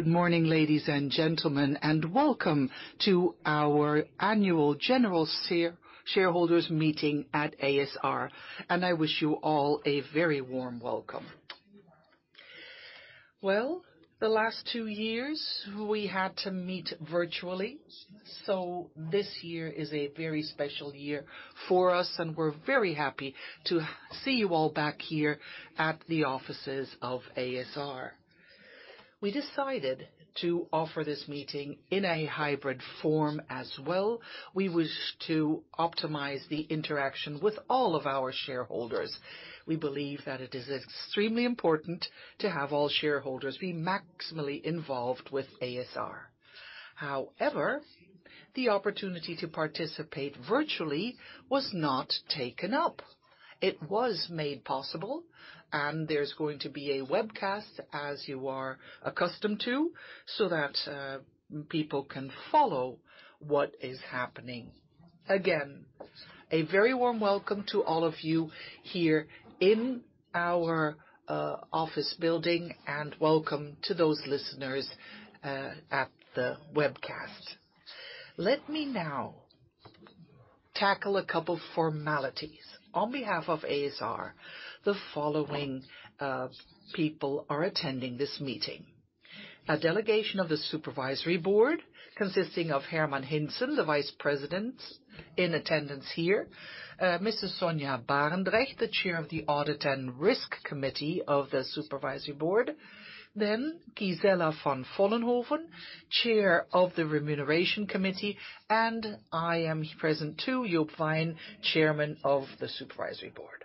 Good morning, ladies and gentlemen, and welcome to our annual general shareholders meeting at a.s.r. I wish you all a very warm welcome. Well, the last two years, we had to meet virtually, so this year is a very special year for us, and we're very happy to see you all back here at the offices of a.s.r. We decided to offer this meeting in a hybrid form as well. We wish to optimize the interaction with all of our shareholders. We believe that it is extremely important to have all shareholders be maximally involved with a.s.r. However, the opportunity to participate virtually was not taken up. It was made possible, and there's going to be a webcast, as you are accustomed to, so that people can follow what is happening. Again, a very warm welcome to all of you here in our office building, and welcome to those listeners at the webcast. Let me now tackle a couple formalities. On behalf of a.s.r., the following people are attending this meeting. A delegation of the Supervisory Board, consisting of Herman Hintzen, the vice president in attendance here, Mrs. Sonja Barendregt, the Chair of the Audit and Risk Committee of the Supervisory Board, then Gisella van Vollenhoven, Chair of the Remuneration Committee, and I am present too, Joop Wijn, Chairman of the Supervisory Board.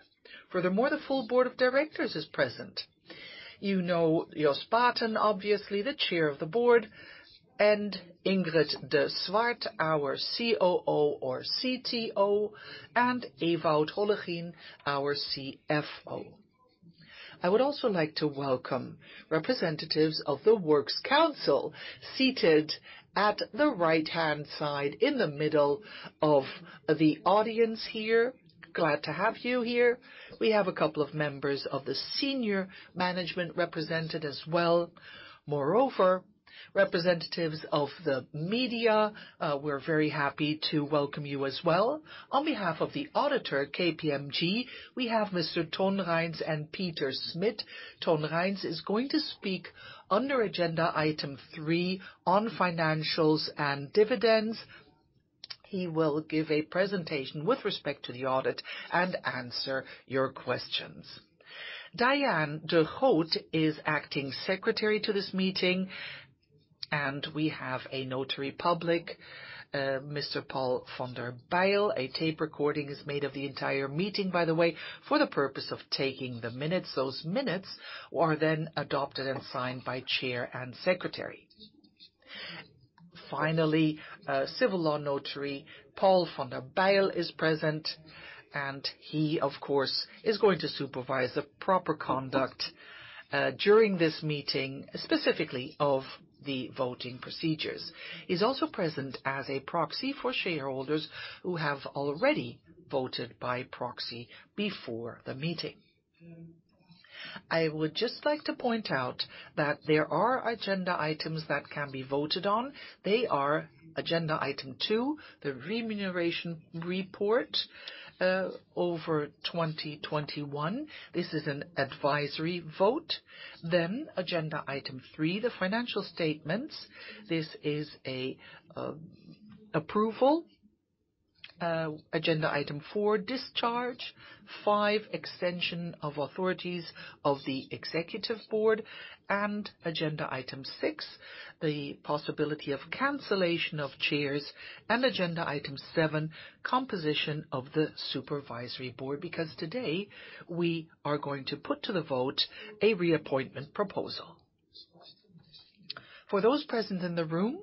Furthermore, the full board of directors is present. You know Jos Baeten, obviously, the Chair of the Board, and Ingrid de Swart, our COO or CTO, and Ewout Hollegien, our CFO. I would also like to welcome representatives of the Works Council seated at the right-hand side in the middle of the audience here. Glad to have you here. We have a couple of members of the senior management represented as well. Moreover, representatives of the media, we're very happy to welcome you as well. On behalf of the Auditor, KPMG, we have Mr. Ton Reijns and Peter Smit. Ton Reijns is going to speak under agenda item three on financials and dividends. He will give a presentation with respect to the audit and answer your questions. Diane de Groot is Acting Secretary to this meeting, and we have a notary public, Mr. Paul van der Bijl. A tape recording is made of the entire meeting, by the way, for the purpose of taking the minutes. Those minutes are then adopted and signed by Chair and Secretary. Finally, a civil law notary, Paul van der Bijl, is present, and he, of course, is going to supervise the proper conduct during this meeting, specifically of the voting procedures. He's also present as a proxy for shareholders who have already voted by proxy before the meeting. I would just like to point out that there are agenda items that can be voted on. They are agenda item two, the remuneration report over 2021. This is an advisory vote. Agenda item three, the financial statements. This is an approval. Agenda item four, discharge. Five, extension of authorities of the executive board. Agenda item six, the possibility of cancellation of shares. Agenda item seven, composition of the supervisory board, because today we are going to put to the vote a reappointment proposal. For those present in the room,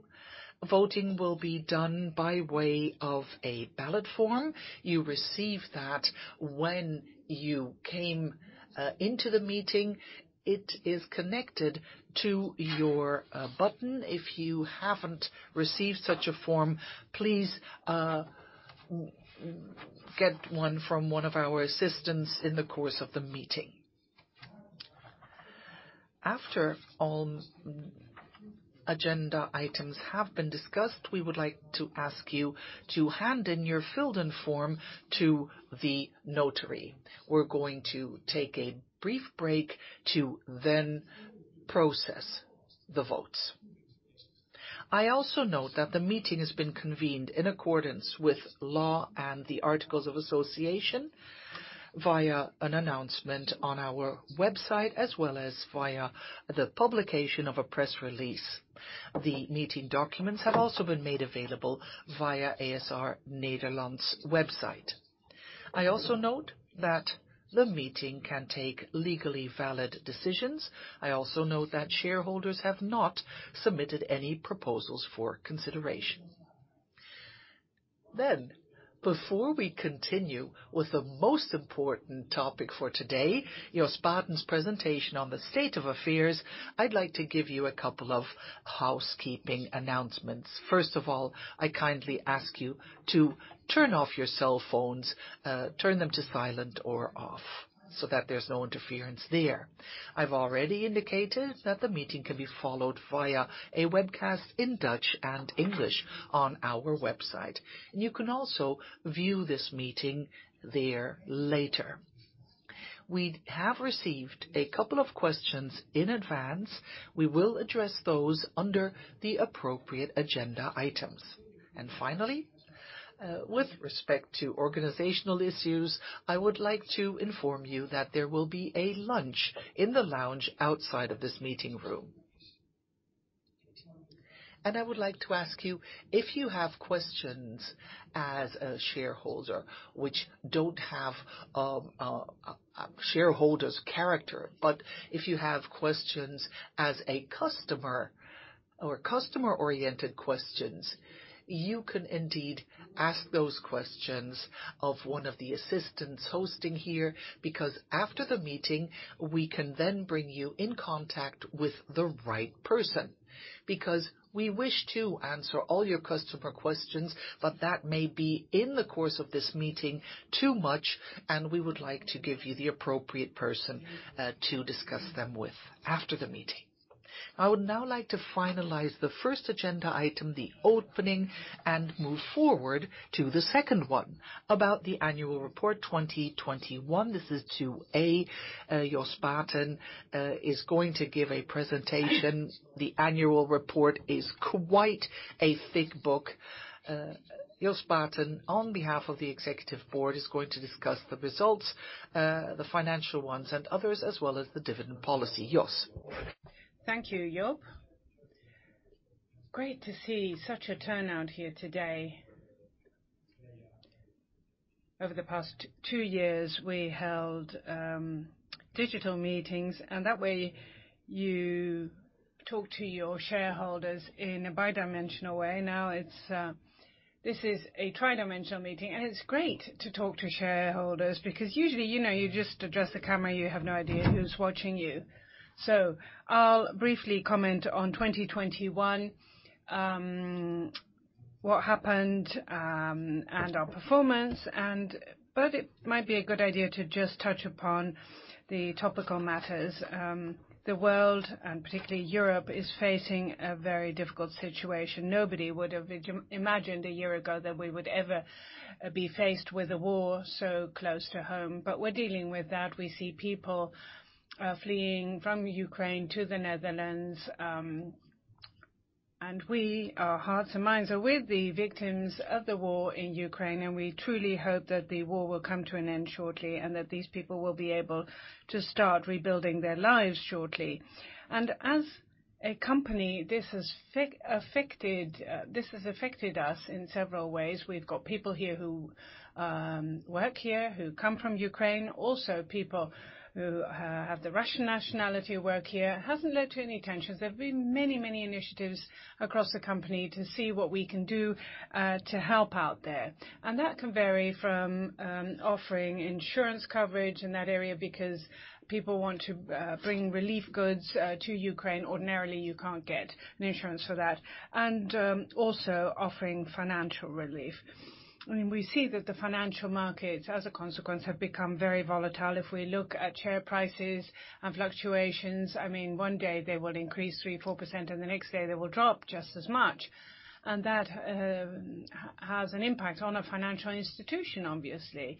voting will be done by way of a ballot form. You received that when you came into the meeting. It is connected to your button. If you haven't received such a form, please get one from one of our assistants in the course of the meeting. After all agenda items have been discussed, we would like to ask you to hand in your filled-in form to the notary. We're going to take a brief break to then process the votes. I also note that the meeting has been convened in accordance with law and the articles of association via an announcement on our website, as well as via the publication of a press release. The meeting documents have also been made available via a.s.r. Nederland's website. I also note that the meeting can take legally valid decisions. I also note that shareholders have not submitted any proposals for consideration. Before we continue with the most important topic for today, Jos Baeten's presentation on the state of affairs, I'd like to give you a couple of housekeeping announcements. First of all, I kindly ask you to turn off your cell phones. Turn them to silent or off. So that there's no interference there. I've already indicated that the meeting can be followed via a webcast in Dutch and English on our website. You can also view this meeting there later. We have received a couple of questions in advance. We will address those under the appropriate agenda items. Finally, with respect to organizational issues, I would like to inform you that there will be a lunch in the lounge outside of this meeting room. I would like to ask you if you have questions as a shareholder which don't have a shareholder's character, but if you have questions as a customer or customer-oriented questions, you can indeed ask those questions of one of the assistants hosting here, because after the meeting, we can then bring you in contact with the right person. Because we wish to answer all your customer questions, but that may be in the course of this meeting too much, and we would like to give you the appropriate person to discuss them with after the meeting. I would now like to finalize the first agenda item, the opening, and move forward to the second one about the annual report 2021. This is 2a. Jos Baeten is going to give a presentation. The annual report is quite a thick book. Jos Baeten, on behalf of the Executive Board, is going to discuss the results, the financial ones and others, as well as the dividend policy. Jos. Thank you, Joop. Great to see such a turnout here today. Over the past two years, we held digital meetings, and that way you talk to your shareholders in a bidimensional way. Now it's this is a tridimensional meeting, and it's great to talk to shareholders because usually, you know, you just address the camera, you have no idea who's watching you. I'll briefly comment on 2021, what happened, and our performance. It might be a good idea to just touch upon the topical matters. The world, and particularly Europe, is facing a very difficult situation. Nobody would have imagined a year ago that we would ever be faced with a war so close to home. We're dealing with that. We see people fleeing from Ukraine to the Netherlands. Our hearts and minds are with the victims of the war in Ukraine. We truly hope that the war will come to an end shortly and that these people will be able to start rebuilding their lives shortly. As a company, this has affected us in several ways. We've got people here who work here who come from Ukraine. Also, people who have the Russian nationality work here. It hasn't led to any tensions. There've been many initiatives across the company to see what we can do to help out there. That can vary from offering insurance coverage in that area because people want to bring relief goods to Ukraine. Ordinarily, you can't get an insurance for that. Also offering financial relief. I mean, we see that the financial markets, as a consequence, have become very volatile. If we look at share prices and fluctuations, I mean, one day they will increase 3%-4%, and the next day they will drop just as much. That has an impact on a financial institution, obviously.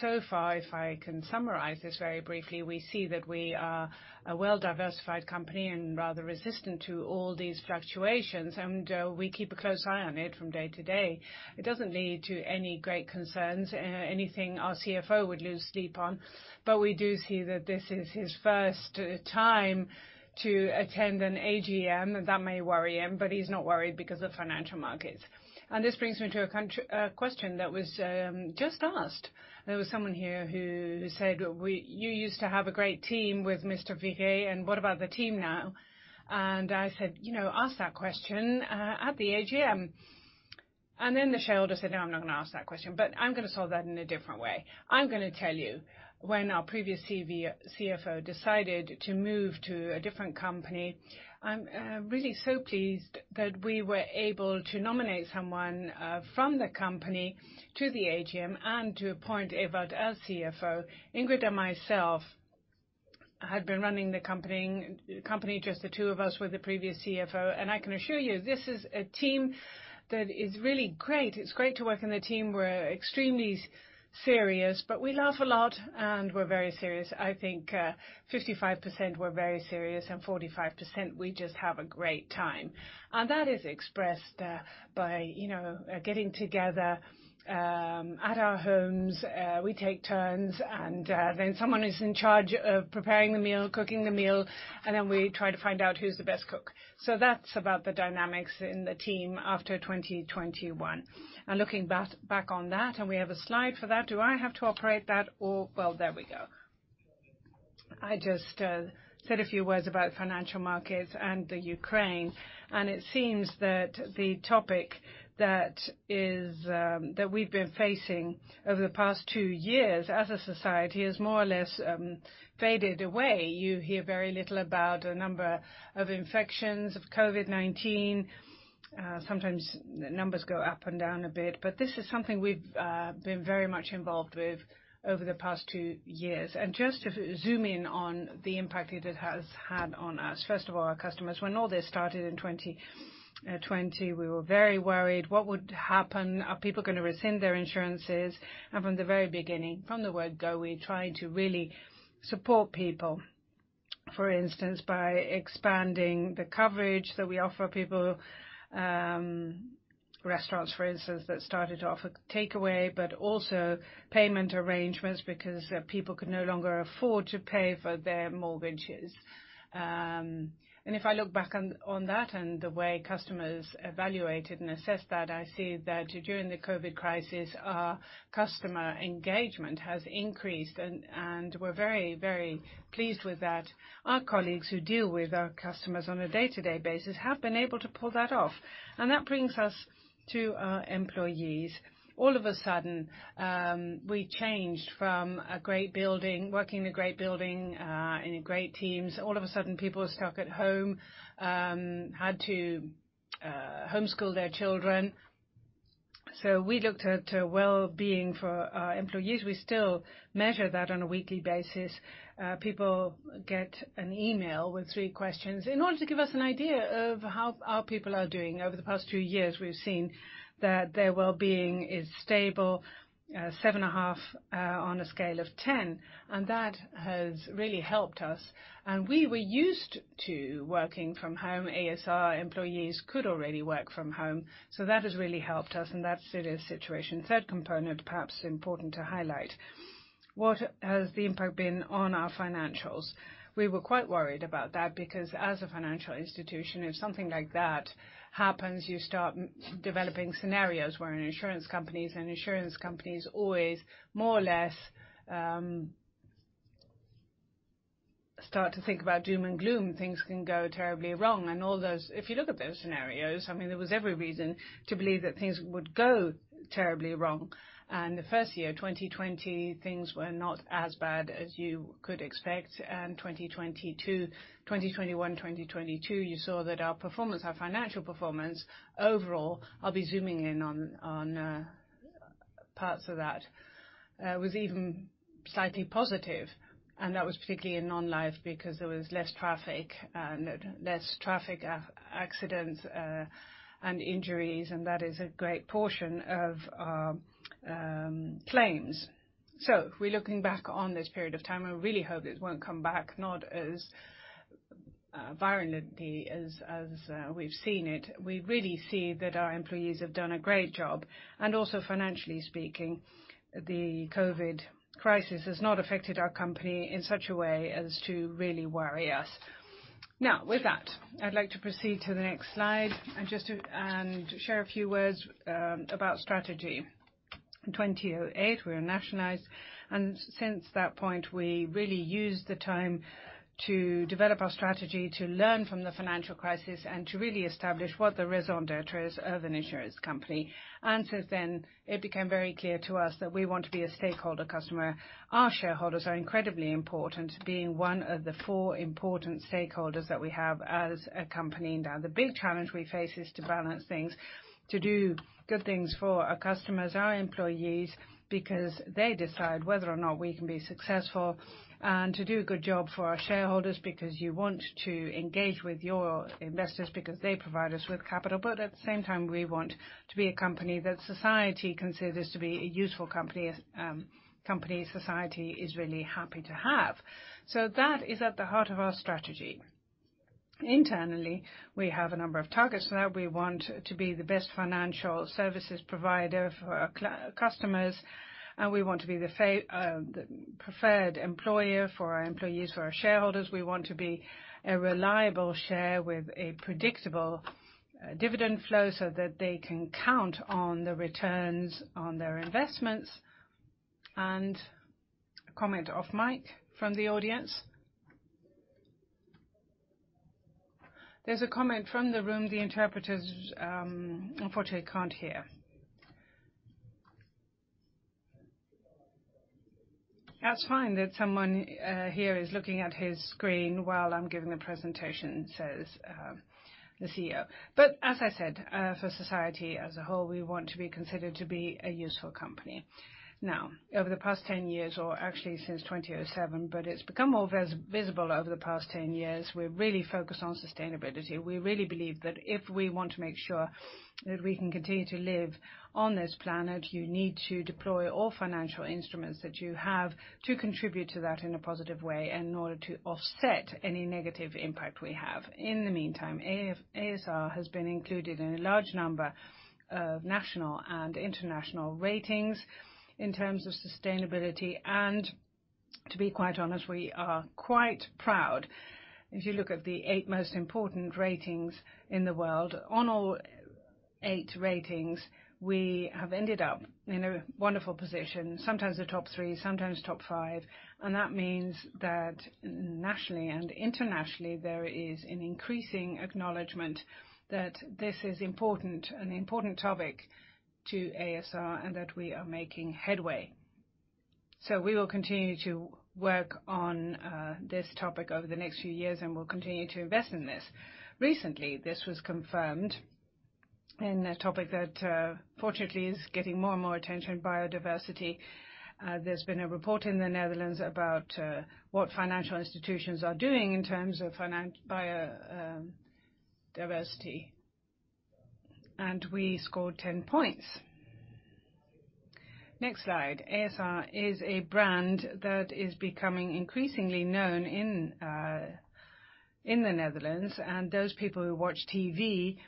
So far, if I can summarize this very briefly, we see that we are a well-diversified company and rather resistant to all these fluctuations, and we keep a close eye on it from day to day. It doesn't lead to any great concerns, anything our CFO would lose sleep on. We do see that this is his first time to attend an AGM. That may worry him, but he's not worried because of financial markets. This brings me to a question that was just asked. There was someone here who said, "You used to have a great team with Annemiek van Melick, and what about the team now?" I said, "You know, ask that question at the AGM." Then the shareholder said, "No, I'm not gonna ask that question." I'm gonna solve that in a different way. I'm gonna tell you when our previous CFO decided to move to a different company. I'm really so pleased that we were able to nominate someone from the company to the AGM and to appoint Ewout as CFO. Ingrid and myself had been running the company just the two of us with the previous CFO, and I can assure you, this is a team that is really great. It's great to work on the team. We're extremely serious, but we laugh a lot, and we're very serious. I think, 55% we're very serious and 45% we just have a great time. That is expressed by getting together at our homes. We take turns, and then someone is in charge of preparing the meal, cooking the meal, and then we try to find out who's the best cook. That's about the dynamics in the team after 2021. Looking back on that, we have a slide for that. Do I have to operate that or? Well, there we go. I just said a few words about financial markets and the Ukraine, and it seems that the topic that is, that we've been facing over the past two years as a society has more or less faded away. You hear very little about the number of infections of COVID-19. Sometimes numbers go up and down a bit, but this is something we've been very much involved with over the past two years. Just to zoom in on the impact it has had on us, first of all, our customers. When all this started in 2020, we were very worried. What would happen? Are people gonna rescind their insurances? From the very beginning, from the word go, we tried to really support people, for instance, by expanding the coverage that we offer people, restaurants, for instance, that started to offer takeaway, but also payment arrangements because people could no longer afford to pay for their mortgages. If I look back on that and the way customers evaluated and assessed that, I see that during the COVID crisis, our customer engagement has increased and we're very, very pleased with that. Our colleagues who deal with our customers on a day-to-day basis have been able to pull that off. That brings us to our employees. All of a sudden, we changed from a great building, working in a great building, in great teams. All of a sudden, people were stuck at home, had to homeschool their children. We looked at wellbeing for our employees. We still measure that on a weekly basis. People get an email with three questions in order to give us an idea of how our people are doing. Over the past two years, we've seen that their wellbeing is stable, 7.5 on a scale of 10, and that has really helped us. We were used to working from home. a.s.r. employees could already work from home, so that has really helped us in that situation. Third component, perhaps important to highlight, what has the impact been on our financials? We were quite worried about that because as a financial institution, if something like that happens, you start developing scenarios. We're an insurance companies, and insurance companies always more or less start to think about doom and gloom. Things can go terribly wrong. If you look at those scenarios, I mean, there was every reason to believe that things would go terribly wrong. The first year, 2020, things were not as bad as you could expect. 2022. 2021, 2022, you saw that our performance, our financial performance overall, I'll be zooming in on parts of that, was even slightly positive, and that was particularly in non-life because there was less traffic accidents and injuries, and that is a great portion of claims. If we're looking back on this period of time, I really hope it won't come back, not as virulently as we've seen it. We really see that our employees have done a great job. Also, financially speaking, the COVID crisis has not affected our company in such a way as to really worry us. Now, with that, I'd like to proceed to the next slide and share a few words about strategy. In 2008, we were nationalized, and since that point, we really used the time to develop our strategy, to learn from the financial crisis, and to really establish what the raison d'être is of an insurance company. Since then, it became very clear to us that we want to be a stakeholder customer. Our shareholders are incredibly important, being one of the four important stakeholders that we have as a company. Now, the big challenge we face is to balance things, to do good things for our customers, our employees, because they decide whether or not we can be successful, and to do a good job for our shareholders because you want to engage with your investors because they provide us with capital. At the same time, we want to be a company that society considers to be a useful company society is really happy to have. That is at the heart of our strategy. Internally, we have a number of targets. Now, we want to be the best financial services provider for our customers, and we want to be the preferred employer for our employees. For our shareholders, we want to be a reliable share with a predictable, dividend flow so that they can count on the returns on their investments. A comment of Mike from the audience. There's a comment from the room the interpreters unfortunately can't hear. That's fine that someone here is looking at his screen while I'm giving the presentation, says the CEO. As I said, for society as a whole, we want to be considered to be a useful company. Now, over the past 10 years, or actually since 2007, but it's become more visible over the past 10 years, we're really focused on sustainability. We really believe that if we want to make sure that we can continue to live on this planet, you need to deploy all financial instruments that you have to contribute to that in a positive way and in order to offset any negative impact we have. In the meantime, a.s.r. has been included in a large number of national and international ratings in terms of sustainability. To be quite honest, we are quite proud. If you look at the eight most important ratings in the world, on all eight ratings, we have ended up in a wonderful position, sometimes the top three, sometimes top five, and that means that nationally and internationally, there is an increasing acknowledgment that this is important, an important topic to a.s.r., and that we are making headway. We will continue to work on this topic over the next few years, and we'll continue to invest in this. Recently, this was confirmed. In a topic that fortunately is getting more and more attention, biodiversity. There's been a report in the Netherlands about what financial institutions are doing in terms of biodiversity. We scored 10 points. Next slide. a.s.r. is a brand that is becoming increasingly known in the Netherlands, and those people who watch TV,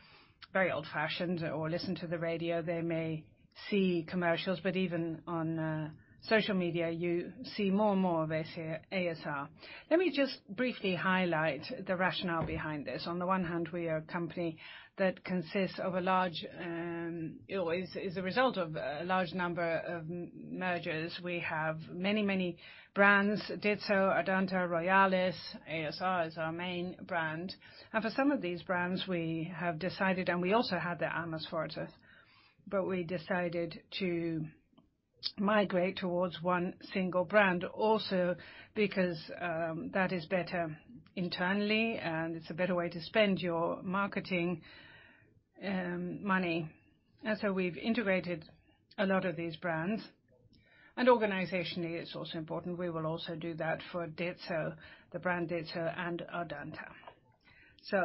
very old-fashioned, or listen to the radio, they may see commercials, but even on social media, you see more and more of this here, a.s.r. Let me just briefly highlight the rationale behind this. On the one hand, we are a company that is a result of a large number of mergers. We have many brands, Ditzo, Ardanta, Loyalis. a.s.r. is our main brand. For some of these brands, we have decided, and we also have the Amersfoortse, but we decided to migrate towards one single brand. Also, because that is better internally, and it's a better way to spend your marketing money. We've integrated a lot of these brands. Organizationally, it's also important. We will also do that for Ditzo, the brand Ditzo and Ardanta.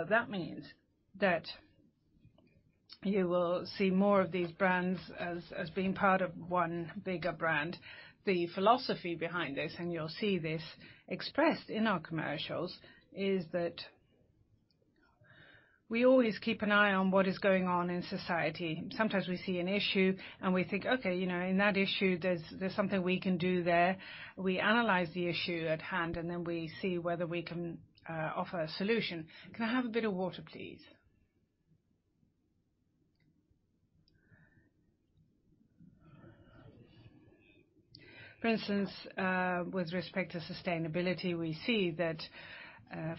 That means that you will see more of these brands as being part of one bigger brand. The philosophy behind this, and you'll see this expressed in our commercials, is that we always keep an eye on what is going on in society. Sometimes we see an issue, and we think, "Okay, you know, in that issue, there's something we can do there." We analyze the issue at hand, and then we see whether we can offer a solution. Can I have a bit of water, please? For instance, with respect to sustainability, we see that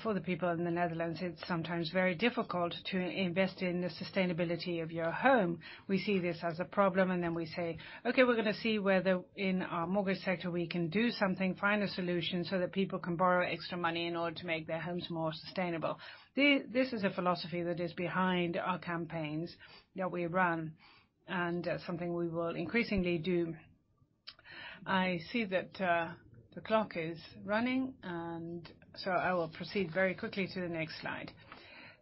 for the people in the Netherlands, it's sometimes very difficult to invest in the sustainability of your home. We see this as a problem, and then we say, "Okay, we're gonna see whether in our mortgage sector we can do something, find a solution, so that people can borrow extra money in order to make their homes more sustainable." This is a philosophy that is behind our campaigns that we run, and something we will increasingly do. I see that the clock is running, and so I will proceed very quickly to the next slide.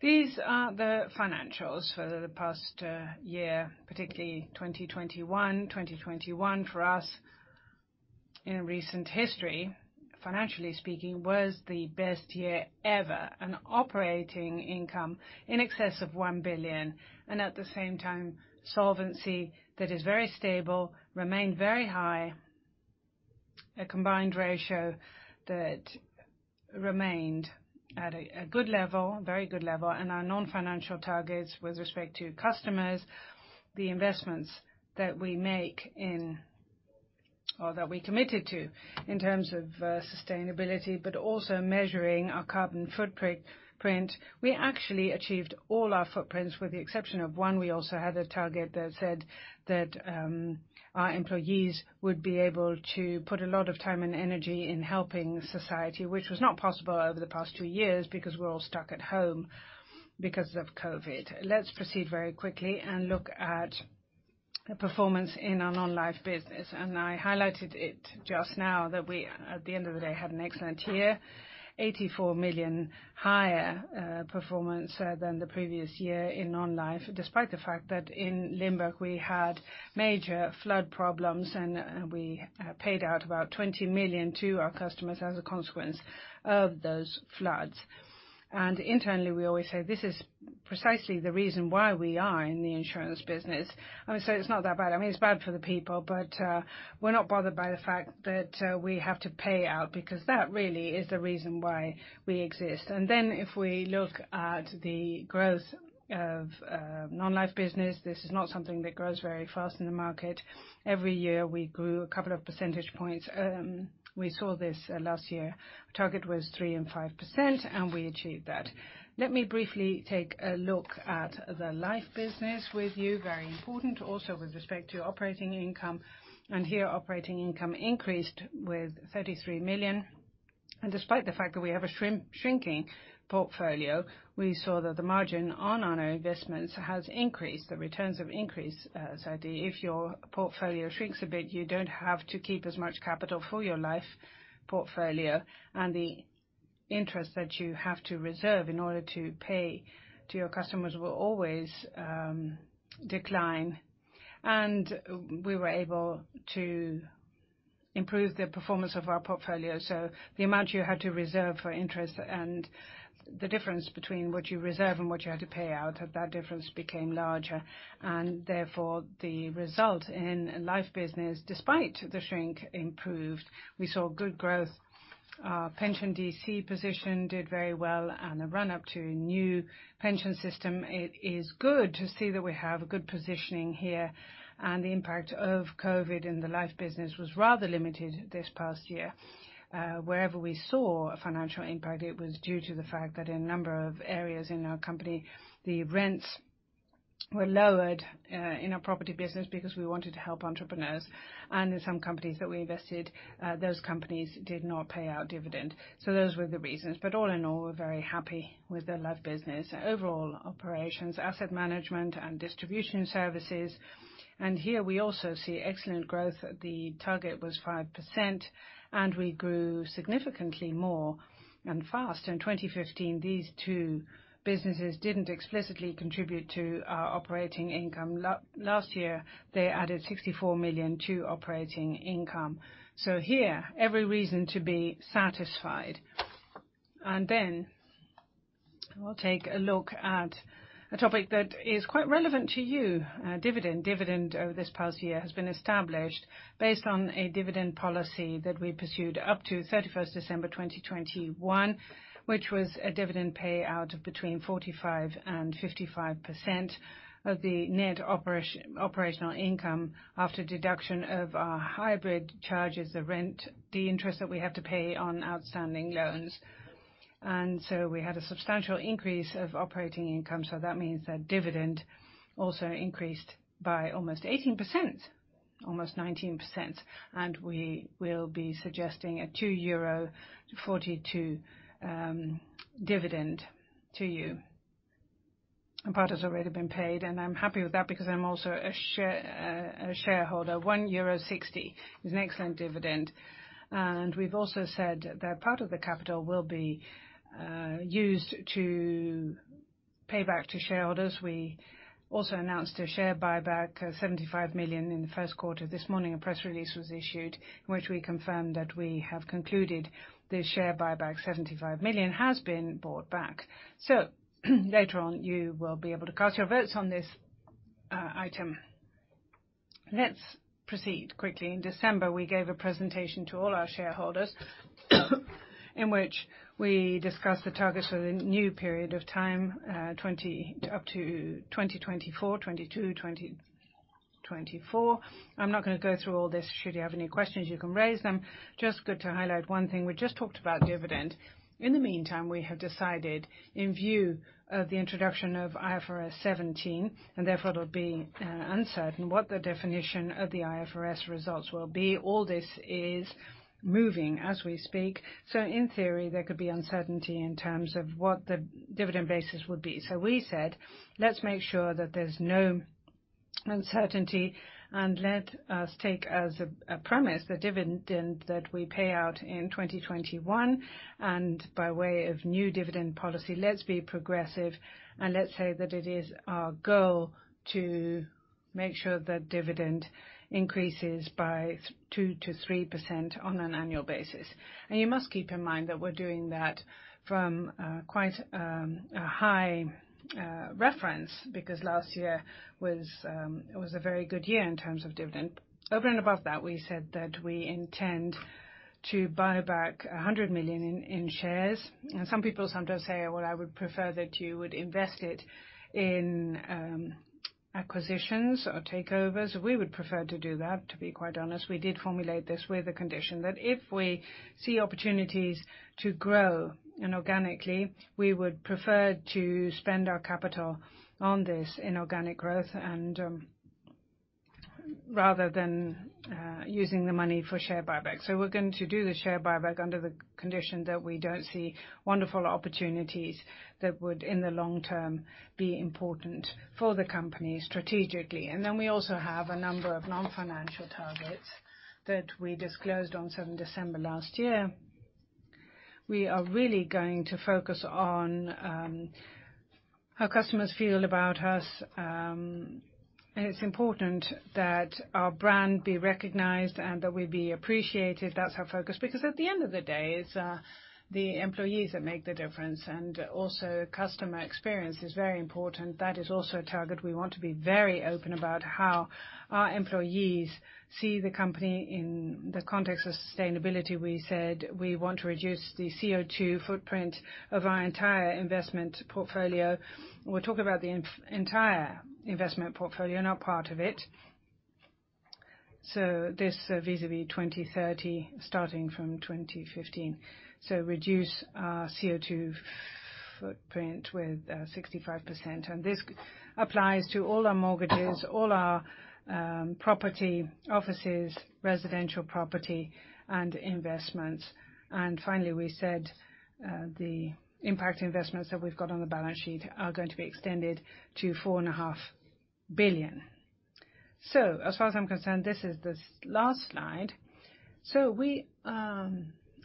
These are the financials for the past year, particularly 2021. 2021 for us, in recent history, financially speaking, was the best year ever. An operating income in excess of 1 billion and at the same time, solvency that is very stable, remained very high. A combined ratio that remained at a good level, very good level, and our non-financial targets with respect to customers, the investments that we make in or that we committed to in terms of sustainability, but also measuring our carbon footprint. We actually achieved all our footprints with the exception of one. We also had a target that said that our employees would be able to put a lot of time and energy in helping society, which was not possible over the past two years because we're all stuck at home because of COVID. Let's proceed very quickly and look at the performance in our non-life business. I highlighted it just now that we, at the end of the day, had an excellent year. 84 million higher performance than the previous year in non-life. Despite the fact that in Limburg, we had major flood problems, and we paid out about 20 million to our customers as a consequence of those floods. Internally, we always say this is precisely the reason why we are in the insurance business. I would say it's not that bad. I mean, it's bad for the people, but we're not bothered by the fact that we have to pay out because that really is the reason why we exist. If we look at the growth of non-life business, this is not something that grows very fast in the market. Every year, we grew a couple of percentage points. We saw this last year. Target was 3%-5%, and we achieved that. Let me briefly take a look at the life business with you. Very important also with respect to operating income. Here, operating income increased with 33 million. Despite the fact that we have a shrinking portfolio, we saw that the margin on our investments has increased. The returns have increased. If your portfolio shrinks a bit, you don't have to keep as much capital for your life portfolio, and the interest that you have to reserve in order to pay to your customers will always, decline. We were able to improve the performance of our portfolio. The amount you had to reserve for interest and the difference between what you reserve and what you had to pay out, that difference became larger. Therefore, the result in life business, despite the shrink, improved. We saw good growth. Our pension DC position did very well on the run-up to a new pension system. It is good to see that we have a good positioning here, and the impact of COVID in the life business was rather limited this past year. Wherever we saw a financial impact, it was due to the fact that in a number of areas in our company, the rents were lowered in our property business because we wanted to help entrepreneurs. In some companies that we invested, those companies did not pay out dividend. Those were the reasons. All in all, we're very happy with the life business. Overall operations, asset management and distribution services. Here we also see excellent growth. The target was 5%, and we grew significantly more and faster. In 2015, these two businesses didn't explicitly contribute to our operating income. Last year, they added 64 million to operating income. Here, every reason to be satisfied. Then we'll take a look at a topic that is quite relevant to you, dividend. Dividend over this past year has been established based on a dividend policy that we pursued up to 31st December 2021, which was a dividend payout of between 45%-55% of the net operational income after deduction of our hybrid charges, the rent, the interest that we have to pay on outstanding loans. We had a substantial increase of operating income. That means that dividend also increased by almost 18%, almost 19%. We will be suggesting a 2.42 euro dividend to you. A part has already been paid, and I'm happy with that because I'm also a shareholder. 1.60 euro is an excellent dividend. We've also said that part of the capital will be used to pay back to shareholders. We also announced a share buyback, 75 million in the first quarter. This morning, a press release was issued in which we confirmed that we have concluded the share buyback. 75 million has been bought back. Later on, you will be able to cast your votes on this item. Let's proceed quickly. In December, we gave a presentation to all our shareholders in which we discussed the targets for the new period of time, 2022 up to 2024. I'm not gonna go through all this. Should you have any questions, you can raise them. Just good to highlight one thing. We just talked about dividend. In the meantime, we have decided, in view of the introduction of IFRS 17, and therefore it'll be uncertain what the definition of the IFRS results will be. All this is moving as we speak. In theory, there could be uncertainty in terms of what the dividend basis would be. We said, let's make sure that there's no uncertainty, and let us take as a premise the dividend that we pay out in 2021. By way of new dividend policy, let's be progressive, and let's say that it is our goal to make sure that dividend increases by 2%-3% on an annual basis. You must keep in mind that we're doing that from quite a high reference, because last year was a very good year in terms of dividend. Over and above that, we said that we intend to buy back 100 million in shares. Some people sometimes say, "Well, I would prefer that you would invest it in acquisitions or takeovers." We would prefer to do that, to be quite honest. We did formulate this with the condition that if we see opportunities to grow inorganically, we would prefer to spend our capital on this inorganic growth and rather than using the money for share buyback. We're going to do the share buyback under the condition that we don't see wonderful opportunities that would, in the long term, be important for the company strategically. Then we also have a number of non-financial targets that we disclosed on seventh December last year. We are really going to focus on how customers feel about us. It's important that our brand be recognized and that we be appreciated. That's our focus, because at the end of the day, it's the employees that make the difference. Also customer experience is very important. That is also a target. We want to be very open about how our employees see the company in the context of sustainability. We said we want to reduce the CO2 footprint of our entire investment portfolio. We'll talk about the entire investment portfolio, not part of it. This vis-à-vis 2030, starting from 2015. Reduce our CO2 footprint with 65%. This applies to all our mortgages, all our property, offices, residential property, and investments. Finally, we said the impact investments that we've got on the balance sheet are going to be extended to 4.5 billion. As far as I'm concerned, this is the last slide. We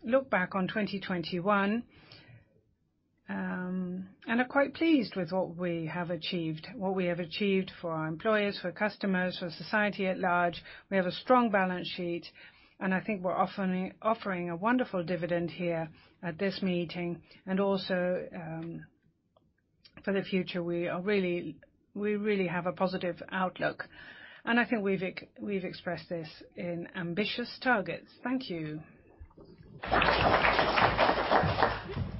look back on 2021 and are quite pleased with what we have achieved for our employers, for customers, for society at large. We have a strong balance sheet, and I think we're offering a wonderful dividend here at this meeting. For the future, we really have a positive outlook, and I think we've expressed this in ambitious targets. Thank you.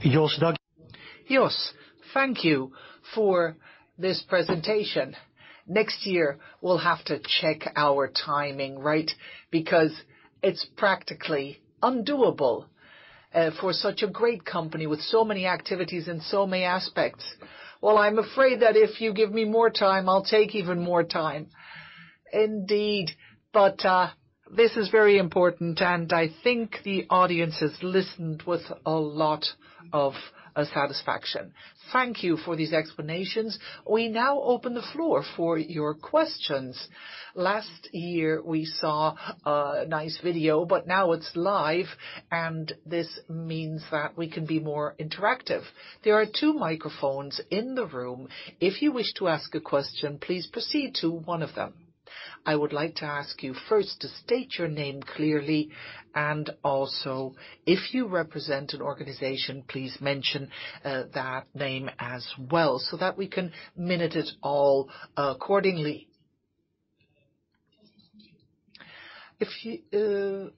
Jos, thank you for this presentation. Next year, we'll have to check our timing, right? Because it's practically undoable, for such a great company with so many activities in so many aspects. Well, I'm afraid that if you give me more time, I'll take even more time. Indeed. This is very important, and I think the audience has listened with a lot of, satisfaction. Thank you for these explanations. We now open the floor for your questions. Last year we saw a nice video, but now it's live, and this means that we can be more interactive. There are two microphones in the room. If you wish to ask a question, please proceed to one of them. I would like to ask you first to state your name clearly, and also, if you represent an organization, please mention that name as well so that we can minute it all accordingly. If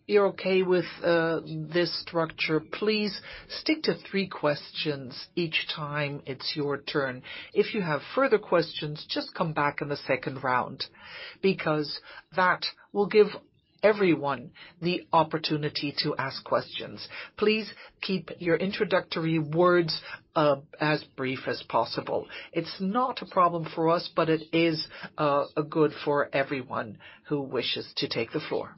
you're okay with this structure, please stick to three questions each time it's your turn. If you have further questions, just come back in the second round because that will give everyone the opportunity to ask questions. Please keep your introductory words as brief as possible. It's not a problem for us, but it is good for everyone who wishes to take the floor.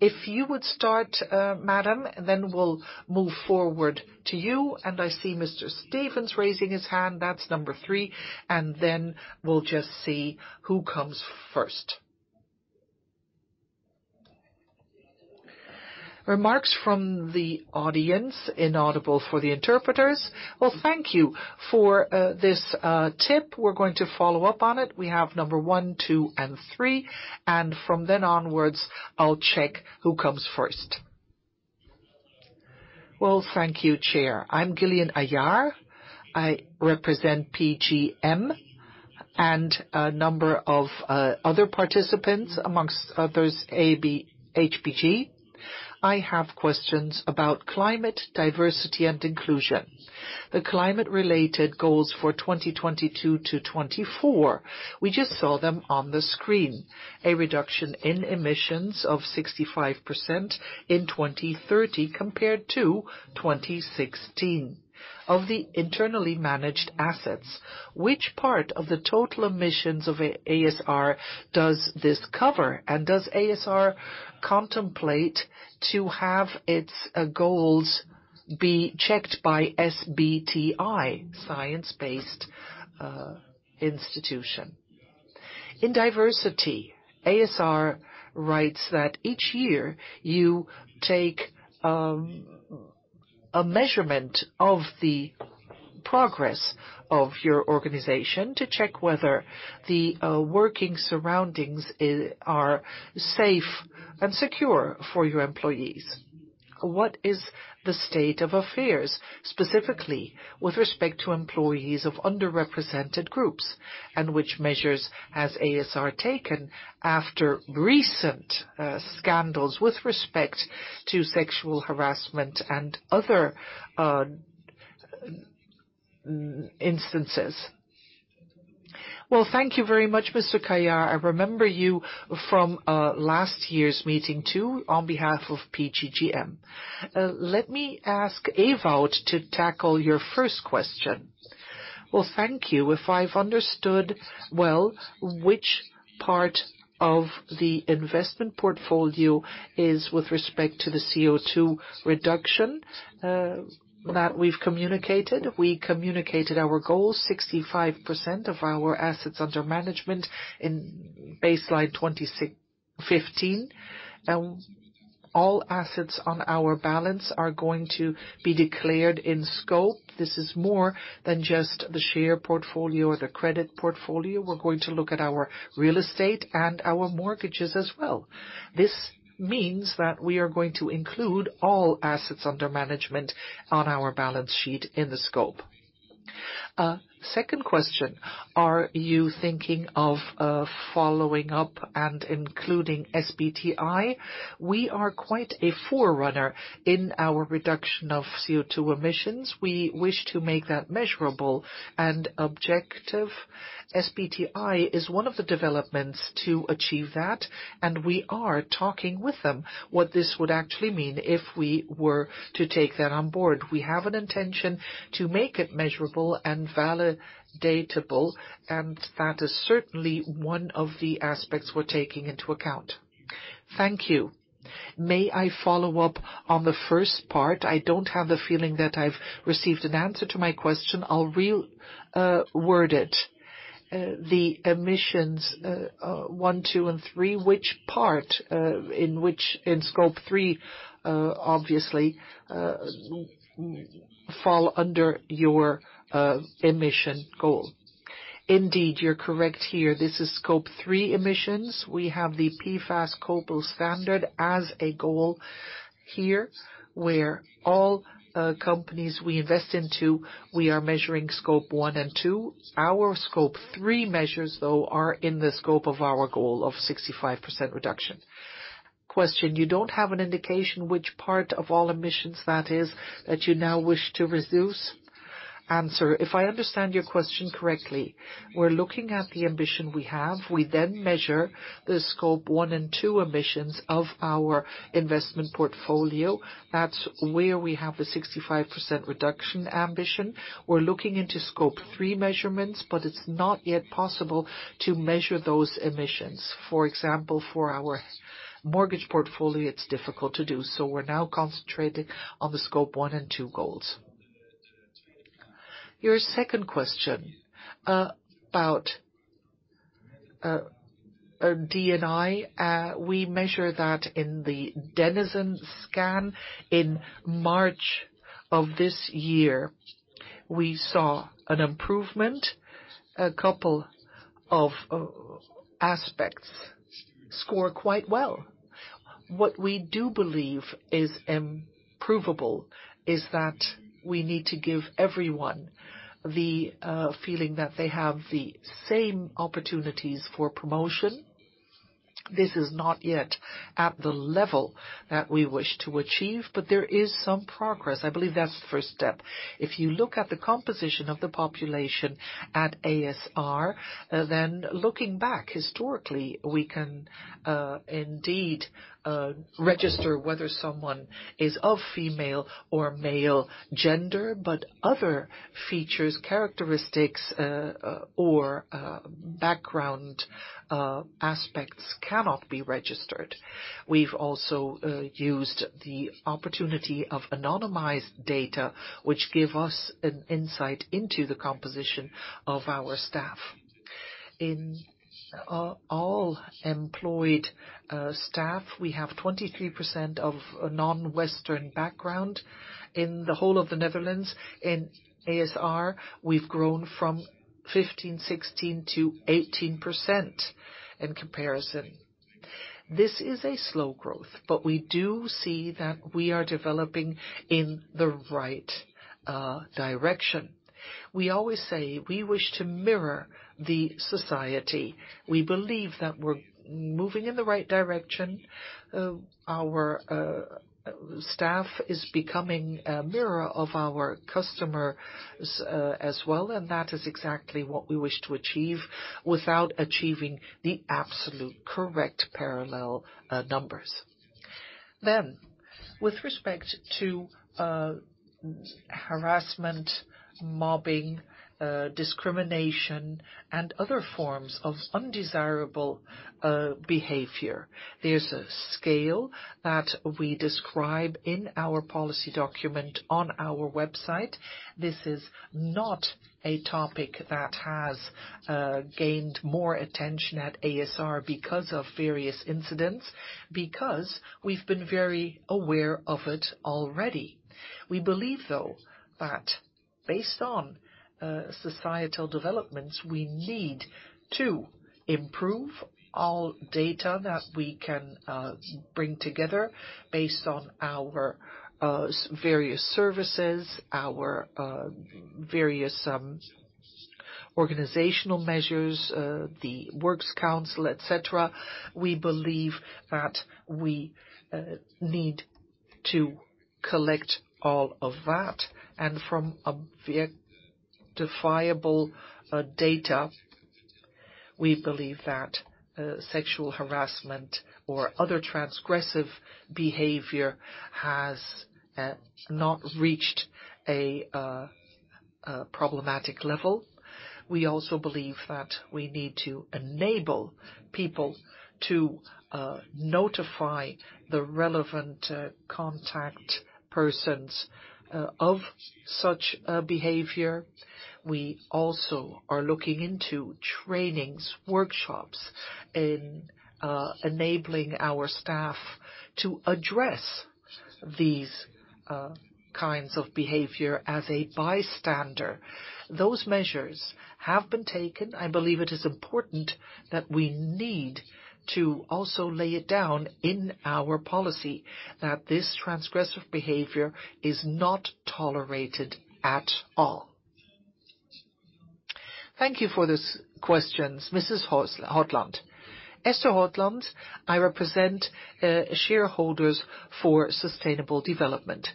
If you would start, madam, then we'll move forward to you, and I see Mr. Stevens raising his hand. That's number three. Then we'll just see who comes first. Remarks from the audience inaudible for the interpreters. Well, thank you for this tip. We're going to follow up on it. We have number one, two, and three, and from then onwards, I'll check who comes first. Well, thank you, Chair. I'm Gillian Gailliaert. I represent PGGM and a number of other participants, among others, ABP. I have questions about climate, diversity and inclusion. The climate-related goals for 2022-2024, we just saw them on the screen. A reduction in emissions of 65% in 2030 compared to 2016 of the internally managed assets. Which part of the total emissions of a.s.r. does this cover? And does a.s.r. contemplate to have its goals be checked by SBTi, science-based institution? In diversity, a.s.r. writes that each year you take a measurement of the progress of your organization to check whether the working surroundings are safe and secure for your employees. What is the state of affairs, specifically with respect to employees of underrepresented groups? And which measures has a.s.r. taken after recent scandals with respect to sexual harassment and other instances? Well, thank you very much, Mr. Gailliaert. I remember you from last year's meeting too on behalf of PGGM. Let me ask Ewout to tackle your first question. Well, thank you. If I've understood well which part of the investment portfolio is with respect to the CO2 reduction that we've communicated, we communicated our goal 65% of our assets under management in baseline 2015. All assets on our balance are going to be declared in scope. This is more than just the share portfolio or the credit portfolio. We're going to look at our real estate and our mortgages as well. This means that we are going to include all assets under management on our balance sheet in the scope. Second question, are you thinking of following up and including SBTi? We are quite a forerunner in our reduction of CO2 emissions. We wish to make that measurable and objective. SBTi is one of the developments to achieve that, and we are talking with them what this would actually mean if we were to take that on board. We have an intention to make it measurable and validatable, and that is certainly one of the aspects we're taking into account. Thank you. May I follow up on the first part? I don't have the feeling that I've received an answer to my question. I'll reword it. The emissions 1, 2 and 3, which part in Scope 3 obviously fall under your emission goal? Indeed, you're correct here. This is Scope 3 emissions. We have the PCAF standard as a goal here, where all companies we invest into, we are measuring Scope 1 and 2. Our Scope 3 measures, though, are in the scope of our goal of 65% reduction. Question, you don't have an indication which part of all emissions that is that you now wish to reduce? Answer. If I understand your question correctly, we're looking at the ambition we have. We then measure the Scope 1 and 2 emissions of our investment portfolio. That's where we have the 65% reduction ambition. We're looking into Scope 3 measurements, but it's not yet possible to measure those emissions. For example, for our mortgage portfolio, it's difficult to do. We're now concentrating on the scope one and two goals. Your second question, about, D&I. We measure that in the D&I scan in March of this year. We saw an improvement. A couple of aspects score quite well. What we do believe is improvable is that we need to give everyone the, feeling that they have the same opportunities for promotion. This is not yet at the level that we wish to achieve, but there is some progress. I believe that's the first step. If you look at the composition of the population at a.s.r., then looking back historically, we can, indeed, register whether someone is of female or male gender. Other features, characteristics, or, background, aspects cannot be registered. We've also used the opportunity of anonymized data, which give us an insight into the composition of our staff. In all employed staff, we have 23% of non-Western background. In the whole of the Netherlands in a.s.r., we've grown from 15%, 16% to 18% in comparison. This is a slow growth, but we do see that we are developing in the right direction. We always say we wish to mirror the society. We believe that we're moving in the right direction. Our staff is becoming a mirror of our customers as well, and that is exactly what we wish to achieve without achieving the absolute correct parallel numbers. With respect to harassment, mobbing, discrimination, and other forms of undesirable behavior, there's a scale that we describe in our policy document on our website. This is not a topic that has gained more attention at a.s.r. because of various incidents, because we've been very aware of it already. We believe, though, that based on societal developments, we need to improve all data that we can bring together based on our various services, our various organizational measures, the works council, et cetera. We believe that we need to collect all of that. From objectifiable data, we believe that sexual harassment or other transgressive behavior has not reached a problematic level. We also believe that we need to enable people to notify the relevant contact persons of such behavior. We also are looking into trainings, workshops in enabling our staff to address these kinds of behavior as a bystander. Those measures have been taken. I believe it is important that we need to also lay it down in our policy that this transgressive behavior is not tolerated at all. Thank you for those questions. Mrs. Hofland. Esther Hofland, I represent shareholders for sustainable development.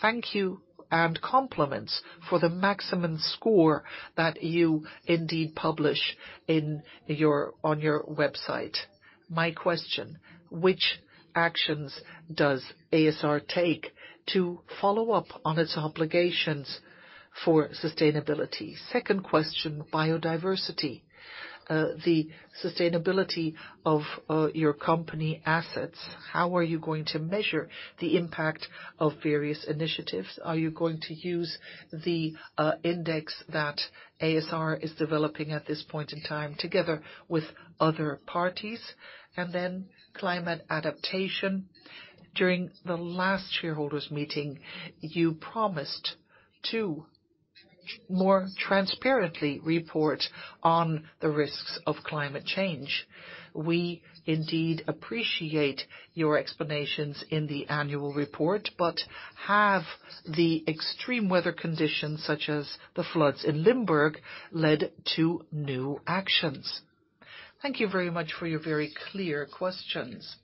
Thank you and compliments for the maximum score that you indeed publish on your website. My question, which actions does a.s.r. take to follow up on its obligations for sustainability? Second question, biodiversity. The sustainability of your company assets, how are you going to measure the impact of various initiatives? Are you going to use the index that a.s.r. is developing at this point in time together with other parties? Climate adaptation. During the last shareholders meeting, you promised to more transparently report on the risks of climate change. We indeed appreciate your explanations in the annual report. Have the extreme weather conditions, such as the floods in Limburg, led to new actions? Thank you very much for your very clear questions.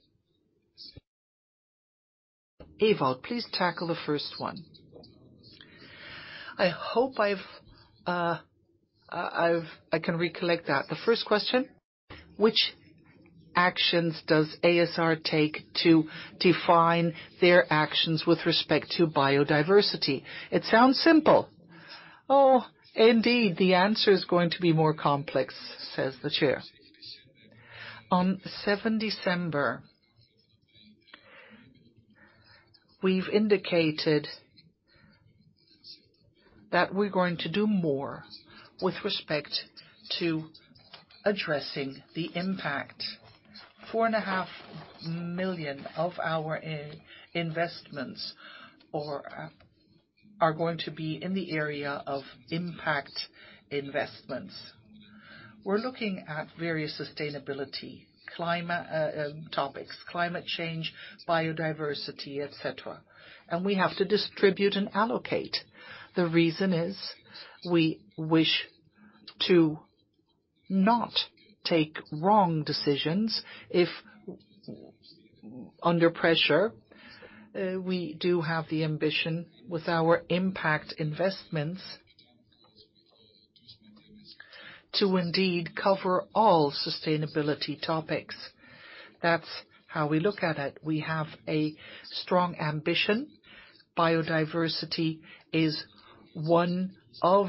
Ewout, please tackle the first one. I hope I've I can recollect that. The first question, which actions does a.s.r. take to define their actions with respect to biodiversity? It sounds simple. Oh, indeed, the answer is going to be more complex, says the Chair. On 7 December, we've indicated that we're going to do more with respect to addressing the impact. 4.5 million of our investments or are going to be in the area of impact investments. We're looking at various sustainability, climate topics, climate change, biodiversity, et cetera. We have to distribute and allocate. The reason is we wish to not take wrong decisions if under pressure. We do have the ambition with our impact investments to indeed cover all sustainability topics. That's how we look at it. We have a strong ambition. Biodiversity is one of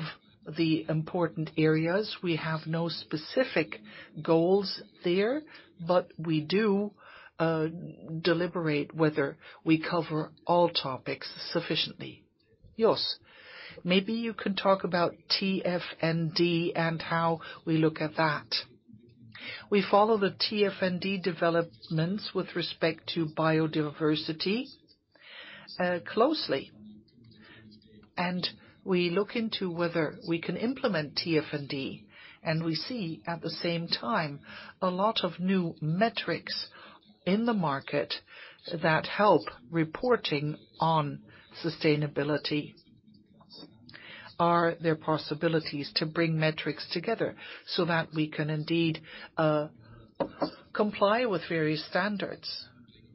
the important areas. We have no specific goals there, but we do deliberate whether we cover all topics sufficiently. Jos, maybe you can talk about TNFD and how we look at that. We follow the TNFD developments with respect to biodiversity closely, and we look into whether we can implement TNFD, and we see at the same time a lot of new metrics in the market that help reporting on sustainability. Are there possibilities to bring metrics together so that we can indeed comply with various standards?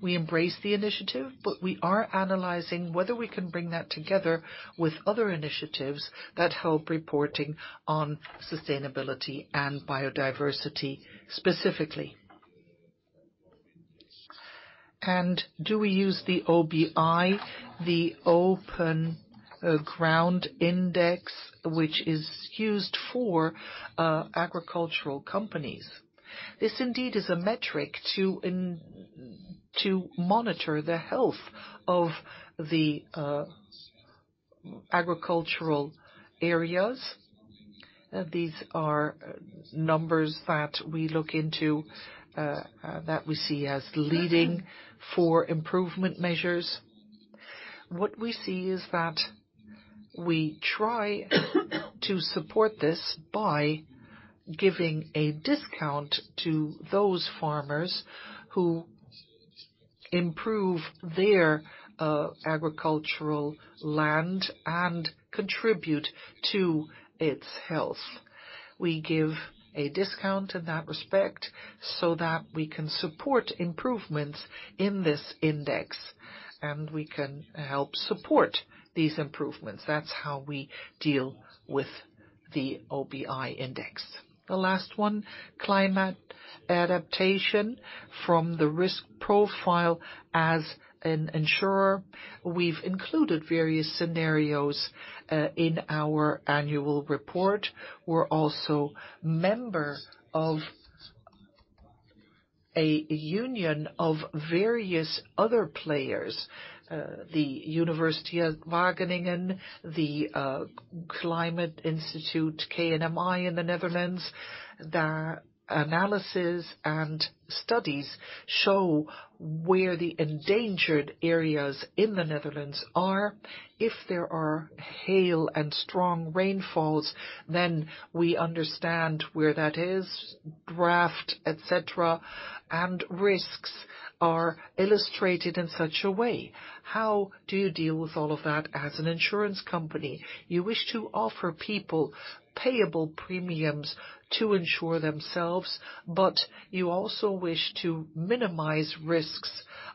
We embrace the initiative, but we are analyzing whether we can bring that together with other initiatives that help reporting on sustainability and biodiversity specifically. Do we use the OBI, the Open Bodem Index, which is used for agricultural companies? This indeed is a metric to monitor the health of the agricultural areas. These are numbers that we look into that we see as leading for improvement measures. What we see is that we try to support this by giving a discount to those farmers who improve their agricultural land and contribute to its health. We give a discount in that respect so that we can support improvements in this index, and we can help support these improvements. That's how we deal with the OBI index. The last one, climate adaptation from the risk profile as an insurer. We've included various scenarios in our annual report. We're also a member of a union of various other players, the Wageningen University, the Climate Institute, KNMI, in the Netherlands. The analysis and studies show where the endangered areas in the Netherlands are. If there are hail and strong rainfalls, then we understand where that is, drought, et cetera, and risks are illustrated in such a way. How do you deal with all of that as an insurance company? You wish to offer people payable premiums to insure themselves, but you also wish to minimize risks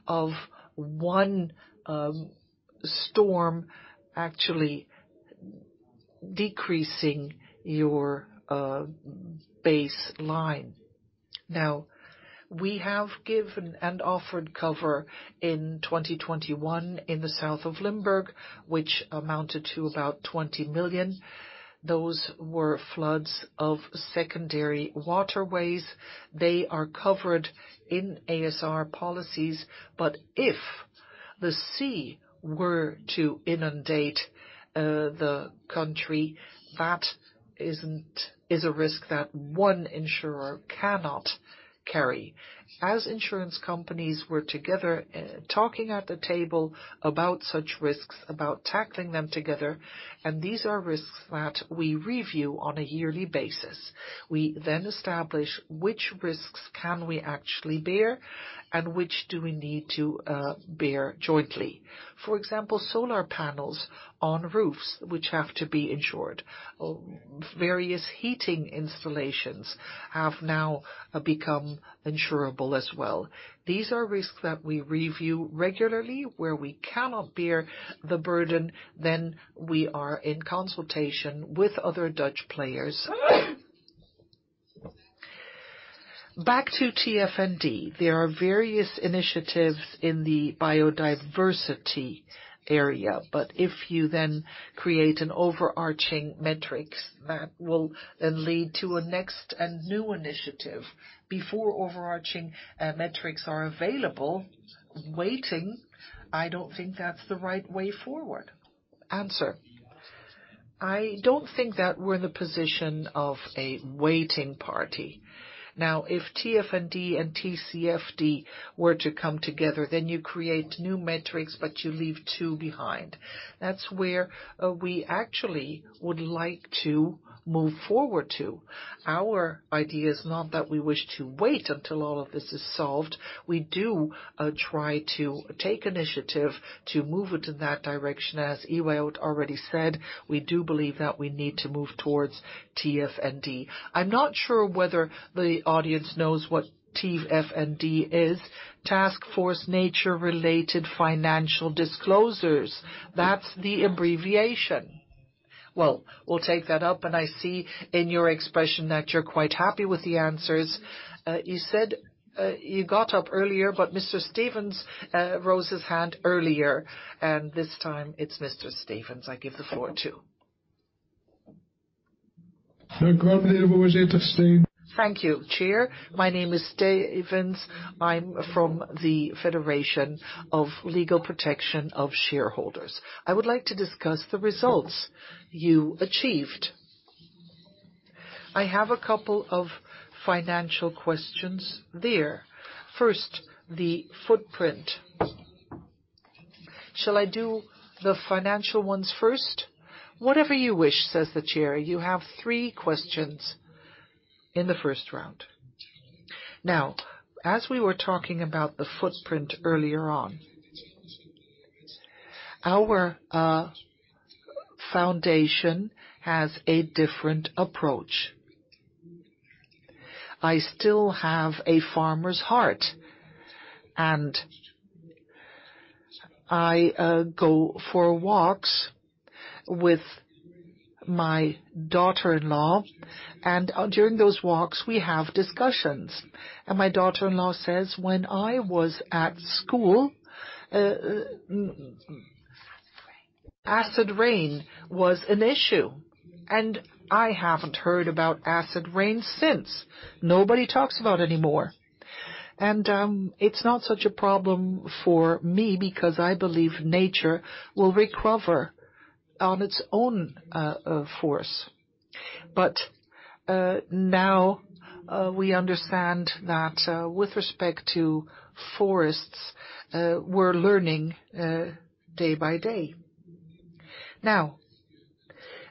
of one storm actually decreasing your baseline. Now, we have given and offered cover in 2021 in the south of Limburg, which amounted to about 20 million. Those were floods of secondary waterways. They are covered in a.s.r. policies. If the sea were to inundate the country, that is a risk that one insurer cannot carry. As insurance companies, we're together talking at the table about such risks, about tackling them together, and these are risks that we review on a yearly basis. We then establish which risks can we actually bear and which do we need to bear jointly. For example, solar panels on roofs which have to be insured. Various heating installations have now become insurable as well. These are risks that we review regularly. Where we cannot bear the burden, then we are in consultation with other Dutch players. Back to TNFD. There are various initiatives in the biodiversity area, but if you then create an overarching metrics that will then lead to a next and new initiative. Before overarching metrics are available, waiting, I don't think that's the right way forward. I don't think that we're in the position of a waiting party. Now, if TNFD and TCFD were to come together, then you create new metrics, but you leave two behind. That's where we actually would like to move forward to. Our idea is not that we wish to wait until all of this is solved. We do try to take initiative to move it in that direction. As Ewout already said, we do believe that we need to move towards TNFD. I'm not sure whether the audience knows what TNFD is. Taskforce on nature-related financial disclosures. That's the abbreviation. Well, we'll take that up, and I see in your expression that you're quite happy with the answers. You said you got up earlier, but Mr. Stevens rose his hand earlier, and this time it's Mr. Stevens I give the floor to. Thank you, Chair. My name is Stevens. I'm from The Federation of Legal Protection of Shareholders. I would like to discuss the results you achieved. I have a couple of financial questions there. First, the footprint. Shall I do the financial ones first? Whatever you wish, says the Chair. You have three questions in the first round. Now, as we were talking about the footprint earlier on, our foundation has a different approach. I still have a farmer's heart, and I go for walks with my daughter-in-law, and during those walks, we have discussions. My daughter-in-law says, "When I was at school, acid rain was an issue, and I haven't heard about acid rain since. Nobody talks about it anymore." It's not such a problem for me because I believe nature will recover on its own force. Now, we understand that, with respect to forests, we're learning day by day. Now,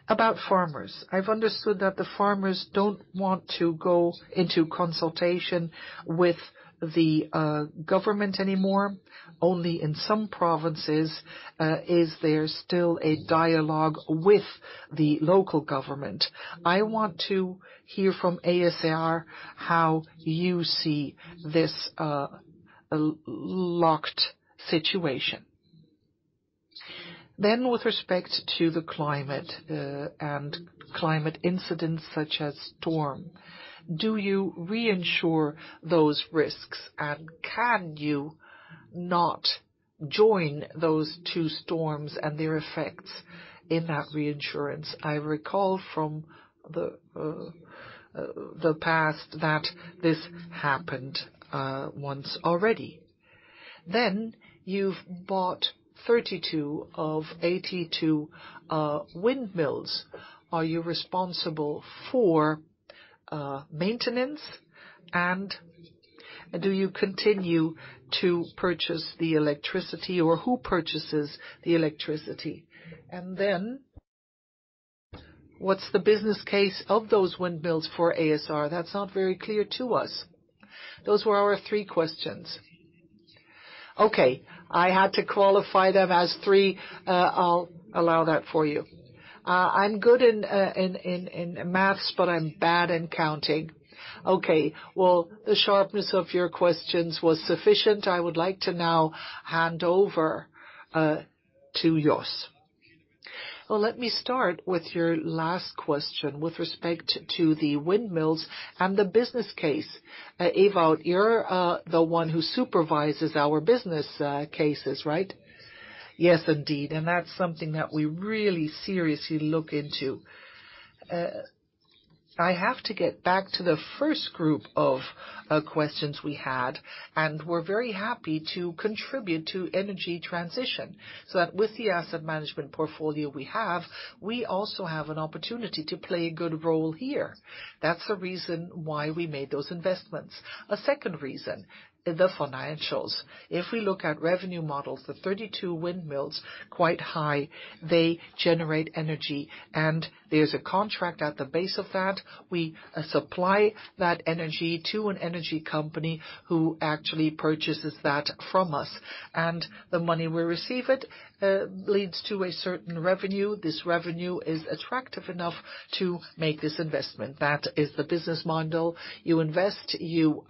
about farmers. I've understood that the farmers don't want to go into consultation with the government anymore. Only in some provinces is there still a dialogue with the local government. I want to hear from a.s.r. how you see this locked situation. With respect to the climate and climate incidents such as storm, do you reinsure those risks, and can you not join those two storms and their effects in that reinsurance? I recall from the past that this happened once already. You've bought 32 of 82 windmills. Are you responsible for maintenance, and do you continue to purchase the electricity, or who purchases the electricity? What's the business case of those windmills for a.s.r.? That's not very clear to us. Those were our three questions. Okay, I had to qualify them as three. I'll allow that for you. I'm good in math, but I'm bad in counting. Okay, well, the sharpness of your questions was sufficient. I would like to now hand over to Jos. Well, let me start with your last question with respect to the windmills and the business case. Ewout, you're the one who supervises our business cases, right? Yes, indeed. That's something that we really seriously look into. I have to get back to the first group of questions we had, and we're very happy to contribute to energy transition, so that with the asset management portfolio we have, we also have an opportunity to play a good role here. That's the reason why we made those investments. A second reason, the financials. If we look at revenue models, the 32 windmills. Quite high. They generate energy, and there's a contract at the base of that. We supply that energy to an energy company who actually purchases that from us, and the money we receive it leads to a certain revenue. This revenue is attractive enough to make this investment. That is the business model. You invest, you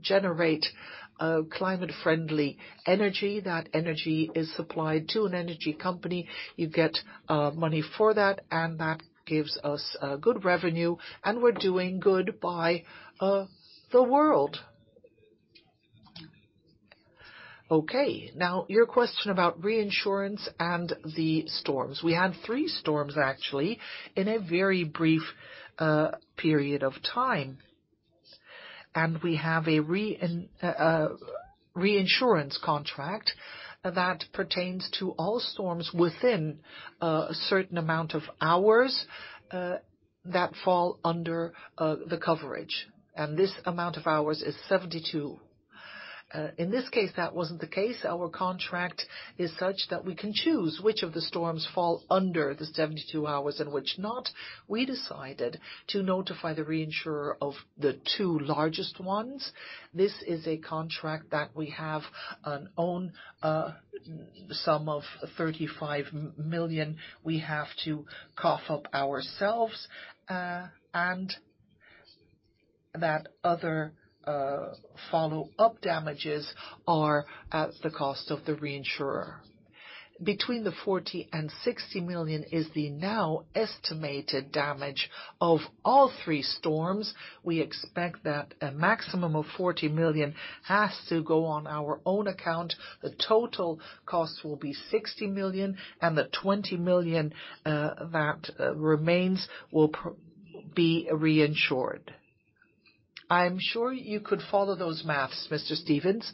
generate climate-friendly energy. That energy is supplied to an energy company. You get money for that, and that gives us a good revenue, and we're doing good by the world. Okay, now your question about reinsurance and the storms. We had three storms, actually, in a very brief period of time. We have a reinsurance contract that pertains to all storms within a certain amount of hours that fall under the coverage, and this amount of hours is 72. In this case, that wasn't the case. Our contract is such that we can choose which of the storms fall under the 72 hours and which not. We decided to notify the reinsurer of the two largest ones. This is a contract that we have and own a sum of 35 million we have to cough up ourselves, and that other follow-up damages are at the cost of the reinsurer. Between the 40 million and 60 million is the now estimated damage of all three storms. We expect that a maximum of 40 million has to go on our own account. The total cost will be 60 million, and the 20 million that remains will be reinsured. I'm sure you could follow those math, Mr. Stevens.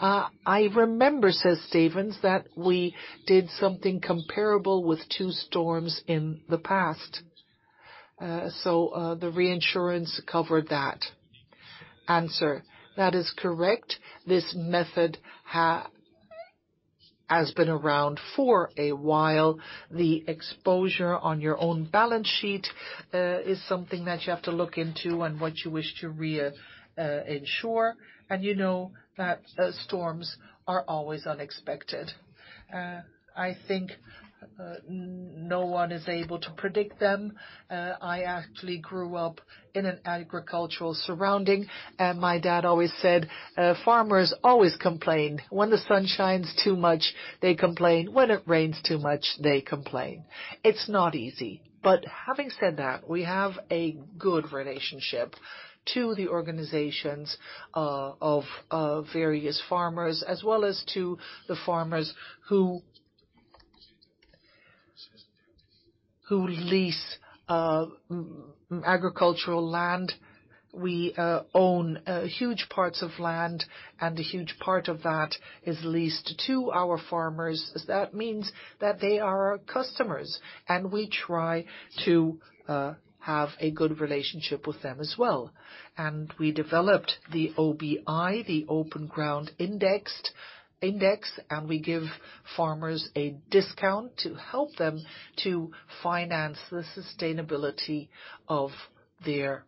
I remember, says Stevens, that we did something comparable with two storms in the past, so the reinsurance covered that. Answer: That is correct. This method has been around for a while. The exposure on your own balance sheet is something that you have to look into and what you wish to reinsure. You know that storms are always unexpected. I think no one is able to predict them. I actually grew up in an agricultural surrounding, and my dad always said, farmers always complain. When the sun shines too much, they complain. When it rains too much, they complain. It's not easy. Having said that, we have a good relationship to the organizations of various farmers, as well as to the farmers who lease agricultural land. We own huge parts of land, and a huge part of that is leased to our farmers. That means that they are our customers, and we try to have a good relationship with them as well. We developed the OBI, the Open Bodem Index, and we give farmers a discount to help them to finance the sustainability of their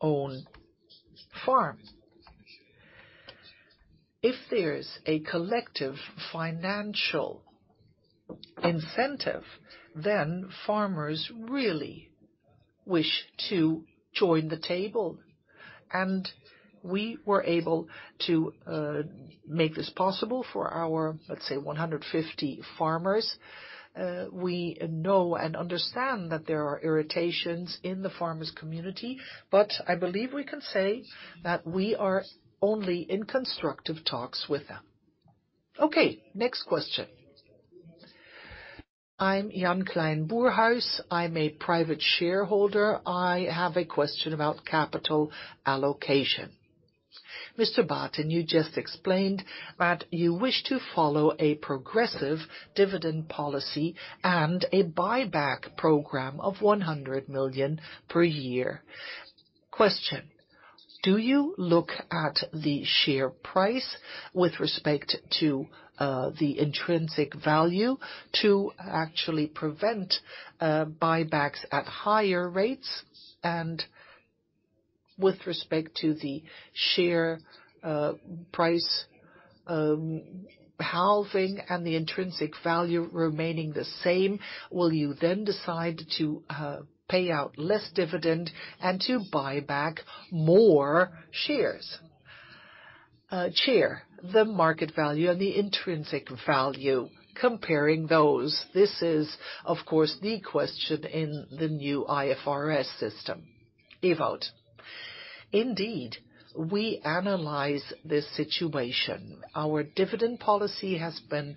own farm. If there's a collective financial incentive, then farmers really wish to join the table. We were able to make this possible for our, let's say, 150 farmers. We know and understand that there are irritations in the farmers' community, but I believe we can say that we are only in constructive talks with them. Okay, next question. I'm Jan Kleinboerhaus. I'm a private shareholder. I have a question about capital allocation. Mr. Baeten, you just explained that you wish to follow a progressive dividend policy and a buyback program of 100 million per year. Question: Do you look at the share price with respect to the intrinsic value to actually prevent buybacks at higher rates? And with respect to the share price halving and the intrinsic value remaining the same, will you then decide to pay out less dividend and to buy back more shares? Chair, the market value and the intrinsic value, comparing those, this is, of course, the question in the new IFRS system. Ewout? Indeed, we analyze this situation. Our dividend policy has been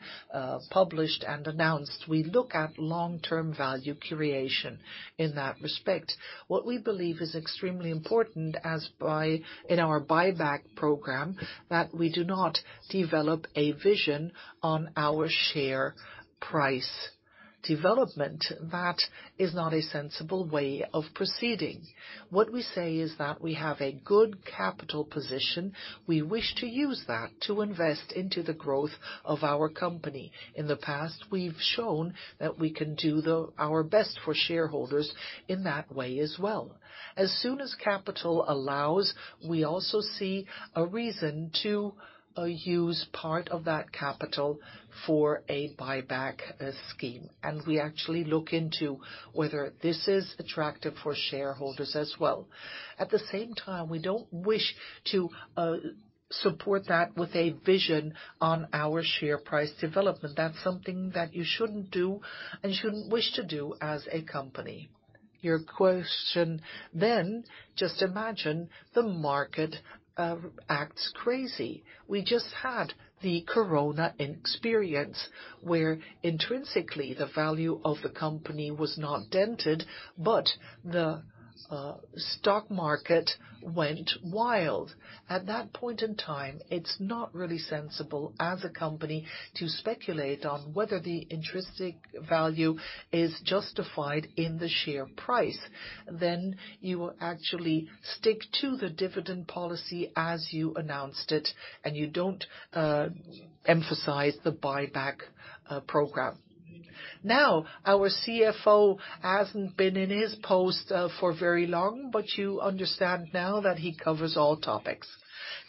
published and announced. We look at long-term value creation in that respect. What we believe is extremely important as by in our buyback program, that we do not develop a vision on our share price development, that is not a sensible way of proceeding. What we say is that we have a good capital position. We wish to use that to invest into the growth of our company. In the past, we've shown that we can do our best for shareholders in that way as well. As soon as capital allows, we also see a reason to use part of that capital for a buyback scheme, and we actually look into whether this is attractive for shareholders as well. At the same time, we don't wish to support that with a vision on our share price development. That's something that you shouldn't do and shouldn't wish to do as a company. Your question then, just imagine the market acts crazy. We just had the COVID-19 experience, where intrinsically the value of the company was not dented, but the stock market went wild. At that point in time, it's not really sensible as a company to speculate on whether the intrinsic value is justified in the share price. Then you will actually stick to the dividend policy as you announced it, and you don't emphasize the buyback program. Now, our CFO hasn't been in his post for very long, but you understand now that he covers all topics.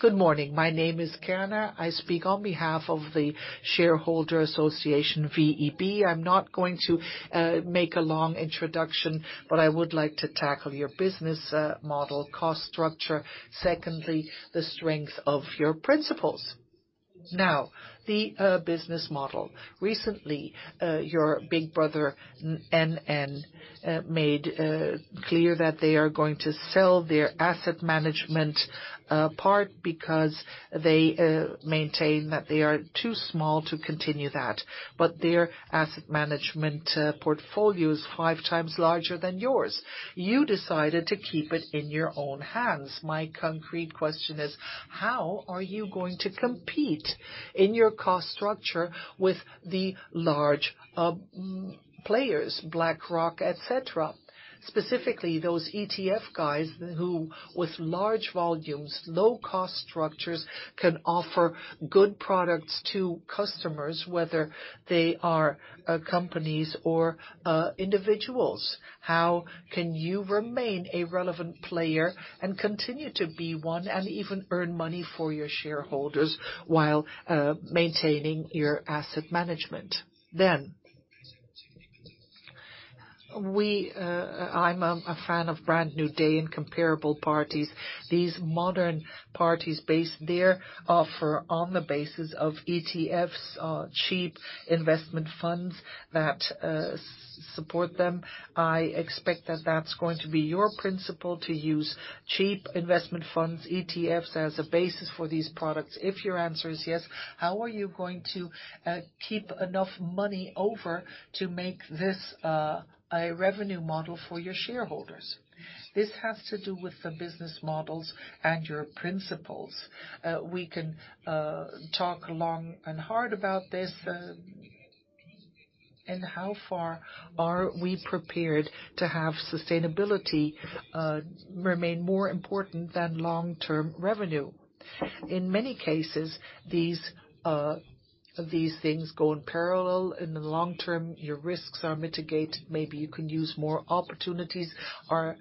Good morning. My name is Errol Keyner. I speak on behalf of the shareholders of VEB. I'm not going to make a long introduction, but I would like to tackle your business model cost structure. Secondly, the strength of your principles. Now, the business model. Recently, your big brother NN made clear that they are going to sell their asset management part because they maintain that they are too small to continue that, but their asset management portfolio is 5x larger than yours. You decided to keep it in your own hands. My concrete question is, how are you going to compete in your cost structure with the large players, BlackRock, et cetera. Specifically, those ETF guys who with large volumes, low cost structures, can offer good products to customers whether they are companies or individuals. How can you remain a relevant player and continue to be one and even earn money for your shareholders while maintaining your asset management? I'm a fan of Brand New Day in comparable parties. These modern parties based their offer on the basis of ETFs, cheap investment funds that support them. I expect that that's going to be your principle to use cheap investment funds, ETFs, as a basis for these products. If your answer is yes, how are you going to keep enough money over to make this a revenue model for your shareholders? This has to do with the business models and your principles. We can talk long and hard about this and how far are we prepared to have sustainability remain more important than long-term revenue? In many cases, these things go in parallel. In the long term, your risks are mitigated. Maybe you can use more opportunities. Are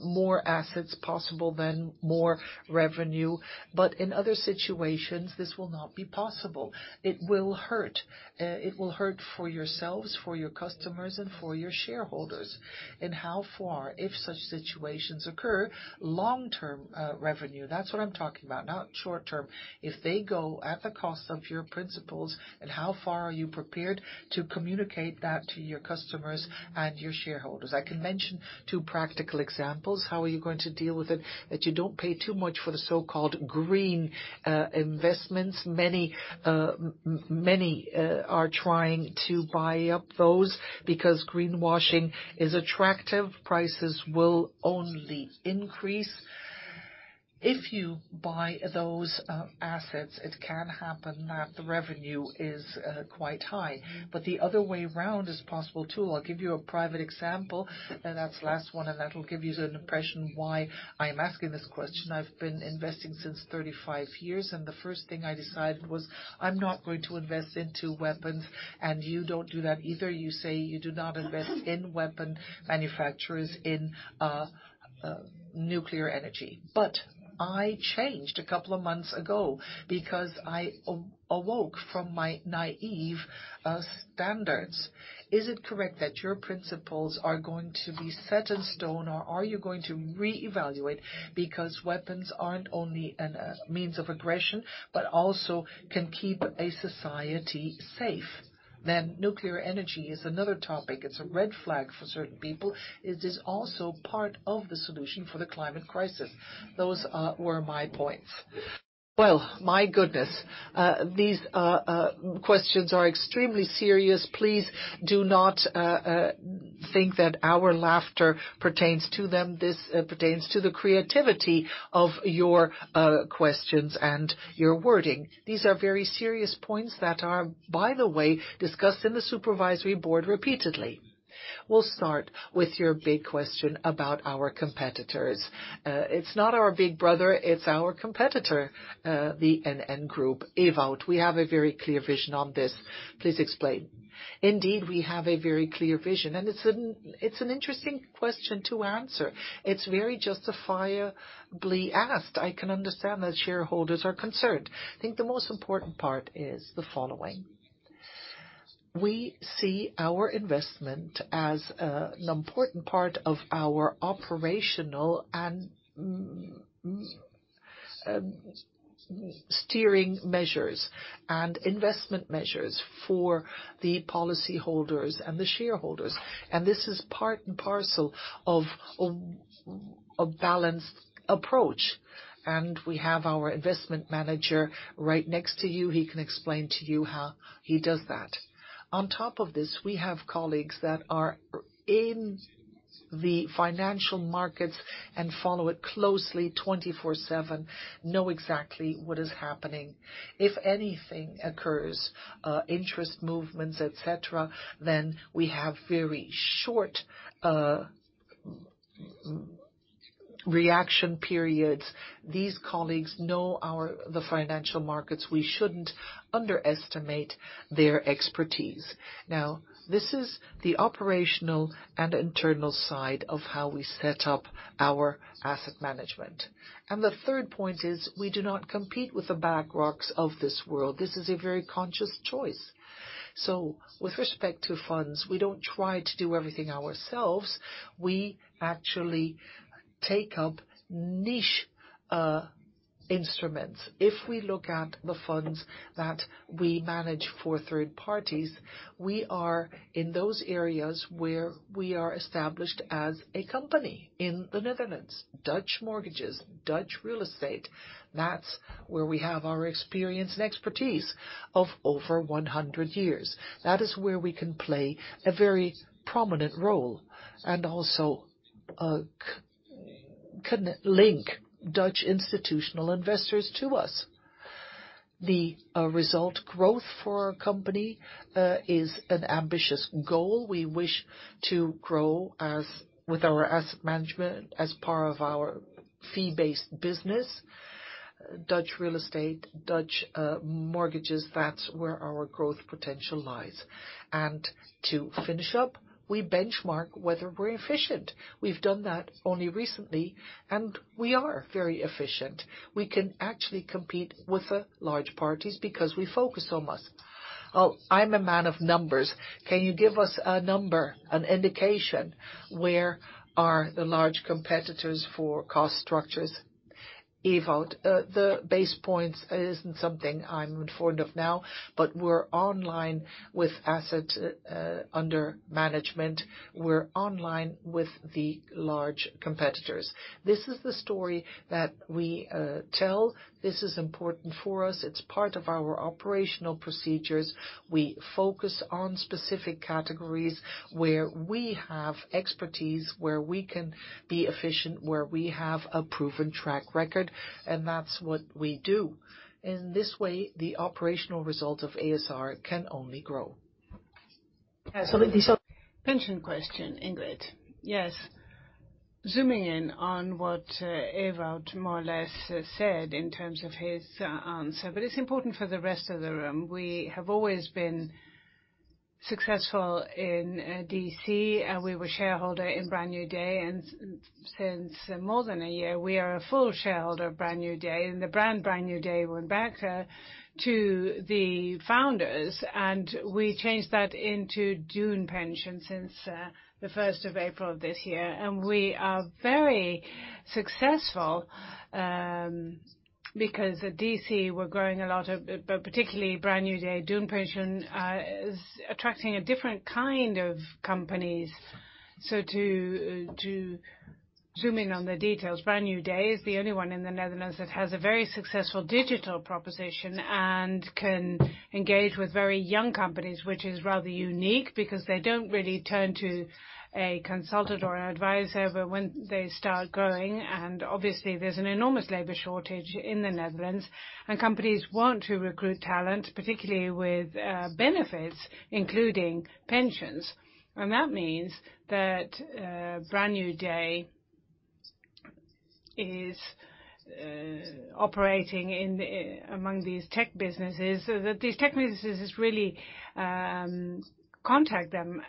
more assets possible, then more revenue? But in other situations, this will not be possible. It will hurt. It will hurt for yourselves, for your customers and for your shareholders. How far, if such situations occur, long-term revenue, that's what I'm talking about, not short-term, if they go at the cost of your principles, and how far are you prepared to communicate that to your customers and your shareholders? I can mention two practical examples. How are you going to deal with it that you don't pay too much for the so-called green investments? Many are trying to buy up those because greenwashing is attractive. Prices will only increase. If you buy those assets, it can happen that the revenue is quite high. The other way around is possible too. I'll give you a private example, and that's the last one, and that will give you an impression why I am asking this question. I've been investing since 35 years, and the first thing I decided was I'm not going to invest into weapons, and you don't do that either. You say you do not invest in weapon manufacturers in nuclear energy. I changed a couple of months ago because I awoke from my naïve standards. Is it correct that your principles are going to be set in stone, or are you going to reevaluate because weapons aren't only a means of aggression, but also can keep a society safe? Nuclear energy is another topic. It's a red flag for certain people. It is also part of the solution for the climate crisis. Those were my points. Well, my goodness, these questions are extremely serious. Please do not think that our laughter pertains to them. This pertains to the creativity of your questions and your wording. These are very serious points that are, by the way, discussed in the Supervisory Board repeatedly. We'll start with your big question about our competitors. It's not our big brother, it's our competitor, the NN Group. Ewout, we have a very clear vision on this. Please explain. Indeed, we have a very clear vision, and it's an interesting question to answer. It's very justifiably asked. I can understand that shareholders are concerned. I think the most important part is the following: we see our investment as an important part of our operational and steering measures and investment measures for the policy holders and the shareholders. This is part and parcel of a balanced approach. We have our investment manager right next to you. He can explain to you how he does that. On top of this, we have colleagues that are in the financial markets and follow it closely 24/7, know exactly what is happening. If anything occurs, interest movements, et cetera, then we have very short reaction periods. These colleagues know the financial markets. We shouldn't underestimate their expertise. Now, this is the operational and internal side of how we set up our asset management. The third point is we do not compete with the BlackRocks of this world. This is a very conscious choice. With respect to funds, we don't try to do everything ourselves. We actually take up niche instruments. If we look at the funds that we manage for third parties, we are in those areas where we are established as a company in the Netherlands. Dutch mortgages, Dutch real estate, that's where we have our experience and expertise of over 100 years. That is where we can play a very prominent role and also can link Dutch institutional investors to us. The result growth for our company is an ambitious goal. We wish to grow as with our asset management as part of our fee-based business. Dutch real estate, Dutch mortgages, that's where our growth potential lies. To finish up, we benchmark whether we're efficient. We've done that only recently, and we are very efficient. We can actually compete with the large parties because we focus on us. I'm a man of numbers. Can you give us a number, an indication, where are the large competitors for cost structures? Ewout, the basis points isn't something I'm fond of now, but we're in line with assets under management. We're in line with the large competitors. This is the story that we tell. This is important for us. It's part of our operational procedures. We focus on specific categories where we have expertise, where we can be efficient, where we have a proven track record, and that's what we do. In this way, the operational result of a.s.r. can only grow. Pension question, Ingrid. Yes. Zooming in on what Ewout more or less said in terms of his answer, but it's important for the rest of the room. We have always been successful in DC. We were shareholder in Brand New Day, and since more than a year, we are a full shareholder of Brand New Day. The brand Brand New Day went back to the founders, and we changed that into June since the first of April of this year. We are very successful because at DC, we're growing a lot of, but particularly Brand New Day. June is attracting a different kind of companies. To zoom in on the details, Brand New Day is the only one in the Netherlands that has a very successful digital proposition and can engage with very young companies, which is rather unique because they don't really turn to a consultant or an advisor when they start growing. Obviously, there's an enormous labor shortage in the Netherlands, and companies want to recruit talent, particularly with benefits, including pensions. That means that Brand New Day is operating among these tech businesses. These tech businesses really contact them,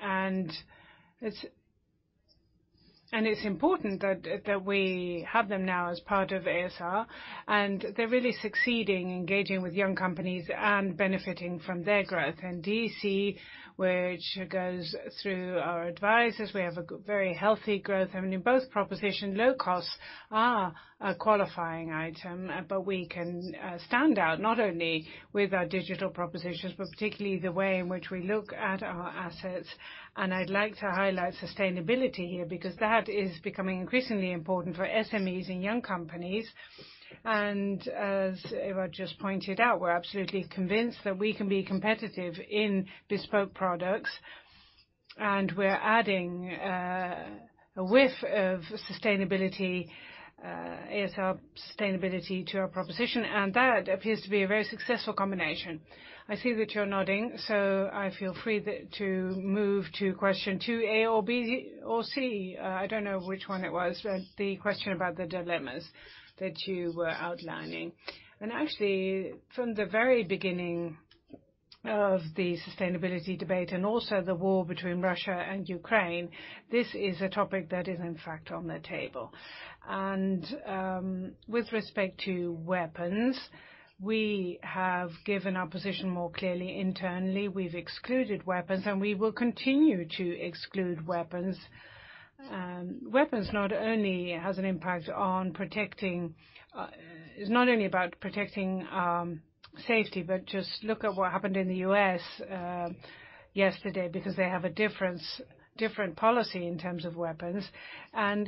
and it's important that we have them now as part of a.s.r. They're really succeeding, engaging with young companies and benefiting from their growth. DC, which goes through our advisors, we have very healthy growth. I mean, in both propositions, low costs are a qualifying item, but we can stand out not only with our digital propositions, but particularly the way in which we look at our assets. I'd like to highlight sustainability here, because that is becoming increasingly important for SMEs and young companies. As Ewout just pointed out, we're absolutely convinced that we can be competitive in bespoke products. We're adding a whiff of sustainability, a.s.r. sustainability to our proposition, and that appears to be a very successful combination. I see that you're nodding, so I feel free to move to question two A or B, or C. I don't know which one it was, but the question about the dilemmas that you were outlining. Actually from the very beginning of the sustainability debate and also the war between Russia and Ukraine, this is a topic that is in fact on the table. With respect to weapons, we have given our position more clearly internally. We've excluded weapons, and we will continue to exclude weapons. Weapons not only has an impact on protecting. It's not only about protecting safety, but just look at what happened in the U.S. yesterday because they have a different policy in terms of weapons.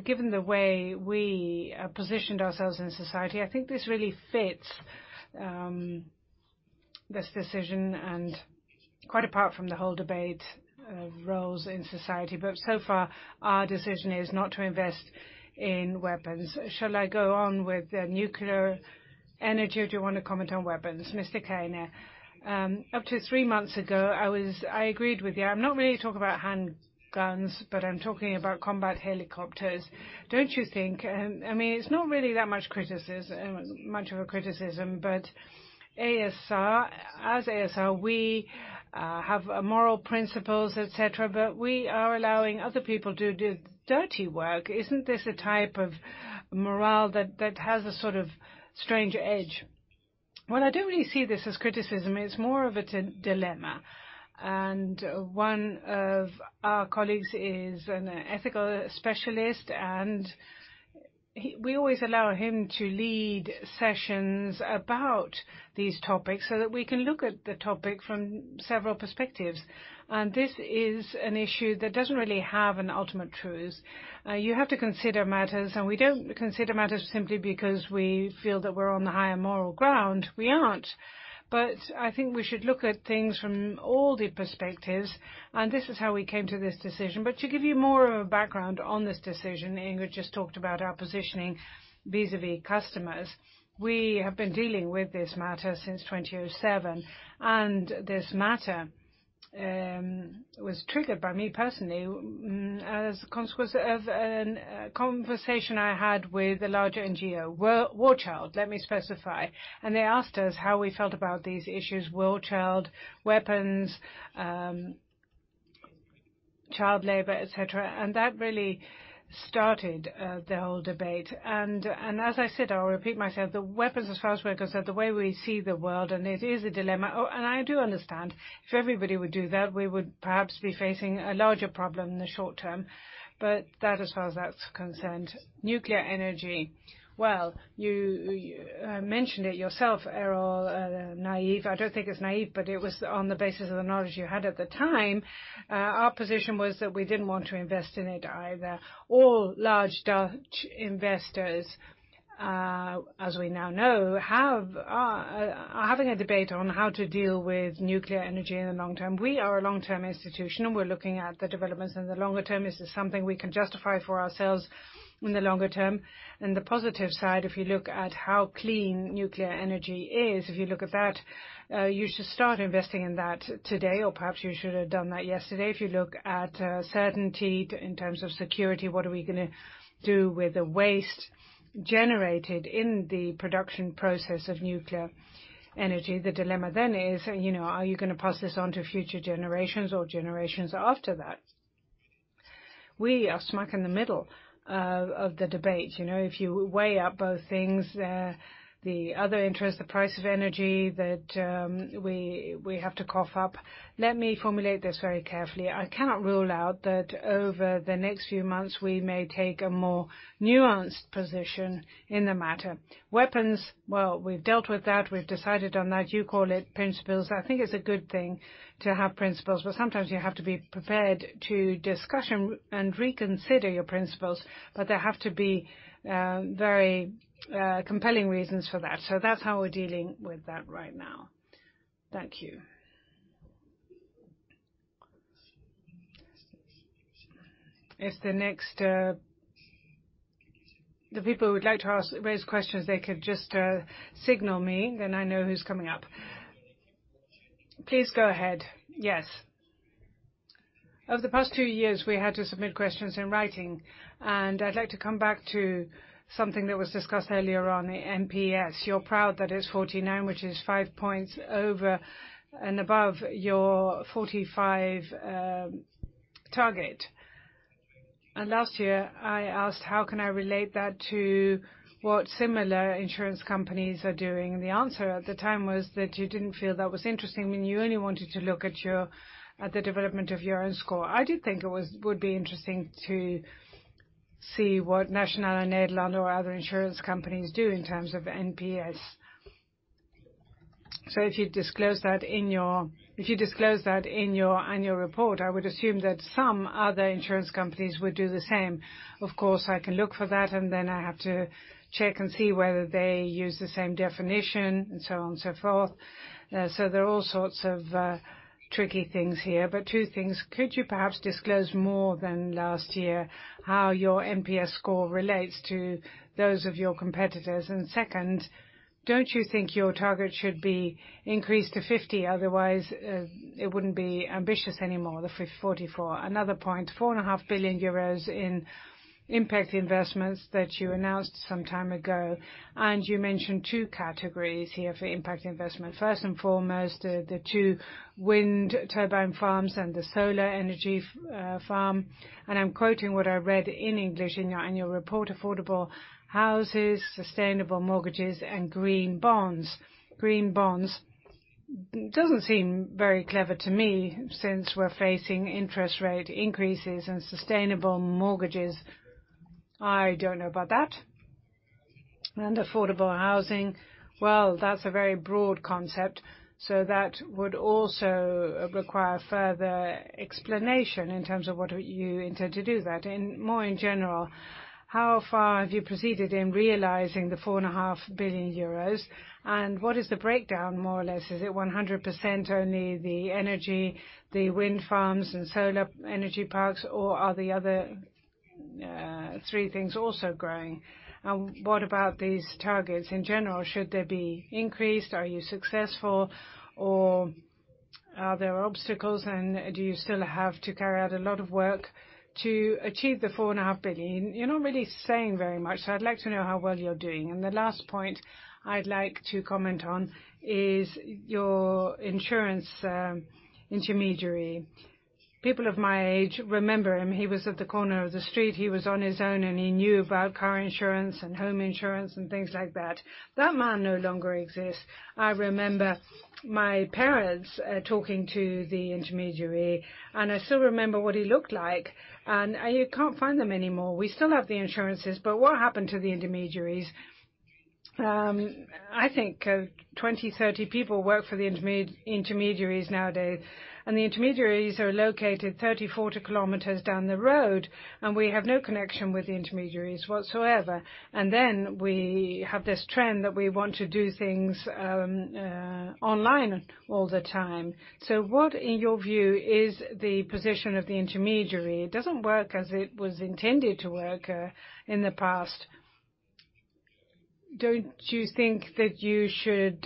Given the way we positioned ourselves in society, I think this really fits this decision and quite apart from the whole debate of roles in society. So far our decision is not to invest in weapons. Shall I go on with the nuclear energy, or do you wanna comment on weapons? Mr. Keyner. Up to three months ago, I agreed with you. I'm not really talking about handguns, but I'm talking about combat helicopters. Don't you think? I mean it's not really that much of a criticism, but a.s.r., as a.s.r., we have moral principles et cetera, but we are allowing other people to do dirty work. Isn't this a type of moral that has a sort of strange edge? Well, I don't really see this as criticism. It's more of a dilemma. One of our colleagues is an ethical specialist, and he We always allow him to lead sessions about these topics so that we can look at the topic from several perspectives. This is an issue that doesn't really have an ultimate truth. You have to consider matters, and we don't consider matters simply because we feel that we're on the higher moral ground. We aren't. I think we should look at things from all the perspectives, and this is how we came to this decision. To give you more of a background on this decision, Ingrid just talked about our positioning vis-à-vis customers. We have been dealing with this matter since 2007, and this matter was triggered by me personally as a consequence of a conversation I had with a larger NGO. War Child, let me specify. They asked us how we felt about these issues, War Child, weapons, child labor, et cetera, and that really started the whole debate. As I said, I'll repeat myself, the weapons as far as we're concerned, the way we see the world, and it is a dilemma. I do understand. If everybody would do that, we would perhaps be facing a larger problem in the short term. That as far as that's concerned. Nuclear energy. Well, you mentioned it yourself, Errol, naive. I don't think it's naive, but it was on the basis of the knowledge you had at the time. Our position was that we didn't want to invest in it either. All large Dutch investors, as we now know, are having a debate on how to deal with nuclear energy in the long term. We are a long-term institution, and we're looking at the developments in the longer term. Is this something we can justify for ourselves in the longer term? In the positive side, if you look at how clean nuclear energy is, if you look at that, you should start investing in that today or perhaps you should have done that yesterday. If you look at certainty in terms of security, what are we gonna do with the waste generated in the production process of nuclear energy? The dilemma then is, you know, are you gonna pass this on to future generations or generations after that? We are smack in the middle of the debate. You know, if you weigh up both things, the other interest, the price of energy that we have to cough up. Let me formulate this very carefully. I cannot rule out that over the next few months we may take a more nuanced position in the matter. Weapons, well, we've dealt with that. We've decided on that. You call it principles. I think it's a good thing to have principles, but sometimes you have to be prepared to discuss and reconsider your principles. There have to be very compelling reasons for that. That's how we're dealing with that right now. Thank you. The people who would like to raise questions, they could just signal me, then I know who's coming up. Please go ahead. Yes. Over the past two years, we had to submit questions in writing, and I'd like to come back to something that was discussed earlier on, the NPS. You're proud that it's 49, which is 5 points over and above your 45 target. Last year, I asked how can I relate that to what similar insurance companies are doing? The answer at the time was that you didn't feel that was interesting, and you only wanted to look at the development of your own score. I did think it would be interesting to see what Nationale-Nederlanden or other insurance companies do in terms of NPS. If you disclose that in your annual report, I would assume that some other insurance companies would do the same. Of course, I can look for that, and then I have to check and see whether they use the same definition and so on and so forth. There are all sorts of tricky things here, but two things. Could you perhaps disclose more than last year how your NPS score relates to those of your competitors? Second, don't you think your target should be increased to 50? Otherwise, it wouldn't be ambitious anymore, the 44. Another point, four and a half billion euros in impact investments that you announced some time ago, and you mentioned two categories here for impact investment. First and foremost, the two wind turbine farms and the solar energy farm. I'm quoting what I read in English in your annual report, affordable houses, sustainable mortgages, and green bonds. Green bonds doesn't seem very clever to me since we're facing interest rate increases. Sustainable mortgages, I don't know about that. Affordable housing, well, that's a very broad concept. That would also require further explanation in terms of what you intend to do that. More in general, how far have you proceeded in realizing the 4.5 billion euros? What is the breakdown more or less? Is it 100% only the energy, the wind farms and solar energy parks, or are the other three things also growing? What about these targets in general? Should they be increased? Are you successful, or are there obstacles? Do you still have to carry out a lot of work to achieve the 4.5 billion? You're not really saying very much, so I'd like to know how well you're doing. The last point I'd like to comment on is your insurance intermediary. People of my age remember him. He was at the corner of the street. He was on his own, and he knew about car insurance and home insurance and things like that. That man no longer exists. I remember my parents talking to the intermediary, and I still remember what he looked like. You can't find them anymore. We still have the insurances, but what happened to the intermediaries? I think 20 people, 30 people work for the intermediaries nowadays. The intermediaries are located 30 km, 40 km down the road, and we have no connection with the intermediaries whatsoever. We have this trend that we want to do things online all the time. What, in your view, is the position of the intermediary? It doesn't work as it was intended to work in the past. Don't you think that you should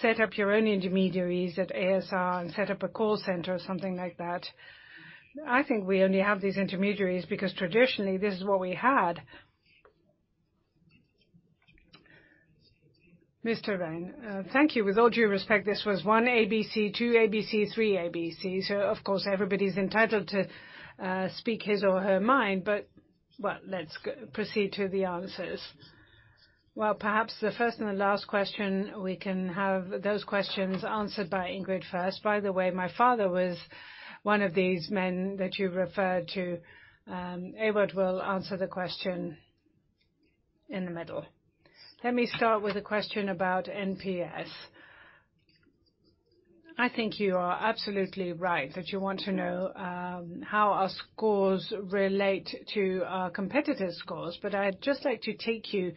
set up your own intermediaries at a.s.r. and set up a call center or something like that? I think we only have these intermediaries because traditionally this is what we had. Mr. Rhein, thank you. With all due respect, this was one ABC, two ABC, three ABC. Of course, everybody's entitled to speak his or her mind, but. Well, let's proceed to the answers. Well, perhaps the first and the last question, we can have those questions answered by Ingrid first. By the way, my father was one of these men that you referred to. Ewout will answer the question in the middle. Let me start with a question about NPS. I think you are absolutely right that you want to know how our scores relate to our competitors' scores, but I'd just like to take you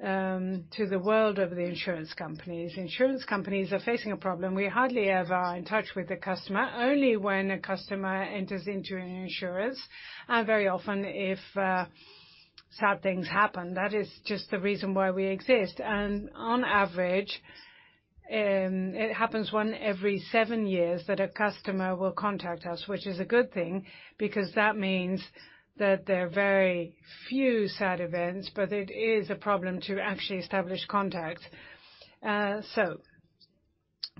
to the world of the insurance companies. Insurance companies are facing a problem. We hardly ever are in touch with the customer, only when a customer enters into an insurance, and very often, if sad things happen. That is just the reason why we exist. On average, it happens one every seven years that a customer will contact us, which is a good thing because that means that there are very few sad events, but it is a problem to actually establish contact.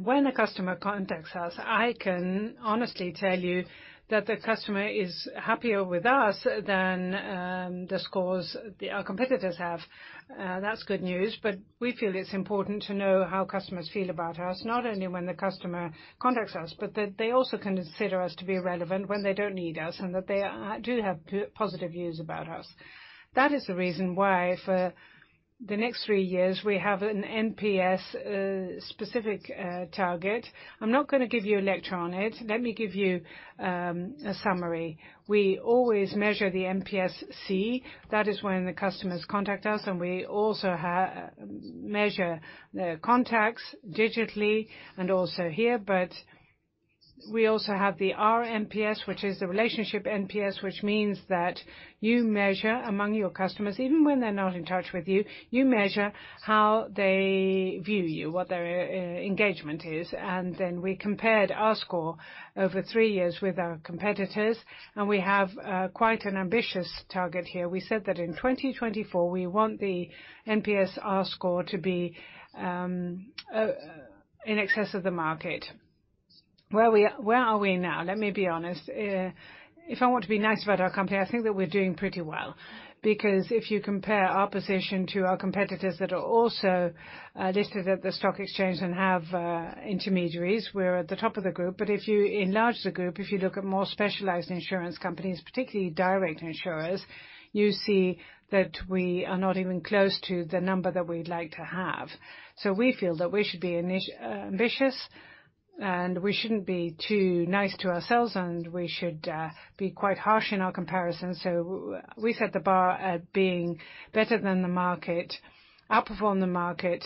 When a customer contacts us, I can honestly tell you that the customer is happier with us than the scores our competitors have. That's good news, but we feel it's important to know how customers feel about us, not only when the customer contacts us, but that they also consider us to be relevant when they don't need us and that they do have positive views about us. That is the reason why for the next three years, we have an NPS specific target. I'm not gonna give you a lecture on it. Let me give you a summary. We always measure the NPS-c. That is when the customers contact us, and we also measure the contacts digitally and also here. We also have the rNPS, which is the relationship NPS, which means that you measure among your customers, even when they're not in touch with you measure how they view you, what their engagement is. We compared our score over three years with our competitors, and we have quite an ambitious target here. We said that in 2024, we want the NPS rScore to be in excess of the market. Where are we now? Let me be honest. If I want to be nice about our company, I think that we're doing pretty well because if you compare our position to our competitors that are also listed at the stock exchange and have intermediaries, we're at the top of the group. If you enlarge the group, if you look at more specialized insurance companies, particularly direct insurers, you see that we are not even close to the number that we'd like to have. We feel that we should be ambitious. We shouldn't be too nice to ourselves, and we should be quite harsh in our comparison. We set the bar at being better than the market, outperform the market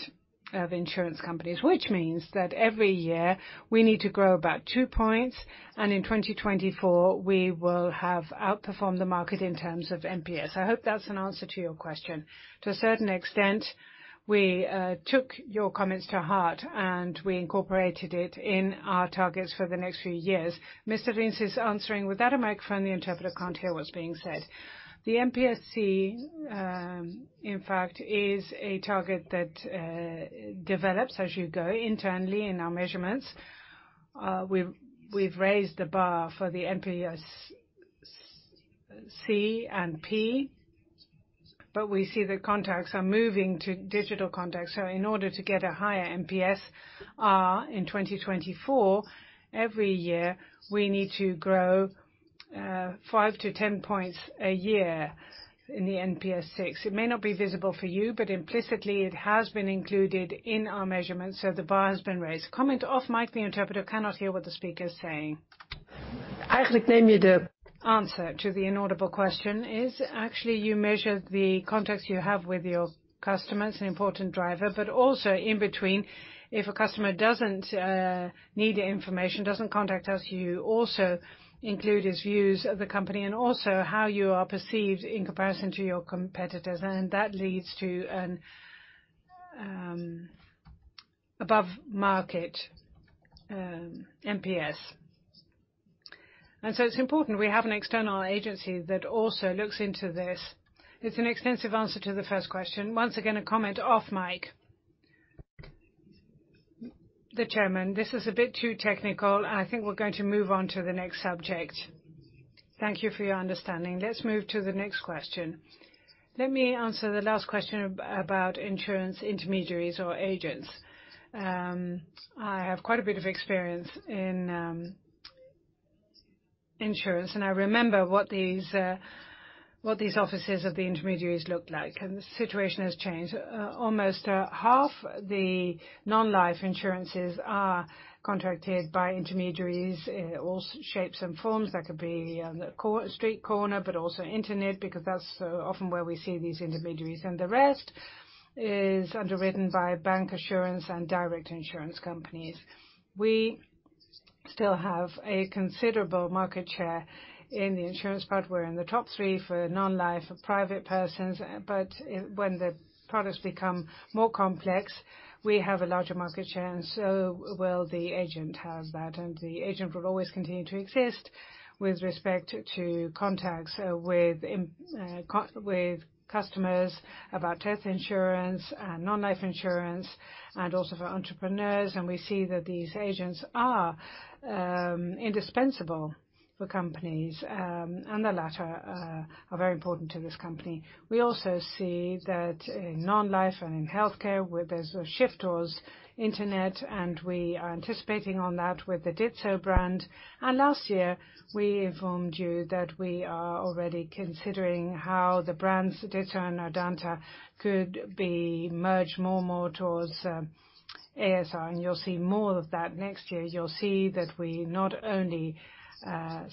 of insurance companies. Which means that every year, we need to grow about two points, and in 2024, we will have outperformed the market in terms of NPS. I hope that's an answer to your question. To a certain extent, we took your comments to heart, and we incorporated it in our targets for the next few years. The NPS-c, in fact, is a target that develops as you go internally in our measurements. We've raised the bar for the NPS-c and P, but we see the contacts are moving to digital contacts. In order to get a higher NPS in 2024, every year, we need to grow 5 points-10 points a year in the NPS-c. It may not be visible for you, but implicitly, it has been included in our measurements, so the bar has been raised. Actually, the answer to the inaudible question is actually you measure the contacts you have with your customers, an important driver, but also in between, if a customer doesn't need the information, doesn't contact us, you also include his views of the company and also how you are perceived in comparison to your competitors. That leads to an above-market NPS. It's important we have an external agency that also looks into this. It's an extensive answer to the first question. Once again, a comment off mic. The chairman, this is a bit too technical. I think we're going to move on to the next subject. Thank you for your understanding. Let's move to the next question. Let me answer the last question about insurance intermediaries or agents. I have quite a bit of experience in insurance, and I remember what these offices of the intermediaries looked like, and the situation has changed. Almost half the non-life insurances are contracted by intermediaries in all shapes and forms. That could be on the street corner, but also internet, because that's often where we see these intermediaries. The rest is underwritten by bank insurance and direct insurance companies. We still have a considerable market share in the insurance part. We're in the top three for non-life private persons. When the products become more complex, we have a larger market share, and so will the agent have that. The agent will always continue to exist with respect to contacts with customers about health insurance and non-life insurance and also for entrepreneurs. We see that these agents are indispensable for companies, and the latter are very important to this company. We also see that in non-life and in healthcare, where there's a shift towards internet, and we are anticipating on that with the Ditzo brand. Last year, we informed you that we are already considering how the brands Ditzo and Ardanta could be merged more and more towards a.s.r., and you'll see more of that next year. You'll see that we not only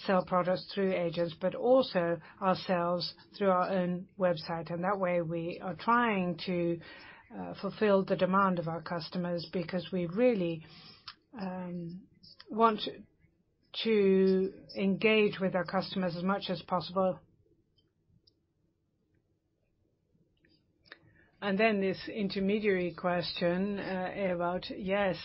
sell products through agents, but also ourselves through our own website. That way, we are trying to fulfill the demand of our customers because we really want to engage with our customers as much as possible. Then this intermediary question about yes.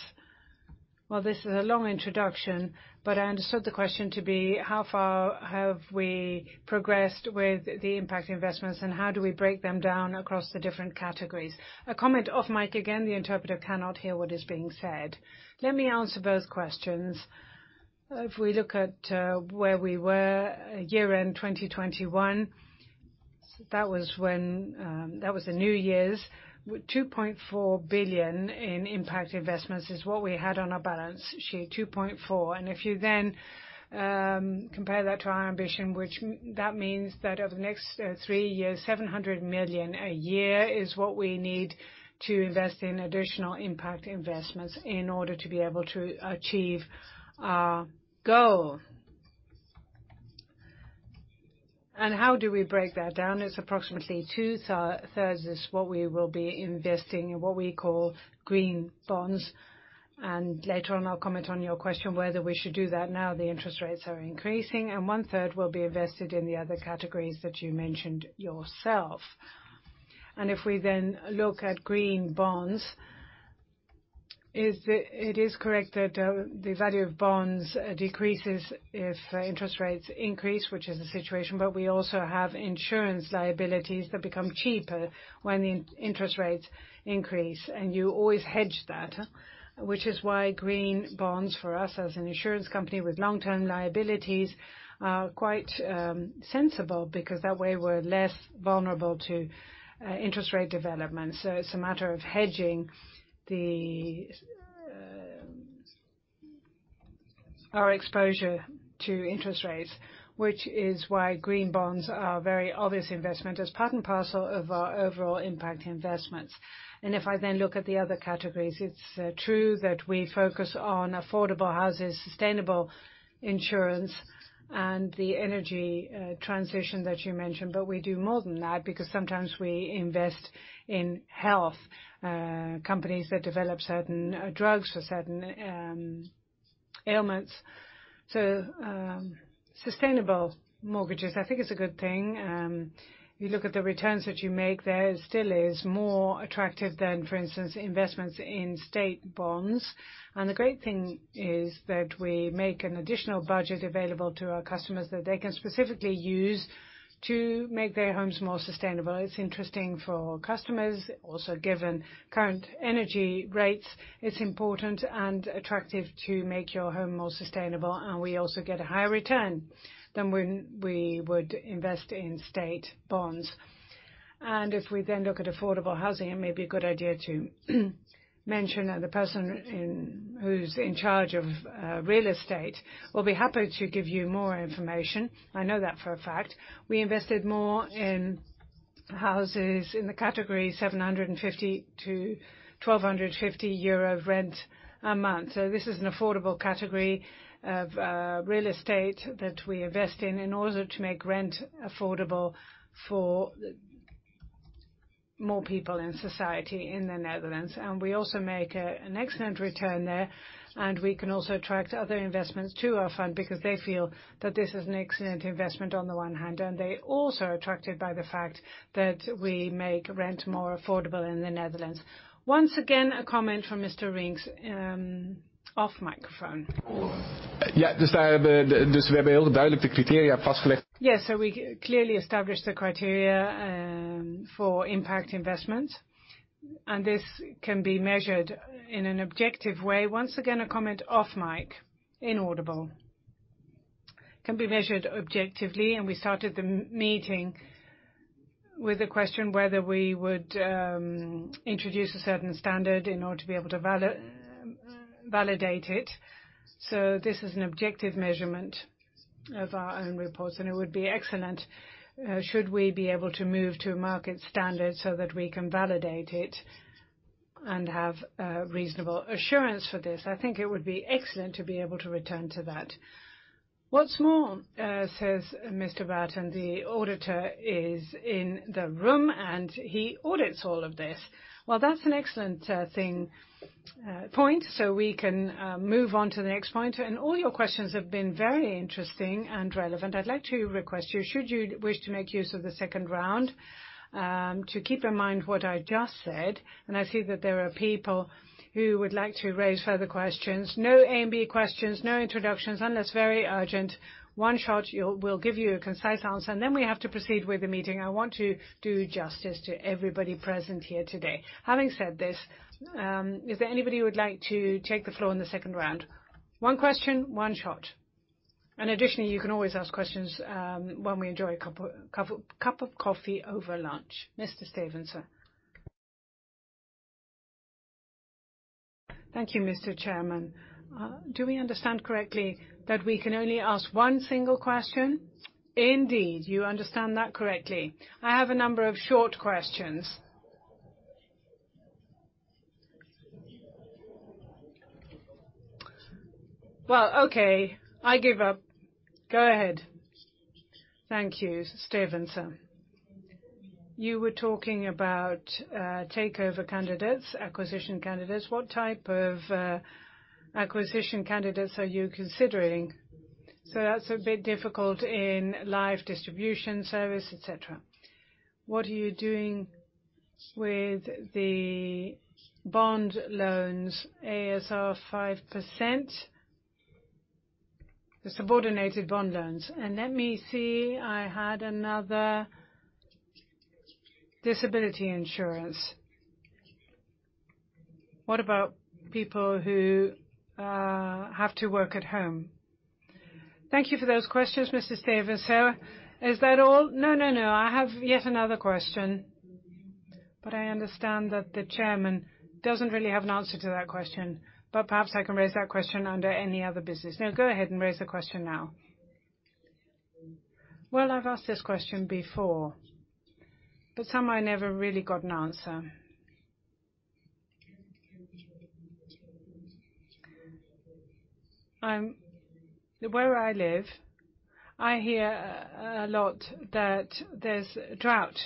This is a long introduction, but I understood the question to be how far have we progressed with the impact investments, and how do we break them down across the different categories? A comment off mic again. The interpreter cannot hear what is being said. Let me answer both questions. If we look at where we were year-end 2021, that was when that was the New Year's. 2.4 billion in impact investments is what we had on our balance sheet, 2.4. If you then compare that to our ambition, which that means that over the next three years, 700 million a year is what we need to invest in additional impact investments in order to be able to achieve our goal. How do we break that down? It's approximately two-thirds is what we will be investing in what we call green bonds. Later on, I'll comment on your question whether we should do that now the interest rates are increasing. One-third will be invested in the other categories that you mentioned yourself. If we then look at green bonds, it is correct that the value of bonds decreases if interest rates increase, which is the situation. We also have insurance liabilities that become cheaper when the interest rates increase, and you always hedge that. Which is why green bonds for us as an insurance company with long-term liabilities are quite sensible because that way, we're less vulnerable to interest rate developments. It's a matter of hedging our exposure to interest rates, which is why green bonds are a very obvious investment as part and parcel of our overall impact investments. If I then look at the other categories, it's true that we focus on affordable houses, sustainable insurance, and the energy transition that you mentioned. We do more than that because sometimes we invest in health companies that develop certain drugs for certain ailments. Sustainable mortgages I think is a good thing. You look at the returns that you make there, it still is more attractive than, for instance, investments in state bonds. The great thing is that we make an additional budget available to our customers that they can specifically use to make their homes more sustainable. It's interesting for customers. Given current energy rates, it's important and attractive to make your home more sustainable, and we also get a higher return than when we would invest in state bonds. If we then look at affordable housing, it may be a good idea to mention that the person who's in charge of real estate will be happy to give you more information. I know that for a fact. We invested more in houses in the category 750-1,250 euro rent a month. This is an affordable category of real estate that we invest in order to make rent affordable for more people in society in the Netherlands. We also make an excellent return there, and we can also attract other investments to our fund because they feel that this is an excellent investment on the one hand. They also are attracted by the fact that we make rent more affordable in the Netherlands. Once again, a comment from Mr. Rings, off-microphone. Yes. We clearly established the criteria for impact investments, and this can be measured in an objective way. Once again, a comment off mic. Can be measured objectively, and we started the meeting with the question whether we would introduce a certain standard in order to be able to validate it. This is an objective measurement of our own reports, and it would be excellent, should we be able to move to a market standard so that we can validate it and have, reasonable assurance for this. I think it would be excellent to be able to return to that. What's more, says Mr. Baeten, the auditor is in the room, and he audits all of this. Well, that's an excellent, thing, point. We can move on to the next point. All your questions have been very interesting and relevant. I'd like to request you, should you wish to make use of the second round, to keep in mind what I just said. I see that there are people who would like to raise further questions. No A and B questions, no introductions unless very urgent. One shot. We'll give you a concise answer, and then we have to proceed with the meeting. I want to do justice to everybody present here today. Having said this, is there anybody who would like to take the floor in the second round? One question, one shot. Additionally, you can always ask questions when we enjoy a cup of coffee over lunch. Mr. Stevenson. Thank you, Mr. Chairman. Do we understand correctly that we can only ask one single question? Indeed, you understand that correctly. I have a number of short questions. Well, okay, I give up. Go ahead. Thank you. Stevenson. You were talking about takeover candidates, acquisition candidates. What type of acquisition candidates are you considering? So that's a bit difficult in life, distribution, service, et cetera. What are you doing with the bond loans, a.s.r. 5%, the subordinated bond loans? Disability insurance. What about people who have to work at home? Thank you for those questions, Mr. Stevenson. Is that all? No. I have yet another question. I understand that the chairman doesn't really have an answer to that question. Perhaps I can raise that question under any other business. No, go ahead and raise the question now. Well, I've asked this question before, but somehow I never really got an answer. Where I live, I hear a lot that there's drought.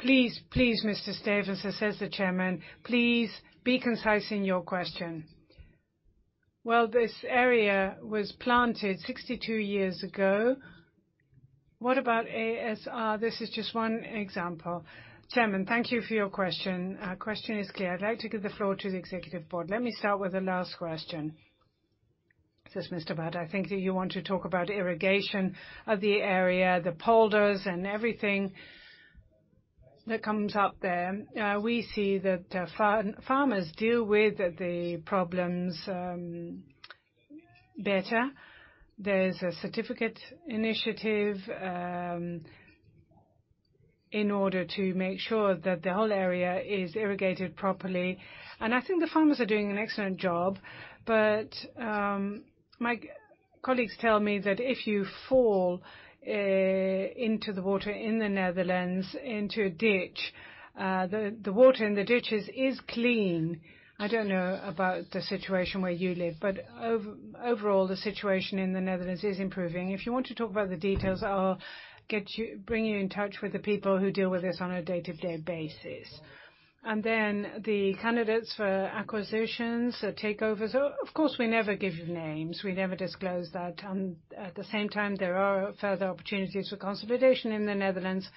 Please, Mr. Stevenson, says the chairman. Please be concise in your question. Well, this area was planted 62 years ago. What about a.s.r.? This is just one example. Chairman: Thank you for your question. Question is clear. I'd like to give the floor to the executive board. Let me start with the last question, says Mr. Baeten. I think that you want to talk about irrigation of the area, the polders, and everything that comes up there. We see that farmers deal with the problems better. There's a certificate initiative. In order to make sure that the whole area is irrigated properly. I think the farmers are doing an excellent job. My colleagues tell me that if you fall into the water in the Netherlands into a ditch, the water in the ditches is clean. I don't know about the situation where you live, but overall, the situation in the Netherlands is improving. If you want to talk about the details, I'll bring you in touch with the people who deal with this on a day-to-day basis. Then the candidates for acquisitions or takeovers. Of course, we never give you names. We never disclose that. At the same time, there are further opportunities for consolidation in the Netherlands,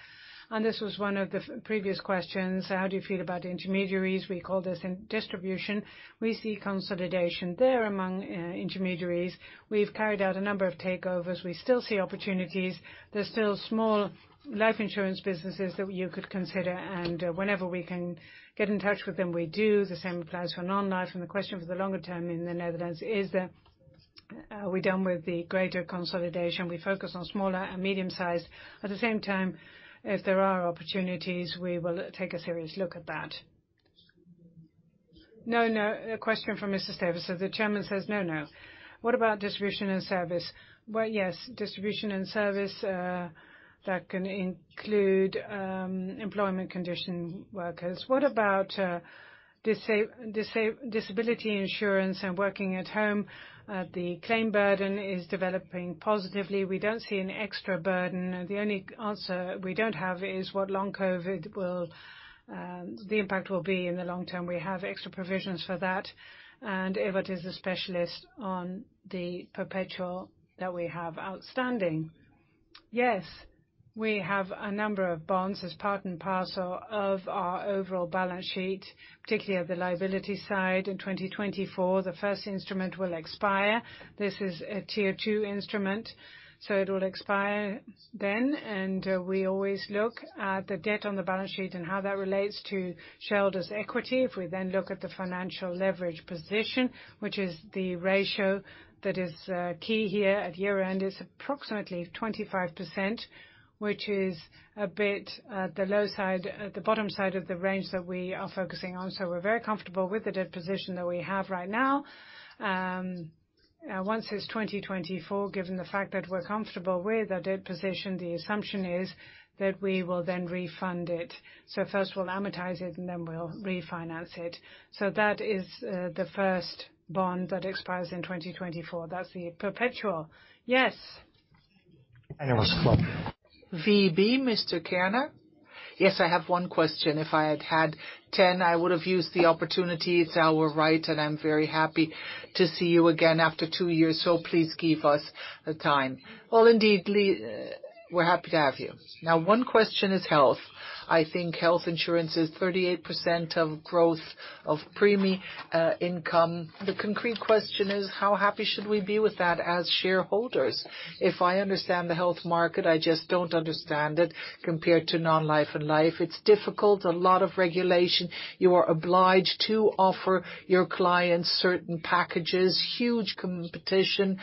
and this was one of the previous questions. How do you feel about intermediaries? We call this in distribution. We see consolidation there among intermediaries. We've carried out a number of takeovers. We still see opportunities. There's still small life insurance businesses that you could consider, and whenever we can get in touch with them, we do. The same applies for non-life. The question for the longer term in the Netherlands is, are we done with the greater consolidation? We focus on smaller and medium-sized. At the same time, if there are opportunities, we will take a serious look at that. No, no. A question from Mr. Stevens. So the chairman says, "No, no." What about distribution and service? Well, yes, distribution and service, that can include employment condition workers. What about disability insurance and working at home? The claim burden is developing positively. We don't see an extra burden. The only answer we don't have is what long COVID will, the impact will be in the long term. We have extra provisions for that. Ewout is a specialist on the perpetual that we have outstanding. Yes, we have a number of bonds as part and parcel of our overall balance sheet, particularly at the liability side. In 2024, the first instrument will expire. This is a tier two instrument, so it will expire then. We always look at the debt on the balance sheet and how that relates to shareholders' equity. If we then look at the financial leverage position, which is the ratio that is, key here at year-end, is approximately 25%, which is a bit at the low side, at the bottom side of the range that we are focusing on. We're very comfortable with the debt position that we have right now. Once it's 2024, given the fact that we're comfortable with the debt position, the assumption is that we will then refinance it. First we'll amortize it, and then we'll refinance it. That is the first bond that expires in 2024. That's the perpetual. Yes. It was clubbed. VEB, Mr. Keyner. Yes, I have one question. If I had had 10, I would have used the opportunity. It's our right, and I'm very happy to see you again after two years. Please give us the time. Well, indeed, we're happy to have you. Now, one question is health. I think health insurance is 38% of growth of premium income. The concrete question is, how happy should we be with that as shareholders? If I understand the health market, I just don't understand it compared to non-life and life. It's difficult. A lot of regulation. You are obliged to offer your clients certain packages. Huge competition.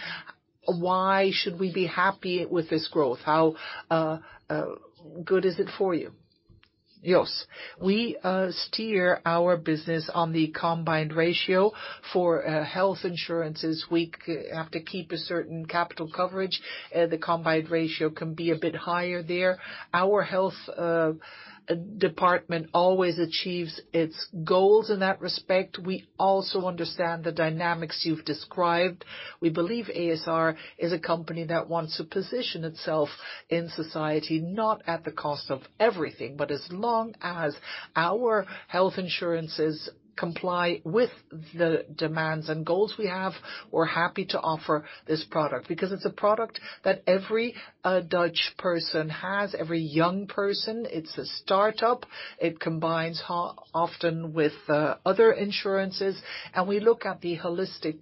Why should we be happy with this growth? How good is it for you? Jos, we steer our business on the combined ratio. For health insurances, we have to keep a certain capital coverage. The combined ratio can be a bit higher there. Our health department always achieves its goals in that respect. We also understand the dynamics you've described. We believe a.s.r. is a company that wants to position itself in society, not at the cost of everything. But as long as our health insurances comply with the demands and goals we have, we're happy to offer this product. Because it's a product that every Dutch person has, every young person. It's a startup. It combines often with other insurances. We look at the holistic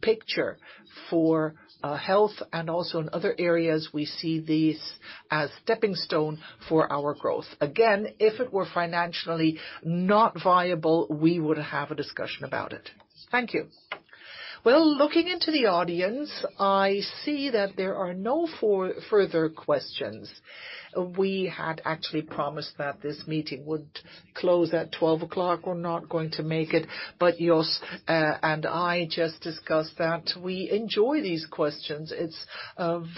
picture for health and also in other areas. We see these as stepping stone for our growth. Again, if it were financially not viable, we would have a discussion about it. Thank you. Well, looking into the audience, I see that there are no further questions. We had actually promised that this meeting would close at 12:00 P.M. We're not going to make it, but Jos and I just discussed that. We enjoy these questions. It's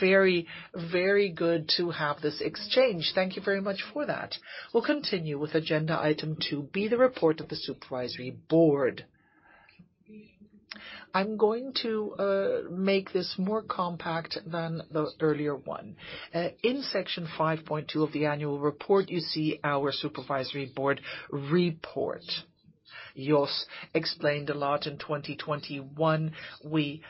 very, very good to have this exchange. Thank you very much for that. We'll continue with agenda item 2b, the report of the supervisory board. I'm going to make this more compact than the earlier one. In section 5.2 of the annual report, you see our supervisory board report. Jos explained a lot in 2021. We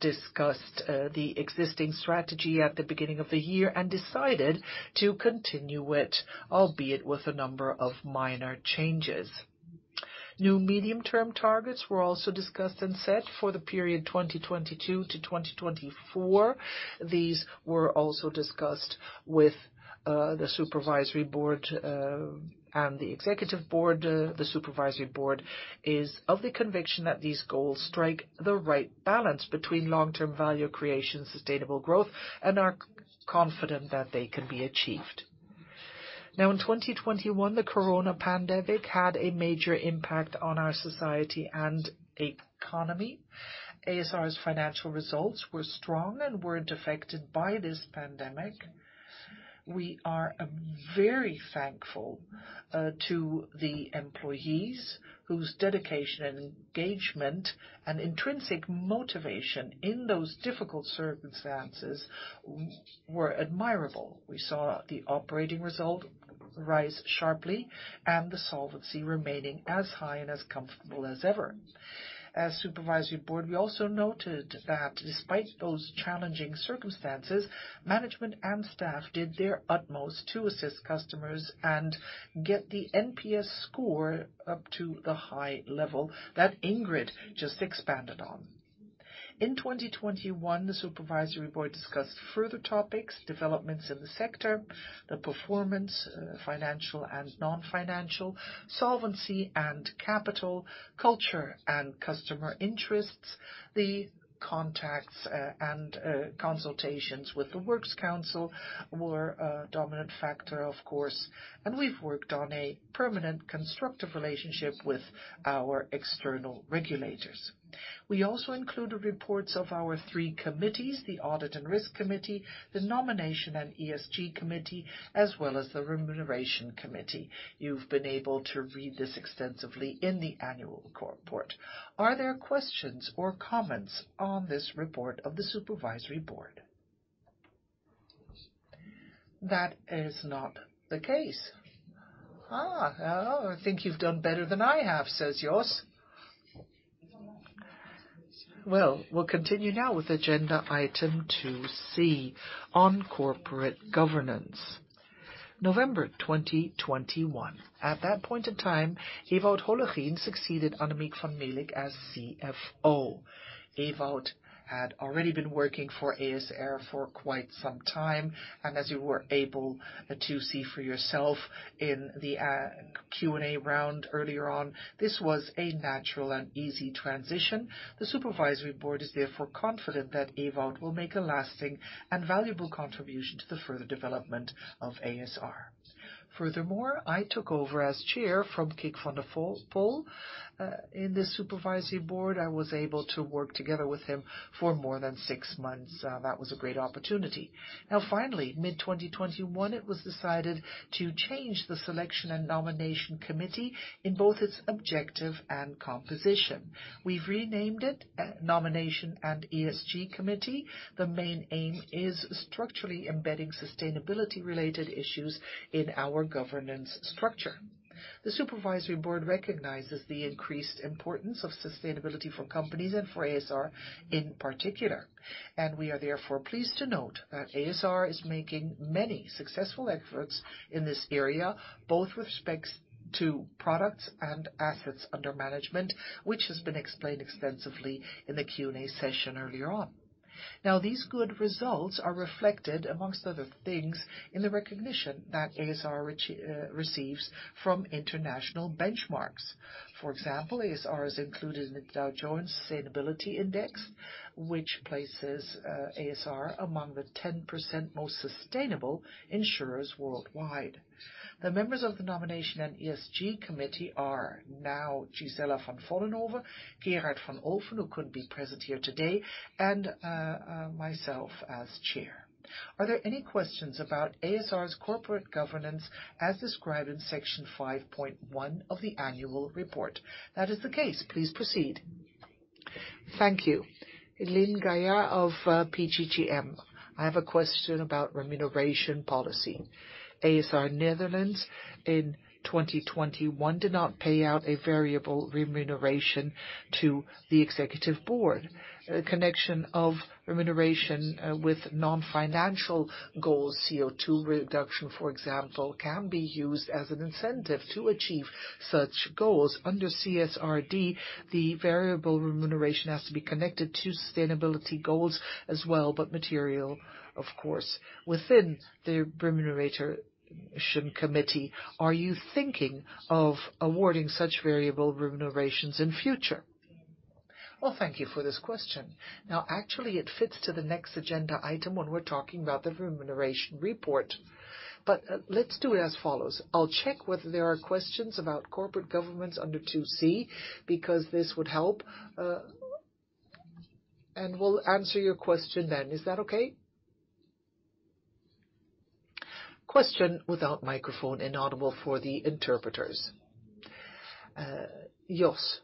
discussed the existing strategy at the beginning of the year and decided to continue it, albeit with a number of minor changes. New medium-term targets were also discussed and set for the period 2022 to 2024. These were also discussed with the supervisory board and the executive board. The supervisory board is of the conviction that these goals strike the right balance between long-term value creation, sustainable growth, and are confident that they can be achieved. Now in 2021, the corona pandemic had a major impact on our society and economy. a.s.r.'s financial results were strong and weren't affected by this pandemic. We are very thankful to the employees whose dedication and engagement and intrinsic motivation in those difficult circumstances were admirable. We saw the operating result rise sharply and the solvency remaining as high and as comfortable as ever. As supervisory board, we also noted that despite those challenging circumstances, management and staff did their utmost to assist customers and get the NPS score up to the high level that Ingrid just expanded on. In 2021, the supervisory board discussed further topics, developments in the sector, the performance, financial and non-financial, solvency and capital, culture and customer interests. The contacts and consultations with the works council were a dominant factor, of course. We've worked on a permanent constructive relationship with our external regulators. We also included reports of our three committees, the Audit and Risk Committee, the Nomination and ESG Committee, as well as the Remuneration Committee. You've been able to read this extensively in the annual report. Are there questions or comments on this report of the supervisory board? That is not the case. I think you've done better than I have, says Jos. Well, we'll continue now with agenda item 2c on corporate governance. November 2021. At that point in time, Ewout Hollegien succeeded Annemiek van Melick as CFO. Ewout had already been working for a.s.r. for quite some time, and as you were able to see for yourself in the Q&A round earlier on, this was a natural and easy transition. The supervisory board is therefore confident that Ewout will make a lasting and valuable contribution to the further development of a.s.r. Furthermore, I took over as chair from Kick van der Pol in the supervisory board. I was able to work together with him for more than six months. That was a great opportunity. Now finally, mid-2021, it was decided to change the selection and nomination committee in both its objective and composition. We've renamed it, Nomination and ESG Committee. The main aim is structurally embedding sustainability related issues in our governance structure. The supervisory board recognizes the increased importance of sustainability for companies and for a.s.r. in particular. We are therefore pleased to note that a.s.r. is making many successful efforts in this area, both with respect to products and assets under management, which has been explained extensively in the Q&A session earlier on. Now, these good results are reflected, among other things, in the recognition that a.s.r. receives from international benchmarks. For example, a.s.r. is included in the Dow Jones Sustainability Index, which places a.s.r. among the 10% most sustainable insurers worldwide. The members of the Nomination and ESG Committee are now Gisella van Vollenhoven, Gerard van Olphen, who couldn't be present here today, and myself as chair. Are there any questions about a.s.r.'s corporate governance as described in section 5.1 of the annual report? That is the case. Please proceed. Thank you. Lisenne van der Knaap of PGGM. I have a question about remuneration policy. a.s.r. Nederland in 2021 did not pay out a variable remuneration to the executive board. A connection of remuneration with non-financial goals, CO2 reduction, for example, can be used as an incentive to achieve such goals. Under CSRD, the variable remuneration has to be connected to sustainability goals as well, but material, of course, within the Remuneration Committee. Are you thinking of awarding such variable remunerations in the future? Well, thank you for this question. Now, actually, it fits to the next agenda item when we're talking about the remuneration report. Let's do it as follows. I'll check whether there are questions about corporate governance under 2c, because this would help. And we'll answer your question then. Is that okay? Question without microphone inaudible for the interpreters. Jos,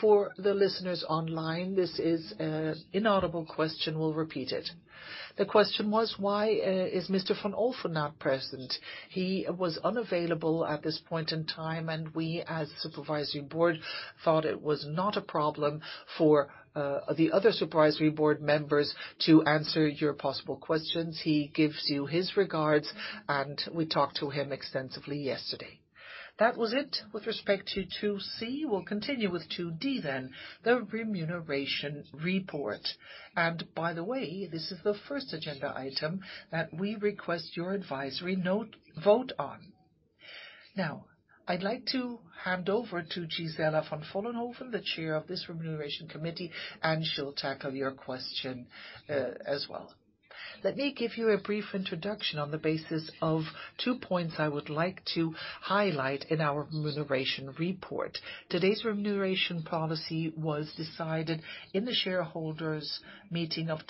for the listeners online, this is an inaudible question. We'll repeat it. The question was, why is Mr. van Olphen not present? He was unavailable at this point in time, and we, as the Supervisory Board, thought it was not a problem for the other Supervisory Board members to answer your possible questions. He gives you his regards, and we talked to him extensively yesterday. That was it with respect to 2c. We'll continue with 2d then, the remuneration report. By the way, this is the first agenda item that we request your advisory note vote on. Now I'd like to hand over to Gisella van Vollenhoven, the Chair of this Remuneration Committee, and she'll tackle your question, as well. Let me give you a brief introduction on the basis of two points I would like to highlight in our remuneration report. Today's remuneration policy was decided in the shareholders meeting of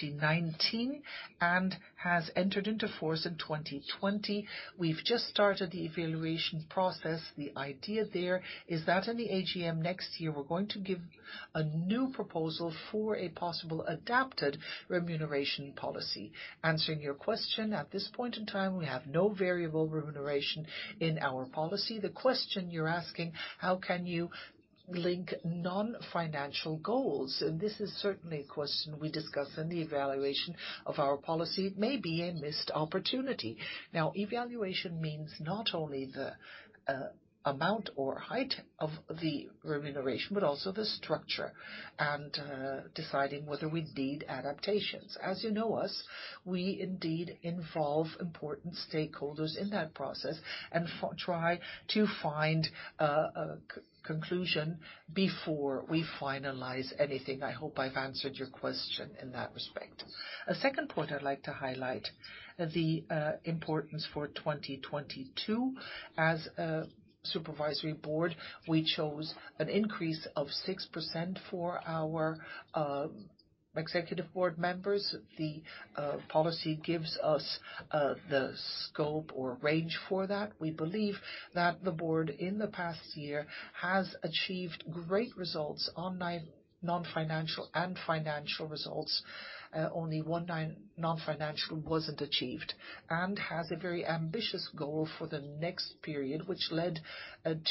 2019, and has entered into force in 2020. We've just started the evaluation process. The idea there is that in the AGM next year, we're going to give a new proposal for a possible adapted remuneration policy. Answering your question, at this point in time, we have no variable remuneration in our policy. The question you're asking, how can you link non-financial goals? This is certainly a question we discuss in the evaluation of our policy. It may be a missed opportunity. Now, evaluation means not only the amount or height of the remuneration, but also the structure and deciding whether we need adaptations. As you know us, we indeed involve important stakeholders in that process and try to find a conclusion before we finalize anything. I hope I've answered your question in that respect. A second point I'd like to highlight, the importance for 2022. As a Supervisory Board, we chose an increase of 6% for our Executive Board members. The policy gives us the scope or range for that. We believe that the board in the past year has achieved great results on non-financial and financial results. Only one non-financial wasn't achieved, and has a very ambitious goal for the next period, which led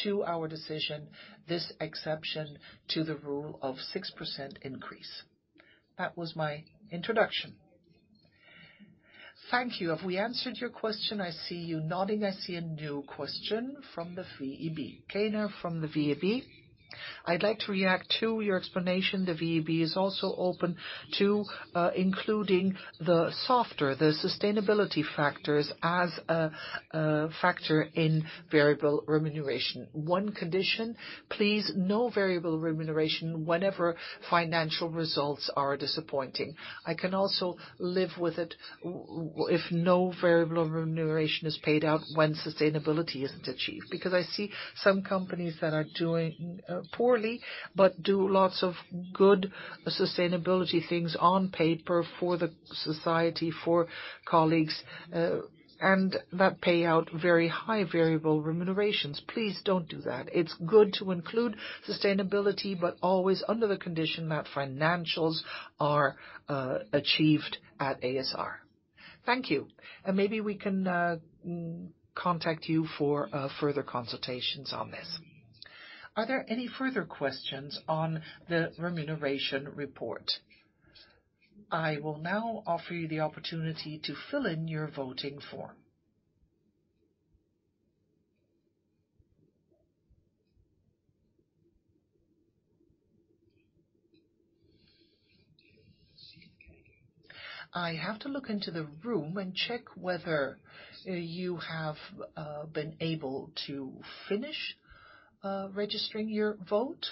to our decision, this exception to the rule of 6% increase. That was my introduction. Thank you. Have we answered your question? I see you nodding. I see a new question from the VEB. Keyner from the VEB. I'd like to react to your explanation. The VEB is also open to including the softer, the sustainability factors as a factor in variable remuneration. One condition, please, no variable remuneration whenever financial results are disappointing. I can also live with it if no variable remuneration is paid out when sustainability isn't achieved. Because I see some companies that are doing poorly, but do lots of good sustainability things on paper for the society, for colleagues, and that pay out very high variable remunerations. Please don't do that. It's good to include sustainability, but always under the condition that financials are achieved at a.s.r. Thank you. Maybe we can contact you for further consultations on this. Are there any further questions on the remuneration report? I will now offer you the opportunity to fill in your voting form. I have to look into the room and check whether you have been able to finish registering your vote.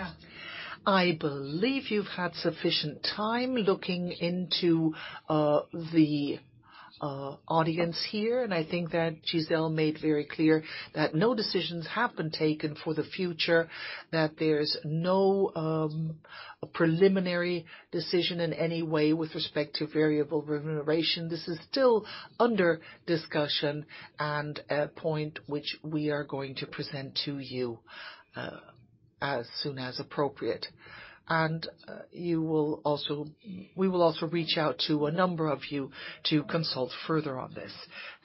Yeah. I believe you've had sufficient time looking into the audience here, and I think that Gisella made very clear that no decisions have been taken for the future, that there's no preliminary decision in any way with respect to variable remuneration. This is still under discussion and a point which we are going to present to you as soon as appropriate. We will also reach out to a number of you to consult further on this.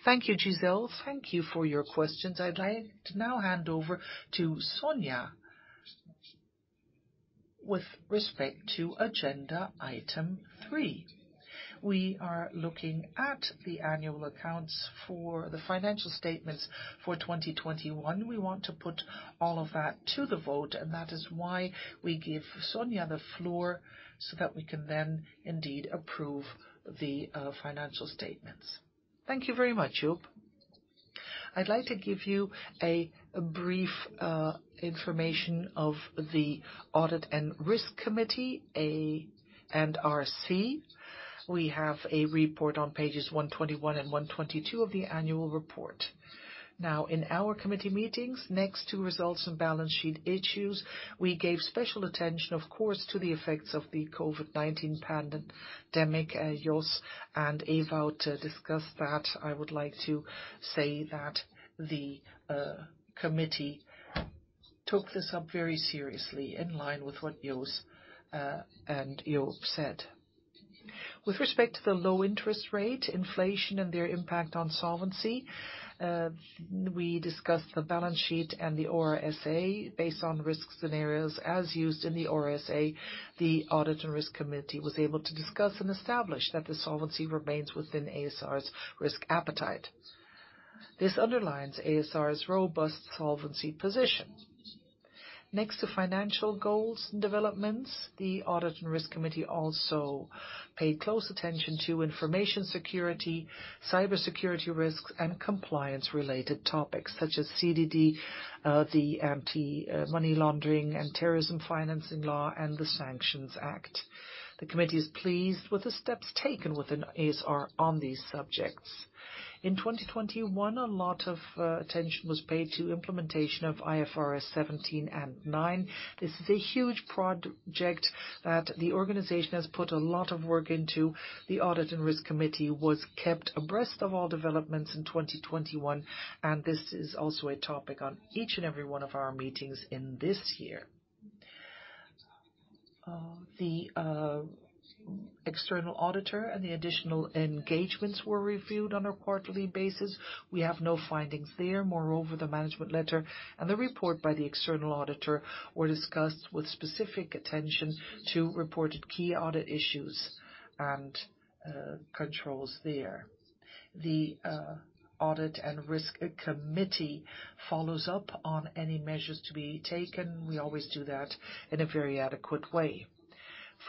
Thank you, Gisella. Thank you for your questions. I'd like to now hand over to Sonja with respect to agenda item three. We are looking at the annual accounts for the financial statements for 2021. We want to put all of that to the vote, and that is why we give Sonja the floor so that we can then indeed approve the financial statements. Thank you very much, Joop. I'd like to give you a brief information of the Audit and Risk Committee, A&RC. We have a report on pages 121 and 122 of the annual report. Now, in our committee meetings, next to results and balance sheet issues, we gave special attention, of course, to the effects of the COVID-19 pandemic. Jos and Ewout discussed that. I would like to say that the committee took this up very seriously in line with what Jos and Joop said. With respect to the low interest rate, inflation and their impact on solvency, we discussed the balance sheet and the ORSA based on risk scenarios. As used in the ORSA, the audit and risk committee was able to discuss and establish that the solvency remains within a.s.r.'s risk appetite. This underlines a.s.r.'s robust solvency position. Next to financial goals and developments, the audit and risk committee also paid close attention to information security, cyber security risks, and compliance related topics such as CDD, the anti-money laundering and terrorism financing law, and the Sanctions Act. The committee is pleased with the steps taken within a.s.r. on these subjects. In 2021, a lot of attention was paid to implementation of IFRS 17 and 9. This is a huge project that the organization has put a lot of work into. The audit and risk committee was kept abreast of all developments in 2021, and this is also a topic on each and every one of our meetings in this year. The external auditor and the additional engagements were reviewed on a quarterly basis. We have no findings there. Moreover, the management letter and the report by the external auditor were discussed with specific attention to reported key audit issues and controls there. The Audit and Risk Committee follows up on any measures to be taken. We always do that in a very adequate way.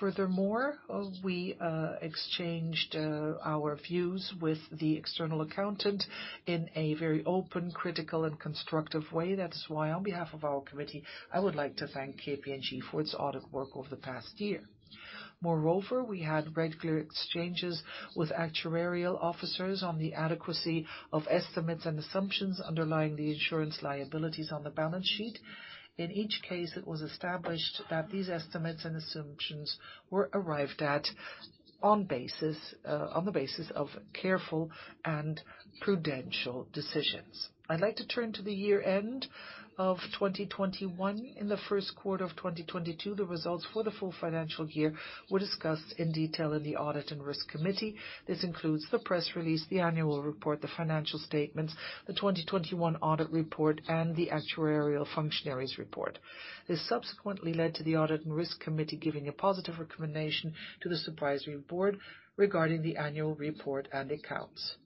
Furthermore, we exchanged our views with the external accountant in a very open, critical, and constructive way. That's why on behalf of our committee, I would like to thank KPMG for its audit work over the past year. Moreover, we had regular exchanges with actuarial officers on the adequacy of estimates and assumptions underlying the insurance liabilities on the balance sheet. In each case, it was established that these estimates and assumptions were arrived at on the basis of careful and prudential decisions. I'd like to turn to the year-end of 2021. In the first quarter of 2022, the results for the full financial year were discussed in detail in the Audit and Risk Committee. This includes the press release, the annual report, the financial statements, the 2021 audit report, and the actuarial function report. This subsequently led to the Audit and Risk Committee giving a positive recommendation to the Supervisory Board regarding the annual report and accounts.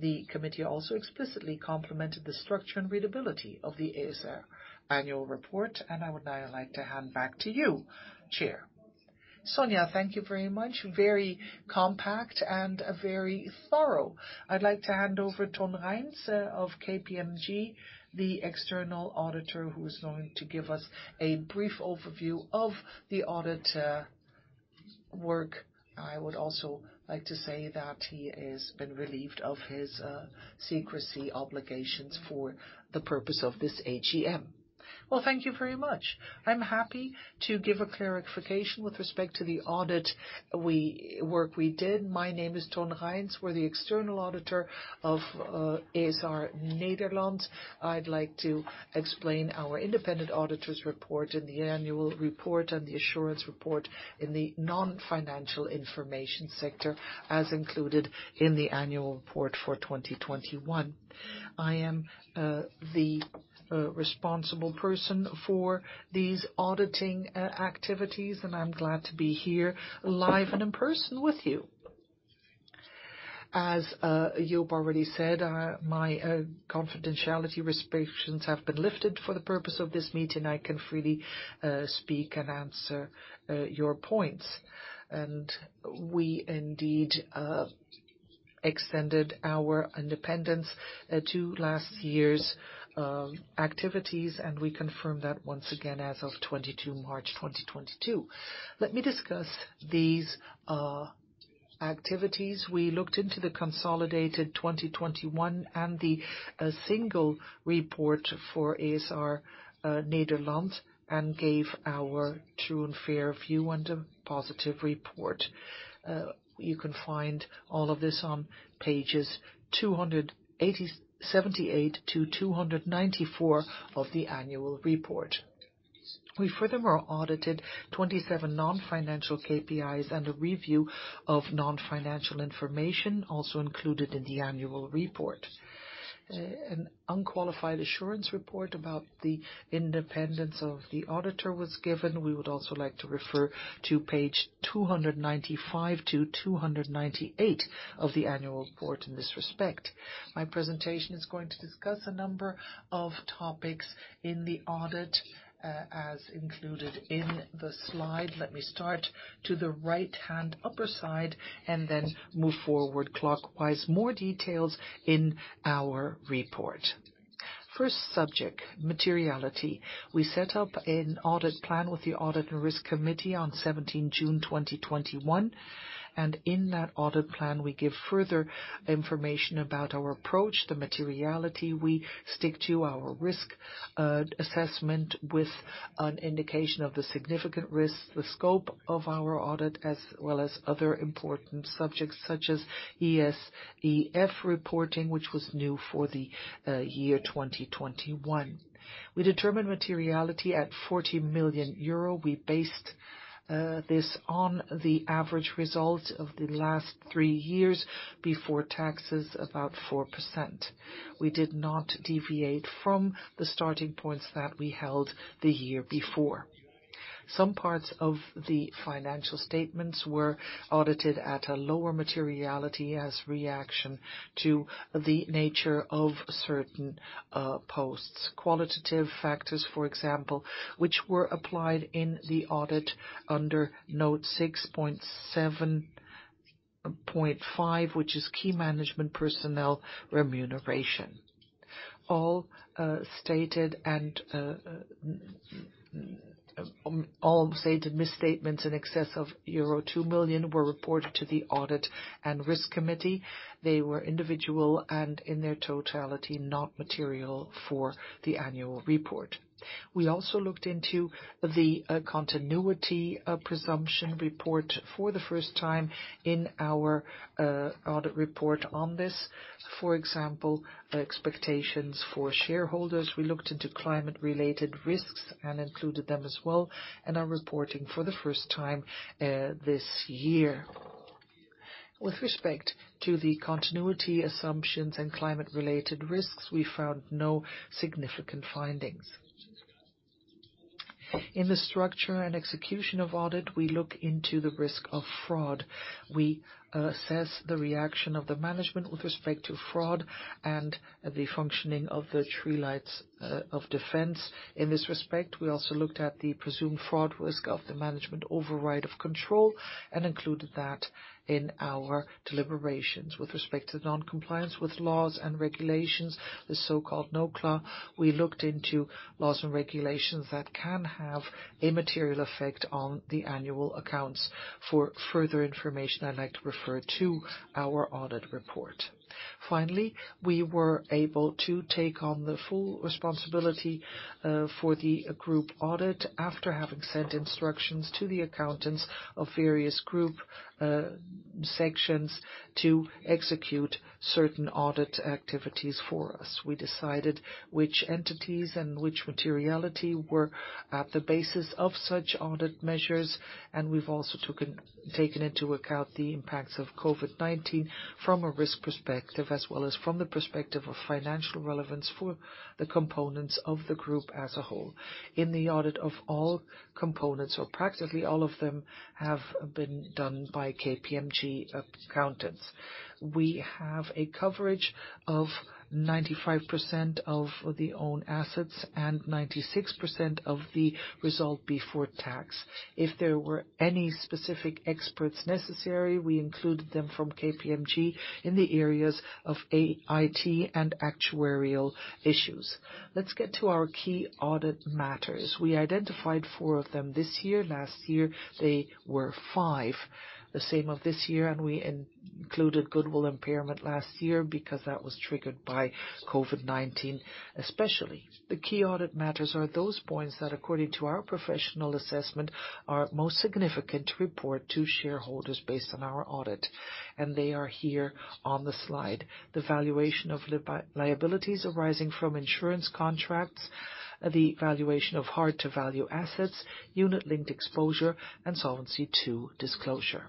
The committee also explicitly complimented the structure and readability of the a.s.r. annual report, and I would now like to hand back to you, Chair. Sonja, thank you very much. Very compact and very thorough. I'd like to hand over Ton Reijns of KPMG, the external auditor who is going to give us a brief overview of the audit work. I would also like to say that he has been relieved of his secrecy obligations for the purpose of this AGM. Well, thank you very much. I'm happy to give a clarification with respect to the audit work we did. My name is Ton Reijns. We're the external auditor of a.s.r. Nederland. I'd like to explain our independent auditor's report in the annual report and the assurance report in the non-financial information section, as included in the annual report for 2021. I am the responsible person for these auditing activities, and I'm glad to be here live and in person with you. As Joop already said, my confidentiality restrictions have been lifted for the purpose of this meeting. I can freely speak and answer your points. We indeed extended our independence to last year's activities, and we confirm that once again as of 22 March 2022. Let me discuss these activities. We looked into the consolidated 2021 and the single report for a.s.r. Nederland and gave our true and fair view and a positive report. You can find all of this on pages 278-294 of the annual report. We furthermore audited 27 non-financial KPIs and a review of non-financial information also included in the annual report. An unqualified assurance report about the independence of the auditor was given. We would also like to refer to page 295-298 of the annual report in this respect. My presentation is going to discuss a number of topics in the audit, as included in the slide. Let me start to the right-hand upper side and then move forward clockwise. More details in our report. First subject, materiality. We set up an audit plan with the Audit and Risk Committee on 17 June 2021, and in that audit plan, we give further information about our approach, the materiality. We stick to our risk assessment with an indication of the significant risks, the scope of our audit, as well as other important subjects such as ESEF reporting, which was new for the year 2021. We determined materiality at 40 million euro. We based this on the average result of the last three years before taxes, about 4%. We did not deviate from the starting points that we held the year before. Some parts of the financial statements were audited at a lower materiality as reaction to the nature of certain postings. Qualitative factors, for example, which were applied in the audit under note 6.7.5, which is key management personnel remuneration. All stated misstatements in excess of euro 2 million were reported to the Audit and Risk Committee. They were individual and in their totality, not material for the annual report. We also looked into the continuity presumption report for the first time in our audit report on this. For example, expectations for shareholders. We looked into climate-related risks and included them as well, and are reporting for the first time this year. With respect to the continuity assumptions and climate-related risks, we found no significant findings. In the structure and execution of audit, we look into the risk of fraud. We assess the reaction of the management with respect to fraud and the functioning of the three lines of defense. In this respect, we also looked at the presumed fraud risk of the management override of control and included that in our deliberations. With respect to non-compliance with laws and regulations, the so-called NOCLAR, we looked into laws and regulations that can have a material effect on the annual accounts. For further information, I'd like to refer to our audit report. Finally, we were able to take on the full responsibility for the group audit after having sent instructions to the accountants of various group sections to execute certain audit activities for us. We decided which entities and which materiality were at the basis of such audit measures, and we've also taken into account the impacts of COVID-19 from a risk perspective, as well as from the perspective of financial relevance for the components of the group as a whole. In the audit of all components, or practically all of them, have been done by KPMG accountants. We have a coverage of 95% of the own assets and 96% of the result before tax. If there were any specific experts necessary, we included them from KPMG in the areas of IT and actuarial issues. Let's get to our key audit matters. We identified four of them this year. Last year, they were five. The same as this year, and we included goodwill impairment last year because that was triggered by COVID-19 especially. The key audit matters are those points that, according to our professional assessment, are most significant to report to shareholders based on our audit, and they are here on the slide. The valuation of liabilities arising from insurance contracts, the valuation of hard-to-value assets, unit-linked exposure, and Solvency II disclosure.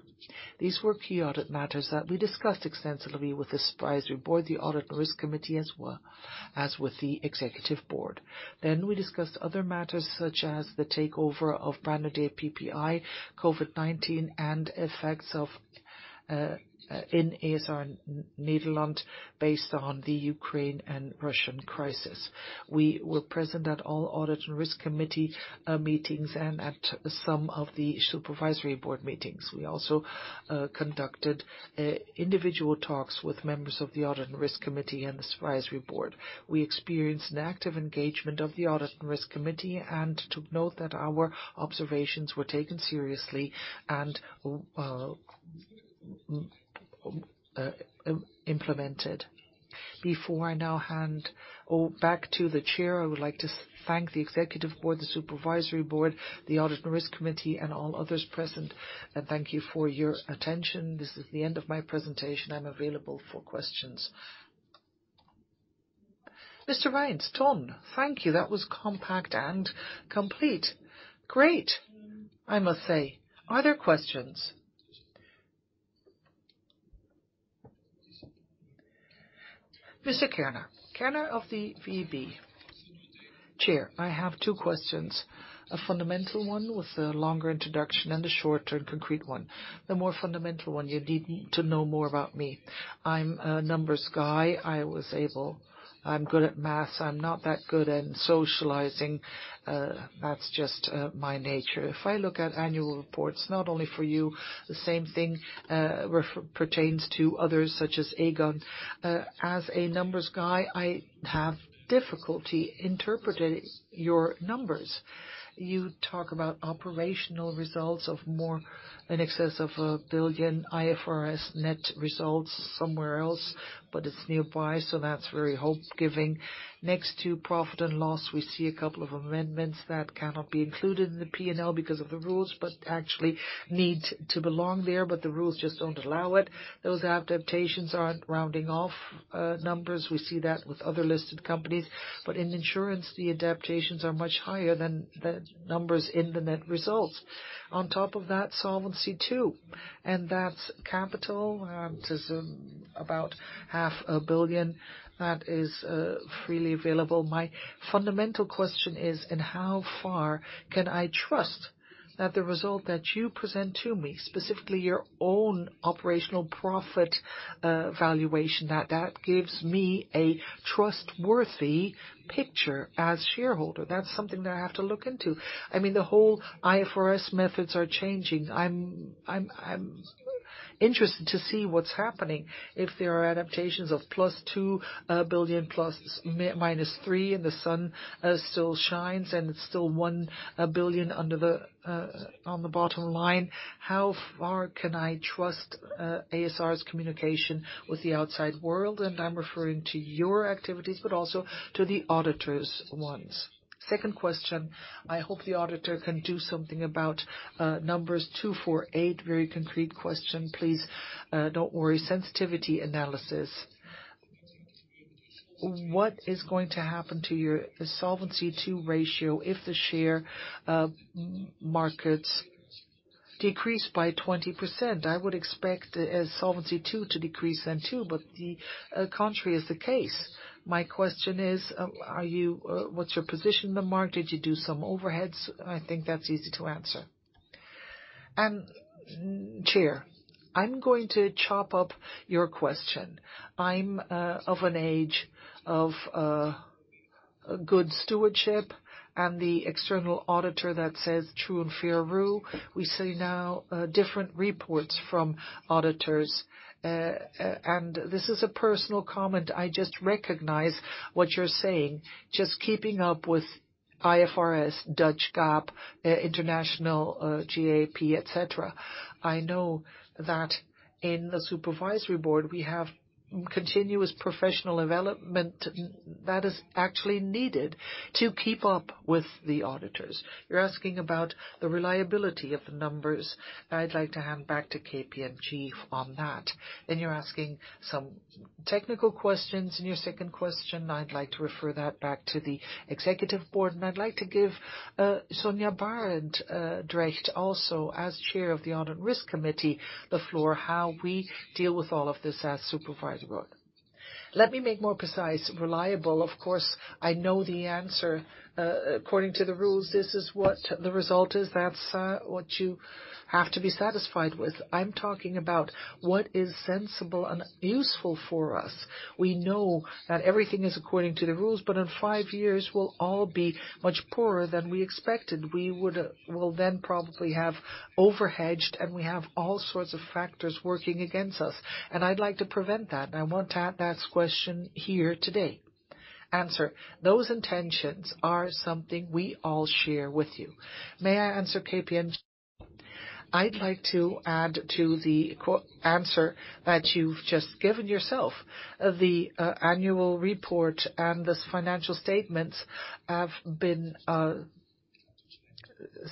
These were key audit matters that we discussed extensively with the Supervisory Board, the Audit and Risk Committee as with the Executive Board. We discussed other matters, such as the takeover of Brand New Day PPI, COVID-19, and effects in a.s.r. Nederland based on the Ukraine and Russian crisis. We were present at all Audit and Risk Committee meetings and at some of the supervisory board meetings. We also conducted individual talks with members of the Audit and Risk Committee and the supervisory board. We experienced an active engagement of the Audit and Risk Committee and took note that our observations were taken seriously and implemented. Before I now hand back to the chair, I would like to thank the executive board, the supervisory board, the Audit and Risk Committee, and all others present. Thank you for your attention. This is the end of my presentation. I'm available for questions. Mr. Reijns, thank you. That was compact and complete. Great, I must say. Are there questions? Mr. Keyner. Keyner of the VEB. Chair, I have two questions. A fundamental one with a longer introduction and a shorter concrete one. The more fundamental one, you need to know more about me. I'm a numbers guy. I'm good at math. I'm not that good at socializing. That's just my nature. If I look at annual reports, not only for you, the same thing pertains to others such as Aegon. As a numbers guy, I have difficulty interpreting your numbers. You talk about operational results in excess of 1 billion, IFRS net results somewhere else, but it's nearby, so that's very hope-giving. Next to profit and loss, we see a couple of amendments that cannot be included in the P&L because of the rules, but actually need to belong there, but the rules just don't allow it. Those adaptations aren't rounding off numbers. We see that with other listed companies. In insurance, the adaptations are much higher than the numbers in the net results. On top of that, Solvency II, and that's capital. It's about 500 million that is freely available. My fundamental question is, how far can I trust that the result that you present to me, specifically your own operational profit valuation, that gives me a trustworthy picture as shareholder? That's something that I have to look into. I mean, the whole IFRS methods are changing. I'm interested to see what's happening. If there are adaptations of plus 2 billion, -3, and the sun still shines, and it's still 1 billion under, on the bottom line, how far can I trust a.s.r.'s communication with the outside world? I'm referring to your activities, but also to the auditors' ones. Second question, I hope the auditor can do something about numbers 248. Very concrete question, please, don't worry. Sensitivity analysis. What is going to happen to your Solvency II ratio if the share markets decrease by 20%? I would expect Solvency II to decrease then too, but the contrary is the case. My question is, are you, what's your position in the market? Did you do some overhedges? I think that's easy to answer. Chair, I'm going to chop up your question. I'm of an age of good stewardship and the external auditor that says true and fair rule. We see now different reports from auditors. And this is a personal comment, I just recognize what you're saying, just keeping up with IFRS, Dutch GAAP, international GAAP, et cetera. I know that in the supervisory board, we have continuous professional development that is actually needed to keep up with the auditors. You're asking about the reliability of the numbers. I'd like to hand back to KPMG on that. Then you're asking some technical questions in your second question. I'd like to refer that back to the executive board, and I'd like to give, Sonja Barendregt also as Chair of the Audit and Risk Committee, the floor, how we deal with all of this as supervisory. Let me make more precise. Reliable, of course, I know the answer. According to the rules, this is what the result is. That's what you have to be satisfied with. I'm talking about what is sensible and useful for us. We know that everything is according to the rules, but in five years we'll all be much poorer than we expected. We would, we'll then probably have overhedged, and we have all sorts of factors working against us. I'd like to prevent that, and I want to ask question here today. Answer. Those intentions are something we all share with you. May I answer KPMG? I'd like to add to the answer that you've just given yourself. The annual report and these financial statements have been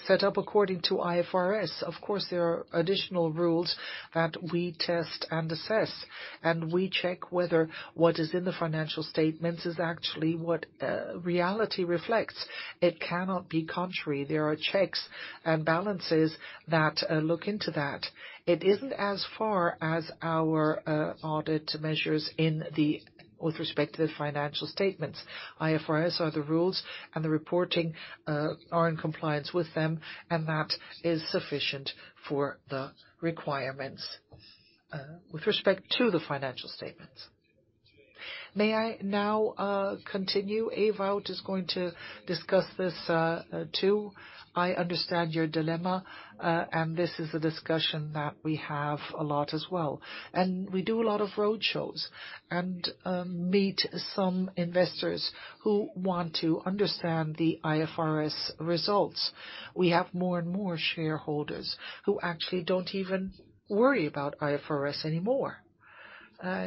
set up according to IFRS. Of course, there are additional rules that we test and assess, and we check whether what is in the financial statements is actually what reality reflects. It cannot be contrary. There are checks and balances that look into that. It isn't as far as our audit measures with respect to the financial statements. IFRS are the rules, and the reporting are in compliance with them, and that is sufficient for the requirements with respect to the financial statements. May I now continue? Ewout is going to discuss this too. I understand your dilemma, and this is a discussion that we have a lot as well. We do a lot of roadshows and meet some investors who want to understand the IFRS results. We have more and more shareholders who actually don't even worry about IFRS anymore.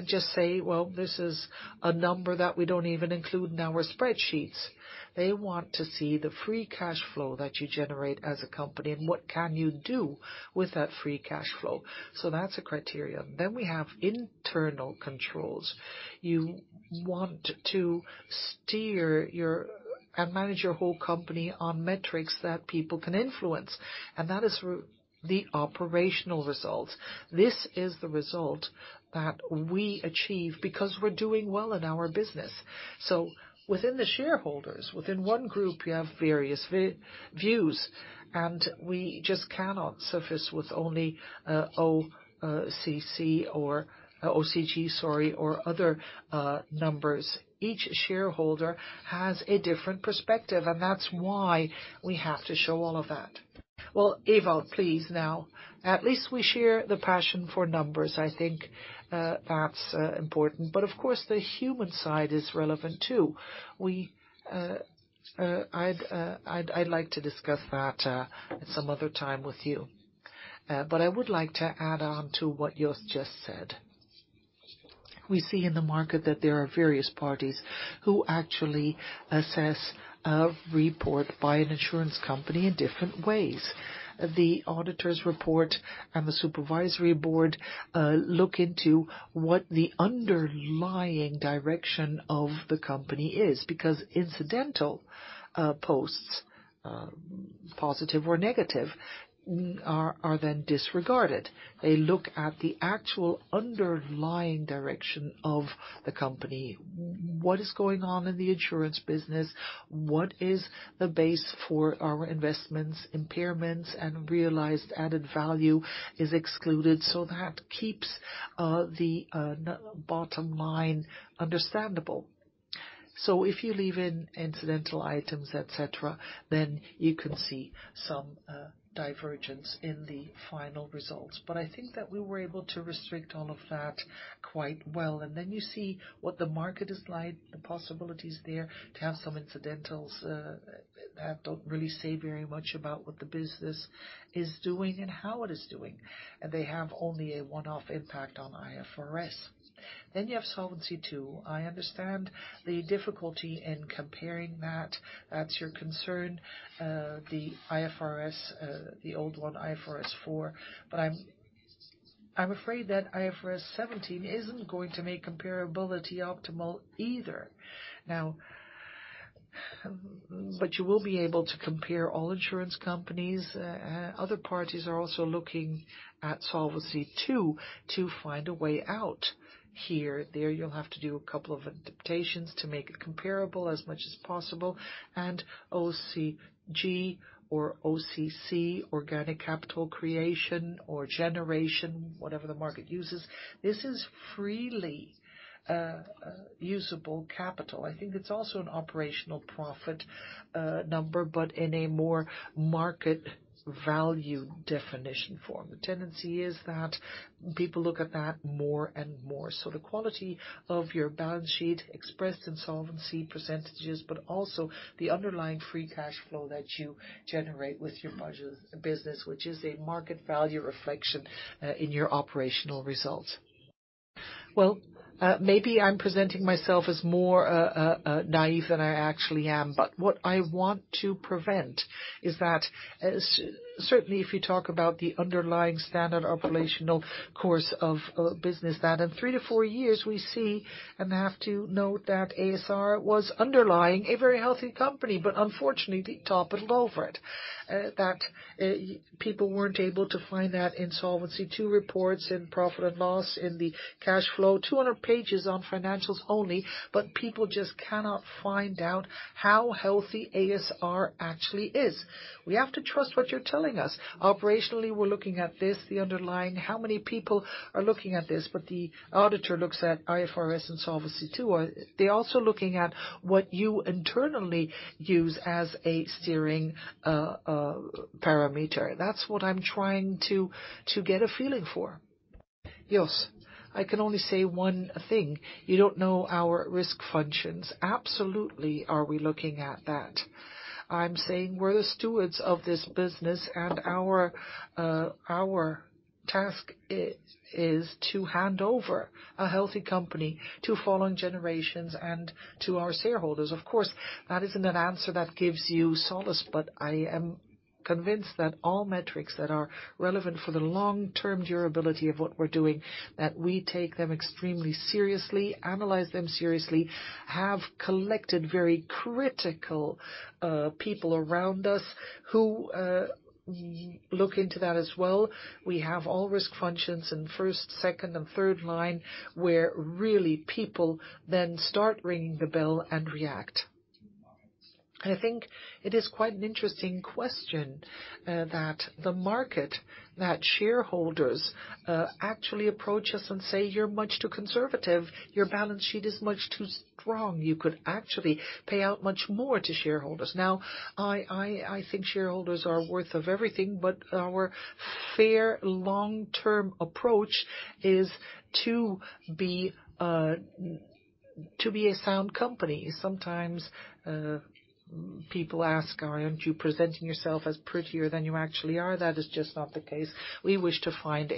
Just say, "Well, this is a number that we don't even include in our spreadsheets." They want to see the free cash flow that you generate as a company and what can you do with that free cash flow. That's a criterion. Then we have internal controls. You want to steer your- manage your whole company on metrics that people can influence, and that is through the operational results. This is the result that we achieve because we're doing well in our business. Within the shareholders, within one group, you have various views, and we just cannot suffice with only OCC or OCG, sorry, or other numbers. Each shareholder has a different perspective, and that's why we have to show all of that. Well, Ewout, please now. At least we share the passion for numbers. I think that's important. Of course, the human side is relevant too. I'd like to discuss that some other time with you. I would like to add on to what Jos just said. We see in the market that there are various parties who actually assess a report by an insurance company in different ways. The auditor's report and the supervisory board look into what the underlying direction of the company is. Because incidental posts, positive or negative, are then disregarded. They look at the actual underlying direction of the company. What is going on in the insurance business? What is the base for our investments, impairments, and realized added value is excluded. That keeps the bottom line understandable. If you leave in incidental items, et cetera, then you can see some divergence in the final results. I think that we were able to restrict all of that quite well. You see what the market is like, the possibilities there to have some incidentals that don't really say very much about what the business is doing and how it is doing. They have only a one-off impact on IFRS. You have Solvency II. I understand the difficulty in comparing that. That's your concern. The IFRS, the old one, IFRS 4. But I'm afraid that IFRS 17 isn't going to make comparability optimal either. Now, but you will be able to compare all insurance companies. Other parties are also looking at Solvency II to find a way out here. There, you'll have to do a couple of adaptations to make it comparable as much as possible. OCG or OCC, organic capital creation or generation, whatever the market uses, this is freely usable capital. I think it's also an operational profit, number, but in a more market value definition form. The tendency is that people look at that more and more. The quality of your balance sheet expressed in solvency percentages, but also the underlying free cash flow that you generate with your budget business, which is a market value reflection, in your operational results. Well, maybe I'm presenting myself as more, naive than I actually am. What I want to prevent is that, certainly, if you talk about the underlying standard operational course of, business, that in three to four years, we see and have to note that a.s.r. was underlying a very healthy company. Unfortunately, the top is over it. People weren't able to find that in Solvency II reports, in profit and loss, in the cash flow. 200 pages on financials only, but people just cannot find out how healthy a.s.r. actually is. We have to trust what you're telling us. Operationally, we're looking at this, the underlying, how many people are looking at this. The auditor looks at IFRS and Solvency II. Are they also looking at what you internally use as a steering parameter? That's what I'm trying to get a feeling for. Jos. I can only say one thing. You don't know our risk functions. Absolutely, are we looking at that. I'm saying we're the stewards of this business, and our task is to hand over a healthy company to following generations and to our shareholders. Of course, that isn't an answer that gives you solace, but I am convinced that all metrics that are relevant for the long-term durability of what we're doing, that we take them extremely seriously, analyze them seriously, have collected very critical people around us who look into that as well. We have all risk functions in first, second, and third line, where really people then start ringing the bell and react. I think it is quite an interesting question that the market, that shareholders actually approach us and say, "You're much too conservative. Your balance sheet is much too strong. You could actually pay out much more to shareholders." Now, I think shareholders are worthy of everything, but our firm long-term approach is to be a sound company. Sometimes, people ask, "Aren't you presenting yourself as prettier than you actually are?" That is just not the case. We wish to find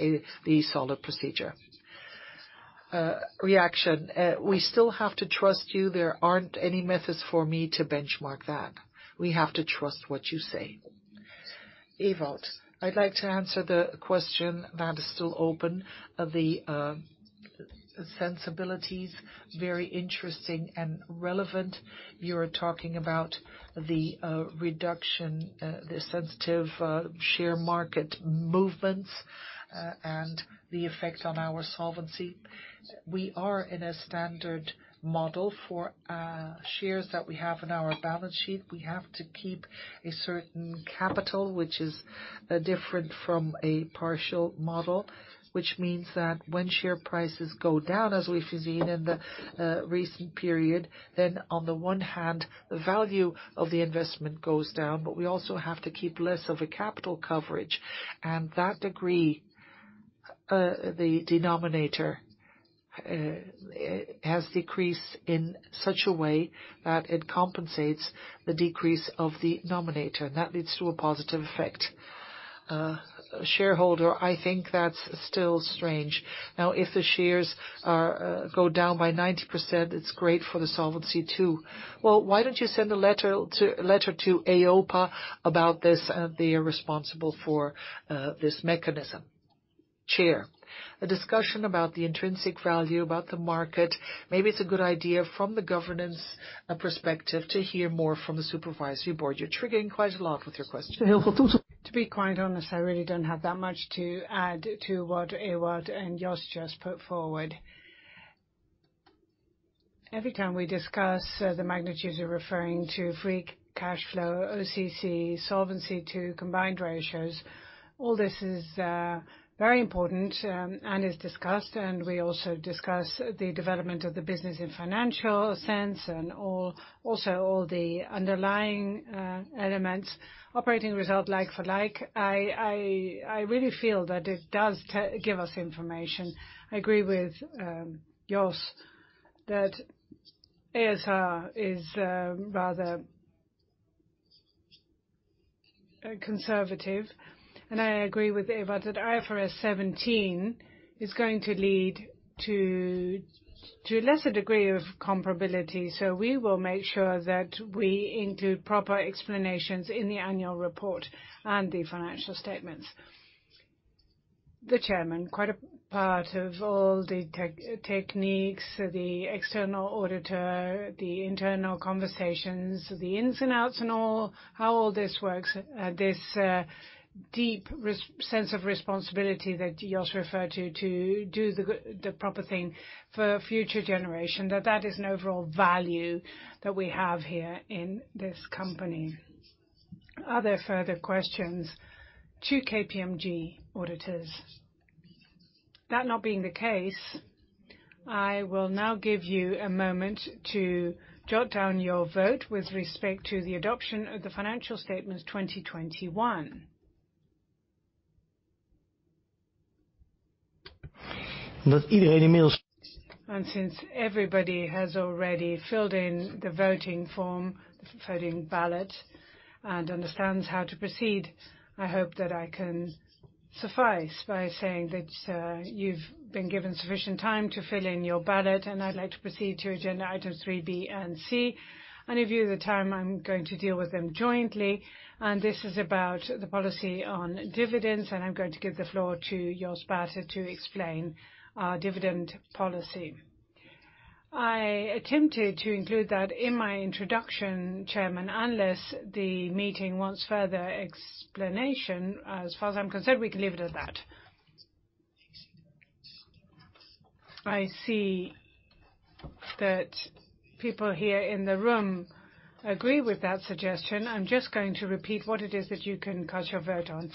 the solid procedure. We still have to trust you. There aren't any methods for me to benchmark that. We have to trust what you say. Ewout. I'd like to answer the question that is still open of the sensitivities. Very interesting and relevant. You're talking about the reduction, the sensitive share market movements, and the effect on our solvency. We are in a standard model for shares that we have in our balance sheet. We have to keep a certain capital, which is different from a partial model, which means that when share prices go down, as we've seen in the recent period, then on the one hand, the value of the investment goes down, but we also have to keep less of a capital coverage. The denominator has decreased in such a way that it compensates the decrease of the numerator, and that leads to a positive effect. Shareholder, I think that's still strange. Now, if the shares go down by 90%, it's great for the Solvency II. Well, why don't you send a letter to EIOPA about this? They are responsible for this mechanism. Chair. A discussion about the intrinsic value, about the market. Maybe it's a good idea from the governance perspective to hear more from the supervisory board. You're triggering quite a lot with your question. To be quite honest, I really don't have that much to add to what Ewout and Jos just put forward. Every time we discuss the magnitudes you're referring to, free cash flow, OCC, Solvency II combined ratios. All this is very important, and is discussed, and we also discuss the development of the business in financial sense and all. Also all the underlying elements operating result like for like. I really feel that it does give us information. I agree with Jos that a.s.r. is rather conservative, and I agree with Ewout that IFRS 17 is going to lead to a lesser degree of comparability. We will make sure that we include proper explanations in the annual report and the financial statements. The chairman, quite a part of all the techniques, the external auditor, the internal conversations, the ins and outs and all, how all this works, this deep sense of responsibility that Jos referred to do the proper thing for future generation, that is an overall value that we have here in this company. Are there further questions to KPMG auditors? That not being the case, I will now give you a moment to jot down your vote with respect to the adoption of the financial statements 2021. Since everybody has already filled in the voting form, the voting ballot, and understands how to proceed, I hope that I can suffice by saying that, you've been given sufficient time to fill in your ballot, and I'd like to proceed to agenda item 3b and 3c. In view of the time, I'm going to deal with them jointly. This is about the policy on dividends, and I'm going to give the floor to Jos Baeten to explain our dividend policy. I attempted to include that in my introduction, Chairman, unless the meeting wants further explanation. As far as I'm concerned, we can leave it at that. I see that people here in the room agree with that suggestion. I'm just going to repeat what it is that you can cast your vote on.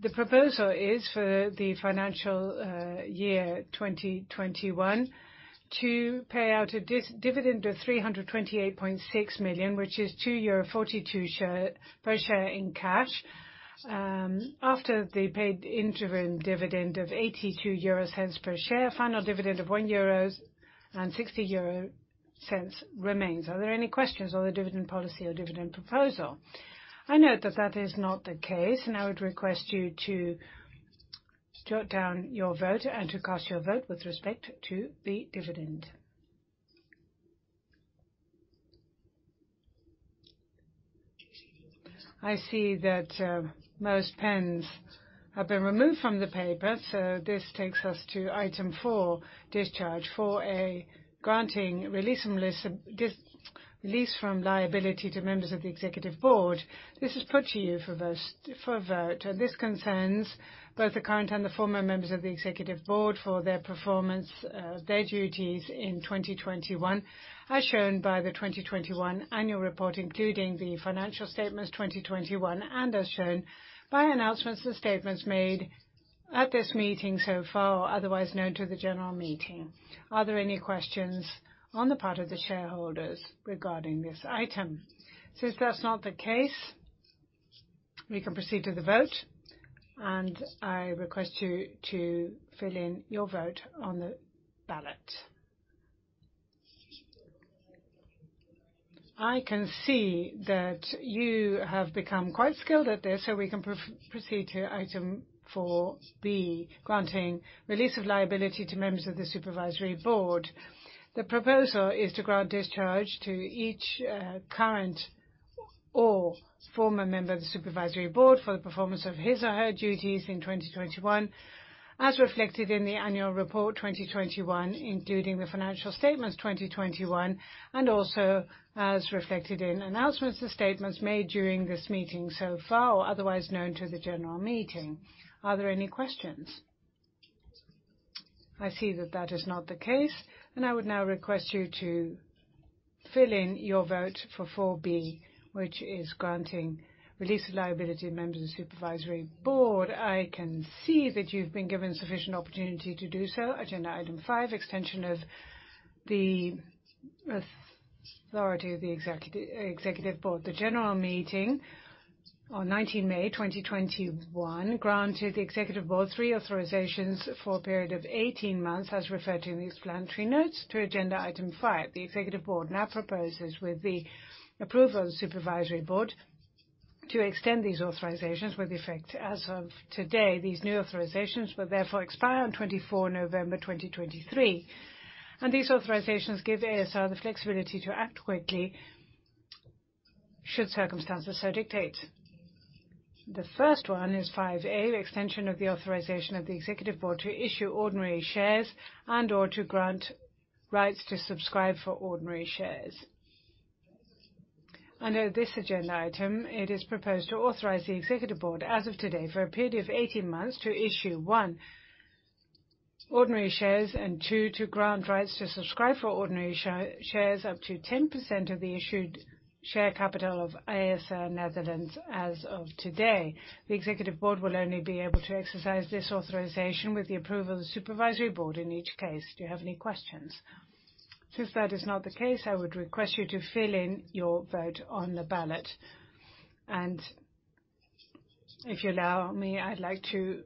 The proposal is for the financial year 2021 to pay out a dividend of 328.6 million, which is 2.42 euro per share in cash. After the paid interim dividend of 0.82 per share, final dividend of 1.60 euro remains. Are there any questions on the dividend policy or dividend proposal? I note that is not the case, and I would request you to jot down your vote and to cast your vote with respect to the dividend. I see that most pens have been removed from the paper, so this takes us to item four, discharge. 4a, granting release from liability to members of the executive board. This is put to you for vote. This concerns both the current and the former members of the executive board for their performance, their duties in 2021, as shown by the 2021 annual report, including the financial statements 2021, and as shown by announcements and statements made at this meeting so far, otherwise known to the general meeting. Are there any questions on the part of the shareholders regarding this item? Since that's not the case, we can proceed to the vote, and I request you to fill in your vote on the ballot. I can see that you have become quite skilled at this, so we can proceed to item 4b, granting release of liability to members of the supervisory board. The proposal is to grant discharge to each current or former member of the supervisory board for the performance of his or her duties in 2021, as reflected in the annual report 2021, including the financial statements 2021, and also as reflected in announcements and statements made during this meeting so far or otherwise known to the general meeting. Are there any questions? I see that is not the case, and I would now request you to fill in your vote for 4b, which is granting release of liability to members of the Supervisory Board. I can see that you've been given sufficient opportunity to do so. Agenda item five, extension of the authority of the Executive Board. The General Meeting on 19 May 2021 granted the Executive Board three authorizations for a period of 18 months, as referred to in the explanatory notes to agenda item five. The Executive Board now proposes with the approval of the Supervisory Board to extend these authorizations with effect as of today. These new authorizations will therefore expire on 24 November 2023. These authorizations give a.s.r. the flexibility to act quickly should circumstances so dictate. The first one is 5a, extension of the authorization of the executive board to issue ordinary shares and/or to grant rights to subscribe for ordinary shares. Under this agenda item, it is proposed to authorize the executive board as of today for a period of 18 months to issue, one, ordinary shares, and two, to grant rights to subscribe for ordinary shares up to 10% of the issued share capital of a.s.r. Nederland as of today. The executive board will only be able to exercise this authorization with the approval of the supervisory board in each case. Do you have any questions? Since that is not the case, I would request you to fill in your vote on the ballot. If you allow me, I'd like to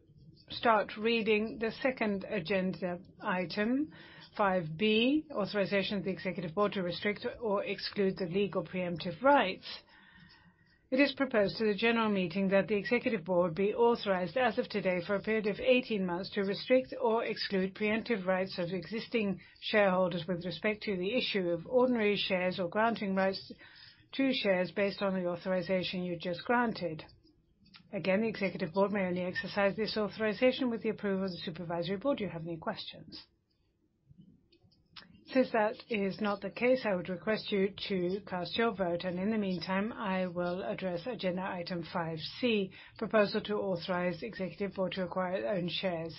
start reading the second agenda item, 5b: authorization of the executive board to restrict or exclude the legal preemptive rights. It is proposed to the General Meeting that the Executive Board be authorized as of today for a period of 18 months to restrict or exclude preemptive rights of existing shareholders with respect to the issue of ordinary shares or granting rights to shares based on the authorization you just granted. Again, the Executive Board may only exercise this authorization with the approval of the Supervisory Board. Do you have any questions? Since that is not the case, I would request you to cast your vote, and in the meantime, I will address agenda item 5c: proposal to authorize Executive Board to acquire own shares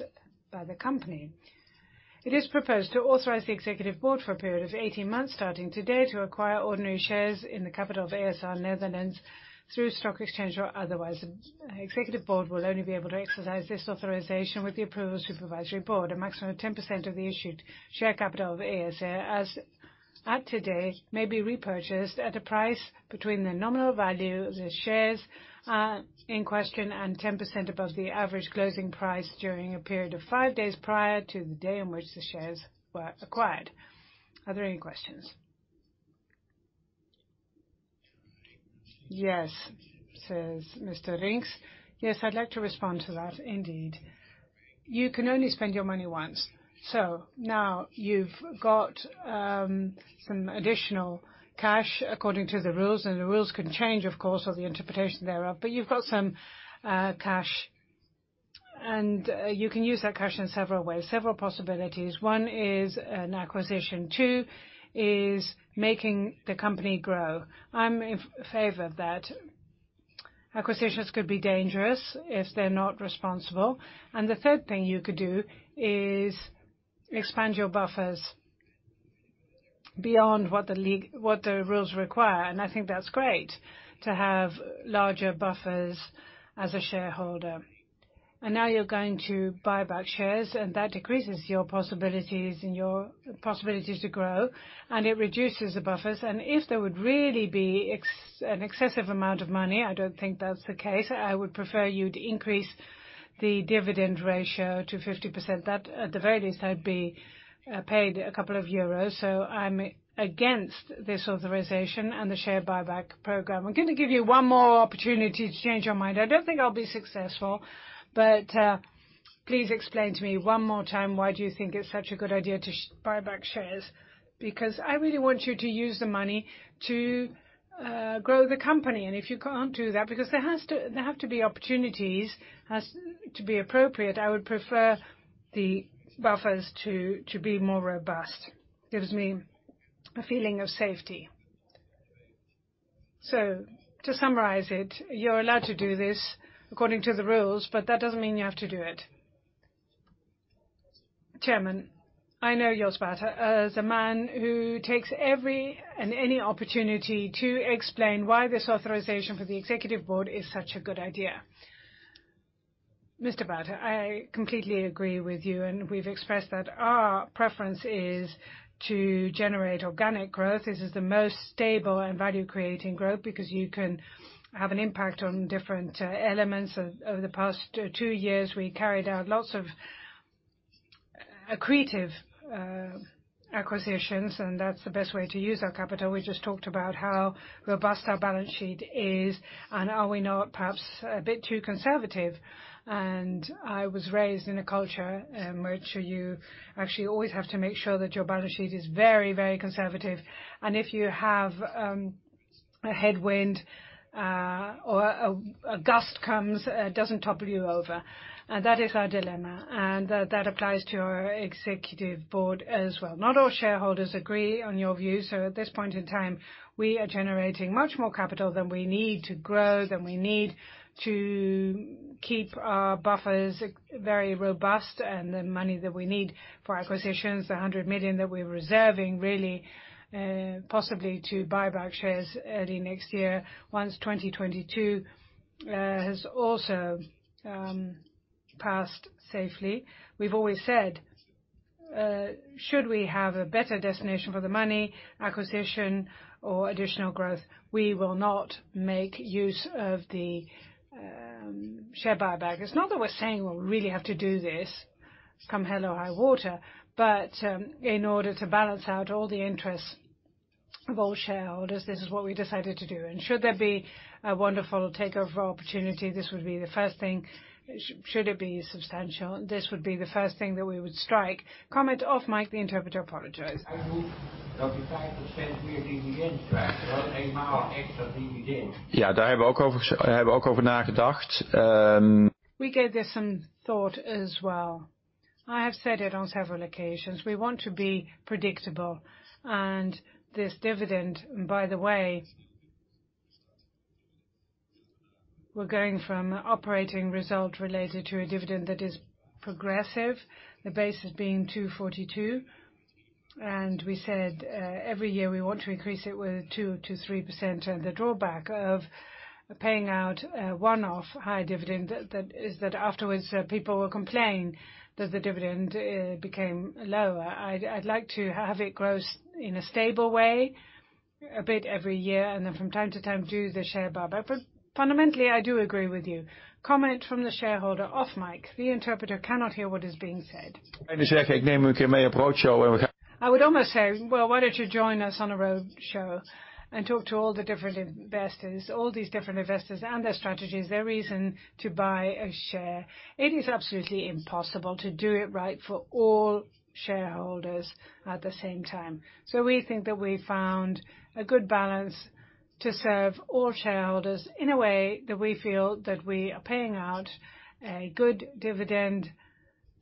by the company. It is proposed to authorize the Executive Board for a period of 18 months, starting today, to acquire ordinary shares in the capital of a.s.r. Nederland through stock exchange or otherwise. Executive Board will only be able to exercise this authorization with the approval of Supervisory Board. A maximum of 10% of the issued share capital of a.s.r. as at today may be repurchased at a price between the nominal value of the shares in question and 10% above the average closing price during a period of five days prior to the day on which the shares were acquired. Are there any questions? Yes, says Mr. Reijns. Yes, I'd like to respond to that indeed. You can only spend your money once. Now you've got some additional cash according to the rules, and the rules can change, of course, or the interpretation thereof. You've got some cash, and you can use that cash in several ways, several possibilities. One is an acquisition. Two is making the company grow. I'm in favor of that. Acquisitions could be dangerous if they're not responsible. The third thing you could do is expand your buffers beyond what the rules require, and I think that's great to have larger buffers as a shareholder. Now you're going to buy back shares and that decreases your possibilities to grow, and it reduces the buffers. If there would really be an excessive amount of money, I don't think that's the case, I would prefer you to increase the dividend ratio to 50%. That at the very least I'd be paid a couple of euros. I'm against this authorization and the share buyback program. I'm gonna give you one more opportunity to change your mind. I don't think I'll be successful, but please explain to me one more time, why do you think it's such a good idea to buy back shares? Because I really want you to use the money to grow the company, and if you can't do that, because there have to be opportunities, has to be appropriate. I would prefer the buffers to be more robust. Gives me a feeling of safety. To summarize it, you're allowed to do this according to the rules, but that doesn't mean you have to do it. Chairman, I know Jos Baeten as a man who takes every and any opportunity to explain why this authorization for the executive board is such a good idea. Mr. Baeten, I completely agree with you, and we've expressed that our preference is to generate organic growth. This is the most stable and value-creating growth because you can have an impact on different elements. Over the past two years, we carried out lots of accretive acquisitions, and that's the best way to use our capital. We just talked about how robust our balance sheet is, and we know it perhaps a bit too conservative. I was raised in a culture in which you actually always have to make sure that your balance sheet is very, very conservative, and if you have a headwind or a gust comes, it doesn't topple you over. That is our dilemma. That applies to our executive board as well. Not all shareholders agree on your view, so at this point in time, we are generating much more capital than we need to grow, than we need to keep our buffers very robust and the money that we need for acquisitions, the 100 million that we're reserving really, possibly to buy back shares early next year, once 2022 has also passed safely. We've always said, should we have a better destination for the money, acquisition or additional growth, we will not make use of the share buyback. It's not that we're saying we really have to do this come hell or high water, but in order to balance out all the interests of all shareholders, this is what we decided to do. Should there be a wonderful takeover opportunity, this would be the first thing. Should it be substantial, this would be the first thing that we would strike. Comment off mic, the interpreter apologizes. We gave this some thought as well. I have said it on several occasions, we want to be predictable. This dividend, by the way, we're going from operating result related to a dividend that is progressive. The base has been 242, and we said, every year we want to increase it with 2%-3%. The drawback of paying out a one-off high dividend, that is that afterwards people will complain that the dividend became lower. I'd like to have it grow in a stable way a bit every year, and then from time to time, do the share buyback. Fundamentally, I do agree with you. Comment from the shareholder off mic. The interpreter cannot hear what is being said. I would almost say, well, why don't you join us on a roadshow and talk to all the different investors, all these different investors and their strategies, their reason to buy a share. It is absolutely impossible to do it right for all shareholders at the same time. We think that we found a good balance to serve all shareholders in a way that we feel that we are paying out a good dividend.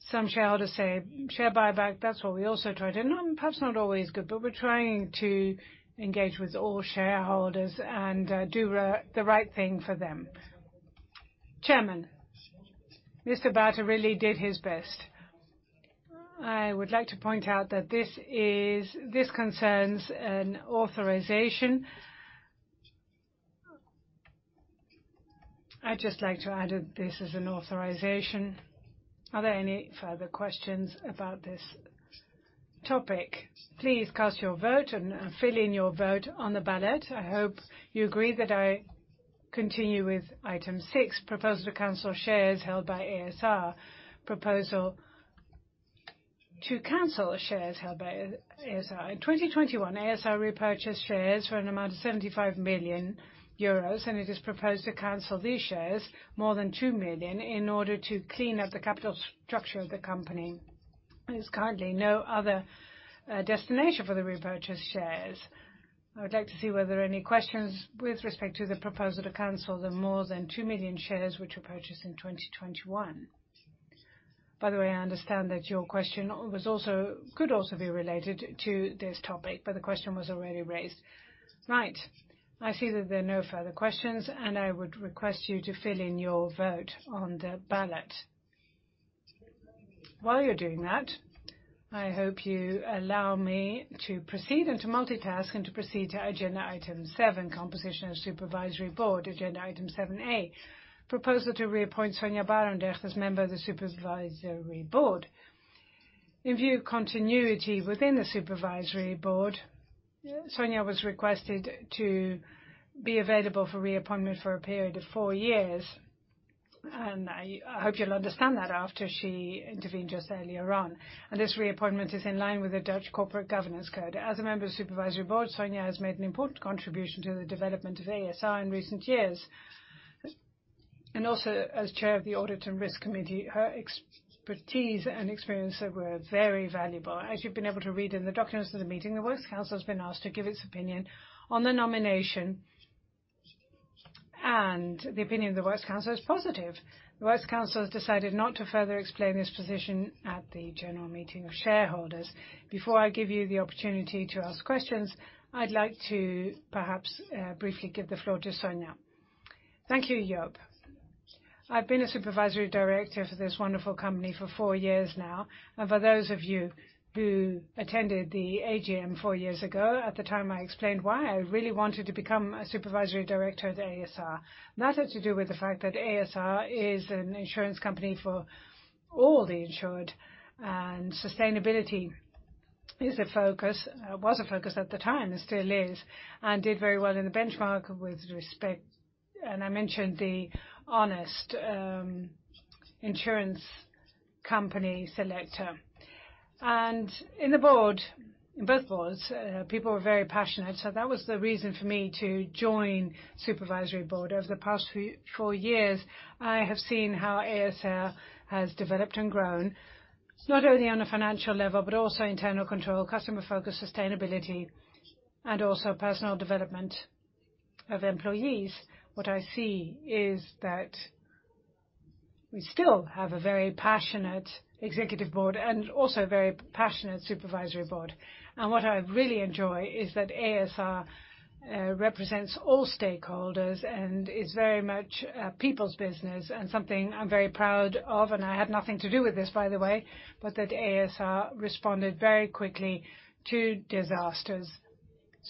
Some shareholders say share buyback. That's what we also try to. Perhaps not always good, but we're trying to engage with all shareholders and do the right thing for them. Chairman. Mr. Baeten really did his best. I would like to point out that this concerns an authorization. I'd just like to add that this is an authorization. Are there any further questions about this topic? Please cast your vote and fill in your vote on the ballot. I hope you agree that I continue with item six, proposal to cancel shares held by a.s.r. Proposal to cancel shares held by a.s.r. In 2021, a.s.r. repurchased shares for an amount of 75 million euros, and it is proposed to cancel these shares, more than 2 million, in order to clean up the capital structure of the company. There's currently no other destination for the repurchased shares. I would like to see were there any questions with respect to the proposal to cancel the more than 2 million shares which were purchased in 2021. By the way, I understand that your question was also could also be related to this topic, but the question was already raised. Right. I see that there are no further questions, and I would request you to fill in your vote on the ballot. While you're doing that, I hope you allow me to proceed and to multitask and to proceed to agenda item seven, Composition Supervisory Board. Agenda item seven A. Proposal to reappoint Sonja Barendregt as member of the Supervisory Board. In view continuity within the Supervisory Board, Sonja was requested to be available for reappointment for a period of four years. I hope you'll understand that after she intervened just earlier on. This reappointment is in line with the Dutch Corporate Governance Code. As a member of the Supervisory Board, Sonja has made an important contribution to the development of a.s.r. in recent years. Also as Chair of the Audit and Risk Committee, her expertise and experience were very valuable. As you've been able to read in the documents of the meeting, the Works Council has been asked to give its opinion on the nomination, and the opinion of the Works Council is positive. The Works Council has decided not to further explain its position at the annual meeting of shareholders. Before I give you the opportunity to ask questions, I'd like to perhaps briefly give the floor to Sonja. Thank you, Joop. I've been a supervisory director for this wonderful company for four years now. For those of you who attended the AGM four years ago, at the time, I explained why I really wanted to become a supervisory director at a.s.r. That had to do with the fact that a.s.r. is an insurance company for all the insured, and sustainability is a focus. Was a focus at the time and still is, and did very well in the benchmark with respect. I mentioned the honest insurance company selector. In the board, in both boards, people were very passionate. That was the reason for me to join supervisory board. Over the past four years, I have seen how a.s.r. has developed and grown, not only on a financial level, but also internal control, customer focus, sustainability, and also personal development of employees. What I see is that we still have a very passionate executive board and also a very passionate supervisory board. What I really enjoy is that a.s.r. represents all stakeholders and is very much a people's business and something I'm very proud of. I had nothing to do with this, by the way, but that a.s.r. responded very quickly to disasters.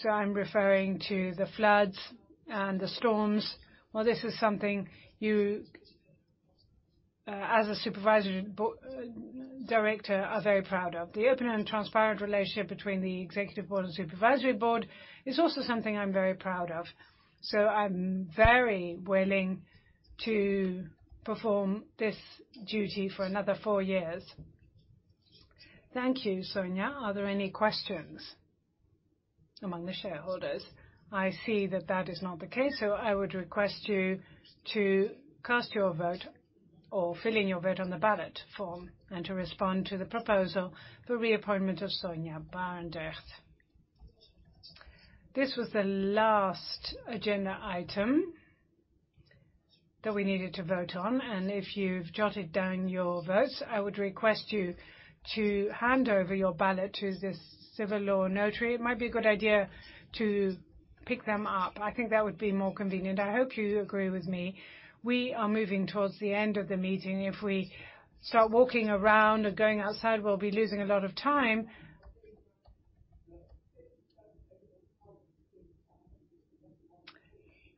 I'm referring to the floods and the storms. This is something you, as a supervisory director, are very proud of. The open and transparent relationship between the executive board and supervisory board is also something I'm very proud of. I'm very willing to perform this duty for another four years. Thank you, Sonja. Are there any questions among the shareholders? I see that that is not the case. I would request you to cast your vote or fill in your vote on the ballot form and to respond to the proposal for reappointment of Sonja Barendregt. This was the last agenda item that we needed to vote on. If you've jotted down your votes, I would request you to hand over your ballot to this civil law notary. It might be a good idea to pick them up. I think that would be more convenient. I hope you agree with me. We are moving towards the end of the meeting. If we start walking around or going outside, we'll be losing a lot of time.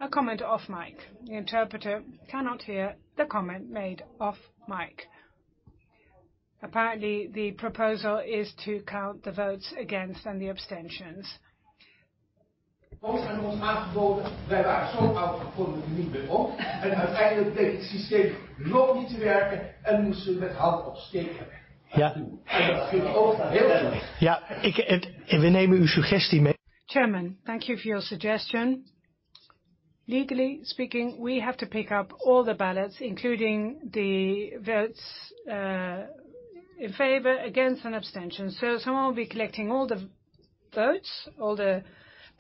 A comment off mic. The interpreter cannot hear the comment made off mic. Apparently, the proposal is to count the votes against and the abstentions. Chairman, thank you for your suggestion. Legally speaking, we have to pick up all the ballots, including the votes in favor, against, and abstention. Someone will be collecting all the votes, all the ballots,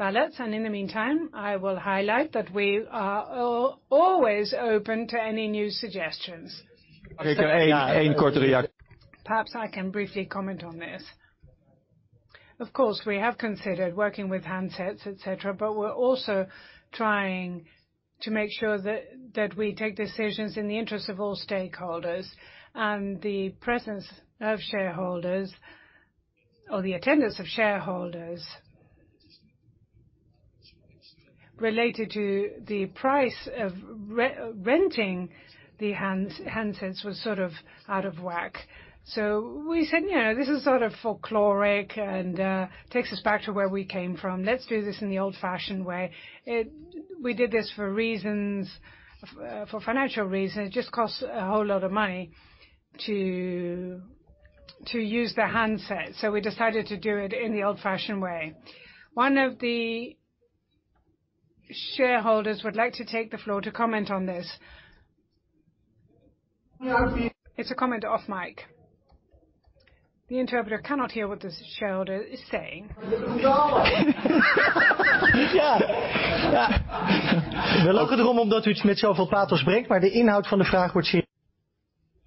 and in the meantime, I will highlight that we are always open to any new suggestions. Perhaps I can briefly comment on this. Of course, we have considered working with handsets, etc. We're also trying to make sure that we take decisions in the interest of all stakeholders. The presence of shareholders or the attendance of shareholders related to the price of re-renting the handsets was sort of out of whack. We said, "You know, this is sort of folkloric and takes us back to where we came from. Let's do this in the old-fashioned way." We did this for reasons, for financial reasons. It just costs a whole lot of money to use the handsets, so we decided to do it in the old-fashioned way. One of the shareholders would like to take the floor to comment on this. It's a comment off mic. The interpreter cannot hear what the shareholder is saying. We're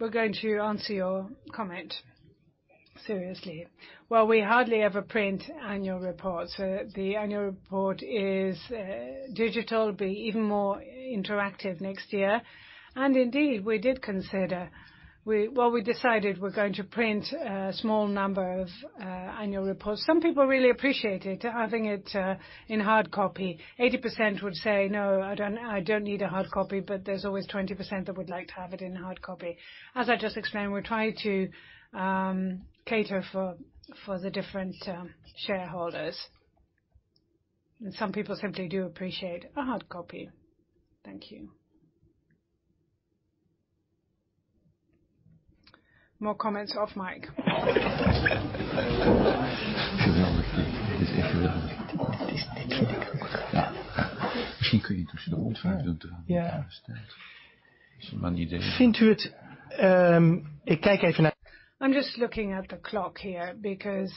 going to answer your comment seriously. Well, we hardly ever print annual reports. The annual report is digital, be even more interactive next year, and indeed, we did consider. Well, we decided we're going to print a small number of annual reports. Some people really appreciate it, having it in hard copy. 80% would say, "No, I don't need a hard copy," but there's always 20% that would like to have it in hard copy. As I just explained, we're trying to cater for the different shareholders. Some people simply do appreciate a hard copy. Thank you. More comments off mic. I'm just looking at the clock here because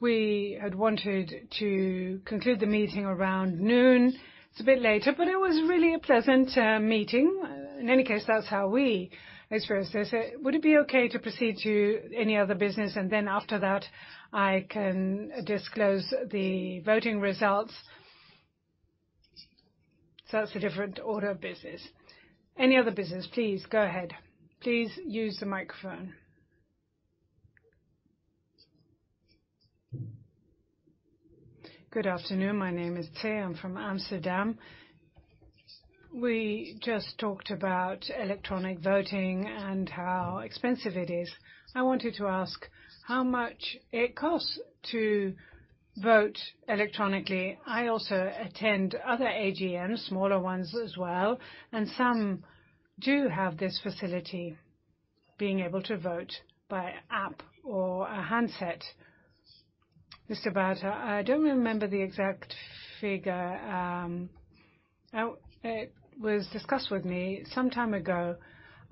we had wanted to conclude the meeting around noon. It's a bit later, but it was really a pleasant meeting. In any case, that's how we experienced this. Would it be okay to proceed to any other business, and then after that, I can disclose the voting results? That's a different order of business. Any other business, please go ahead. Please use the microphone. Good afternoon. My name is Tey. I'm from Amsterdam. We just talked about electronic voting and how expensive it is. I wanted to ask how much it costs to vote electronically. I also attend other AGMs, smaller ones as well, and some do have this facility, being able to vote by app or a handset. Mr. Baeten, I don't remember the exact figure. It was discussed with me some time ago.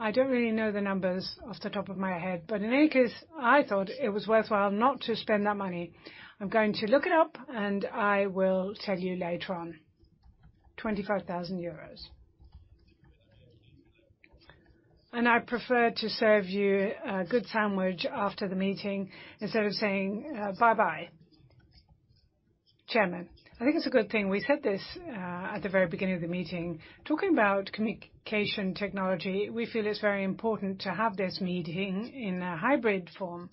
I don't really know the numbers off the top of my head, but in any case, I thought it was worthwhile not to spend that money. I'm going to look it up, and I will tell you later on. 25,000 euros. I prefer to serve you a good sandwich after the meeting instead of saying, bye-bye. Chairman, I think it's a good thing we said this at the very beginning of the meeting. Talking about communication technology, we feel it's very important to have this meeting in a hybrid form,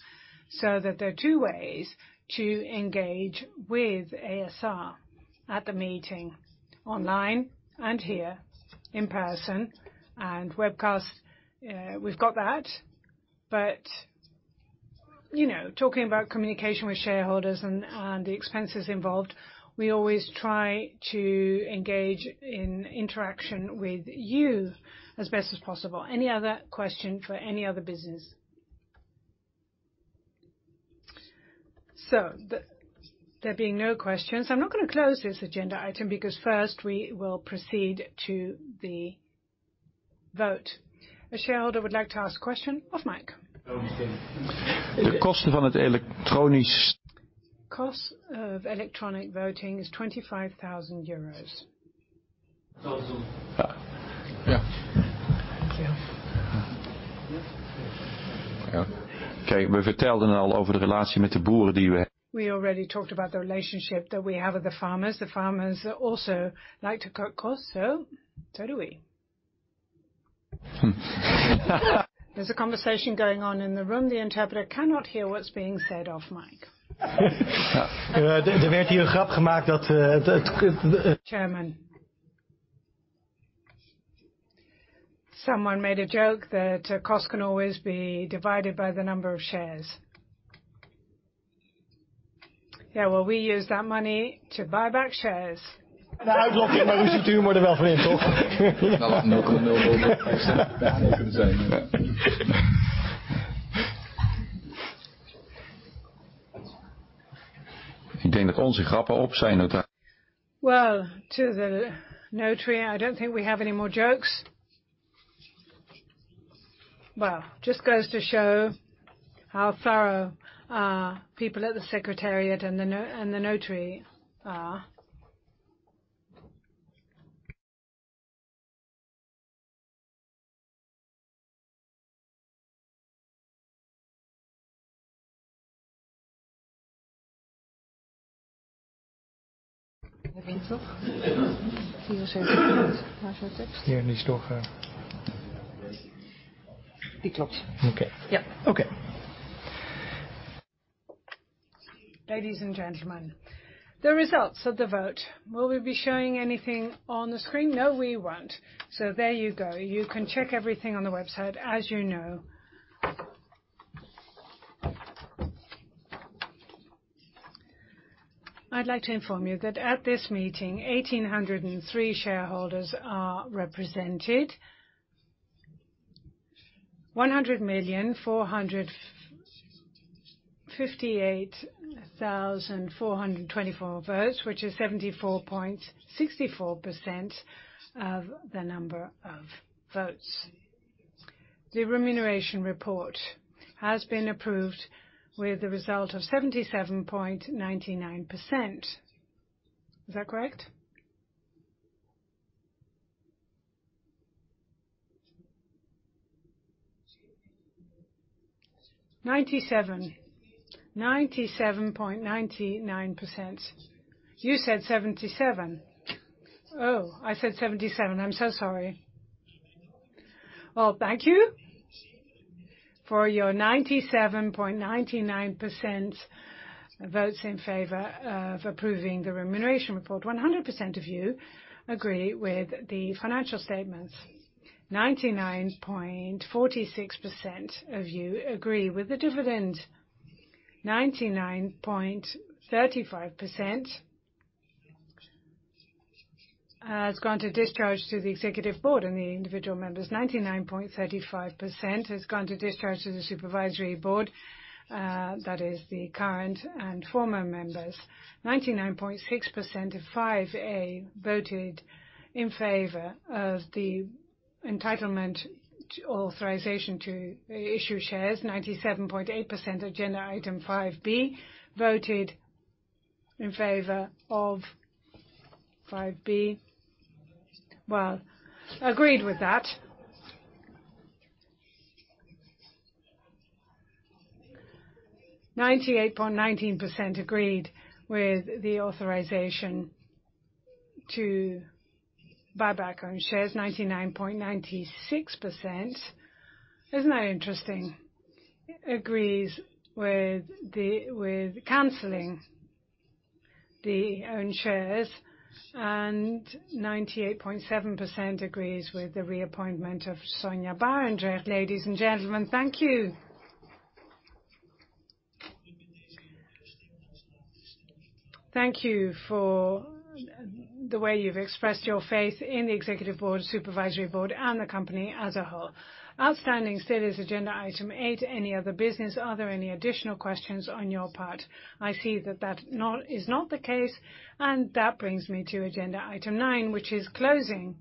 so that there are two ways to engage with a.s.r. at the meeting online and here in person and webcast. We've got that. You know, talking about communication with shareholders and the expenses involved, we always try to engage in interaction with you as best as possible. Any other question for any other business? There being no questions, I'm not gonna close this agenda item because first we will proceed to the vote. A shareholder would like to ask a question off mic. The cost of electronic voting is 25,000 euros. Thank you. We already talked about the relationship that we have with the farmers. The farmers also like to cut costs, so do we. There's a conversation going on in the room. The interpreter cannot hear what's being said off mic. Chairman. Someone made a joke that a cost can always be divided by the number of shares. Yeah, well, we use that money to buy back shares. Well, to the notary, I don't think we have any more jokes. Well, just goes to show how thorough our people at the secretariat and the notary are. Ladies and gentlemen, the results of the vote. Will we be showing anything on the screen? No, we won't. There you go. You can check everything on the website, as you know. I'd like to inform you that at this meeting, 1,803 shareholders are represented. 100,458,424 votes, which is 74.64% of the number of votes. The remuneration report has been approved with the result of 77.99%. Is that correct? 97. 97.99%. You said 77%. Oh, I said 77%. I'm so sorry. Well, thank you for your 97.99% votes in favor of approving the remuneration report. 100% of you agree with the financial statements. 99.46% of you agree with the dividend. 99.35% has gone to discharge to the Executive Board and the individual members. 99.35% has gone to discharge to the Supervisory Board, that is the current and former members. 99.6% of 5A voted in favor of the entitlement authorization to issue shares. 97.8% of agenda item five-B voted in favor of 5b. Well, agreed with that. 98.19% agreed with the authorization to buy back own shares. 99.96%, isn't that interesting? Agrees with canceling the own shares, and 98.7% agrees with the reappointment of Sonja Barendregt. Ladies and gentlemen, thank you. Thank you for the way you've expressed your faith in the Executive Board, Supervisory Board, and the company as a whole. Outstanding. Still there's agenda item eight, any other business. Are there any additional questions on your part? I see that is not the case, and that brings me to agenda item nine, which is closing.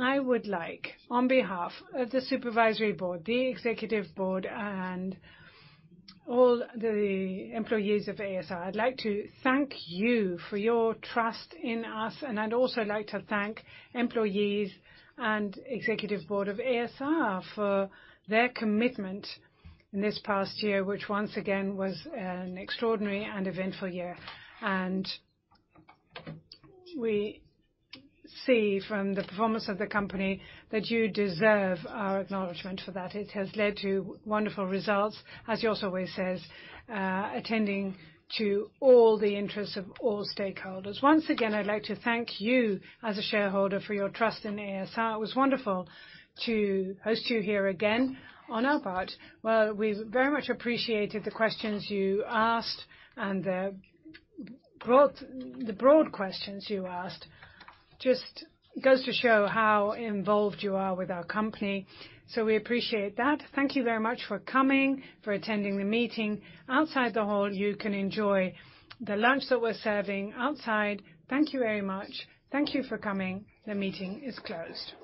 I would like, on behalf of the Supervisory Board, the Executive Board, and all the employees of a.s.r., I'd like to thank you for your trust in us. I'd also like to thank employees and executive board of a.s.r. for their commitment in this past year, which once again, was an extraordinary and eventful year. We see from the performance of the company that you deserve our acknowledgement for that. It has led to wonderful results, as Jos always says, attending to all the interests of all stakeholders. Once again, I'd like to thank you as a shareholder for your trust in a.s.r. It was wonderful to host you here again on our part. Well, we very much appreciated the questions you asked and the broad questions you asked. Just goes to show how involved you are with our company. We appreciate that. Thank you very much for coming, for attending the meeting. Outside the hall, you can enjoy the lunch that we're serving outside. Thank you very much. Thank you for coming. The meeting is closed.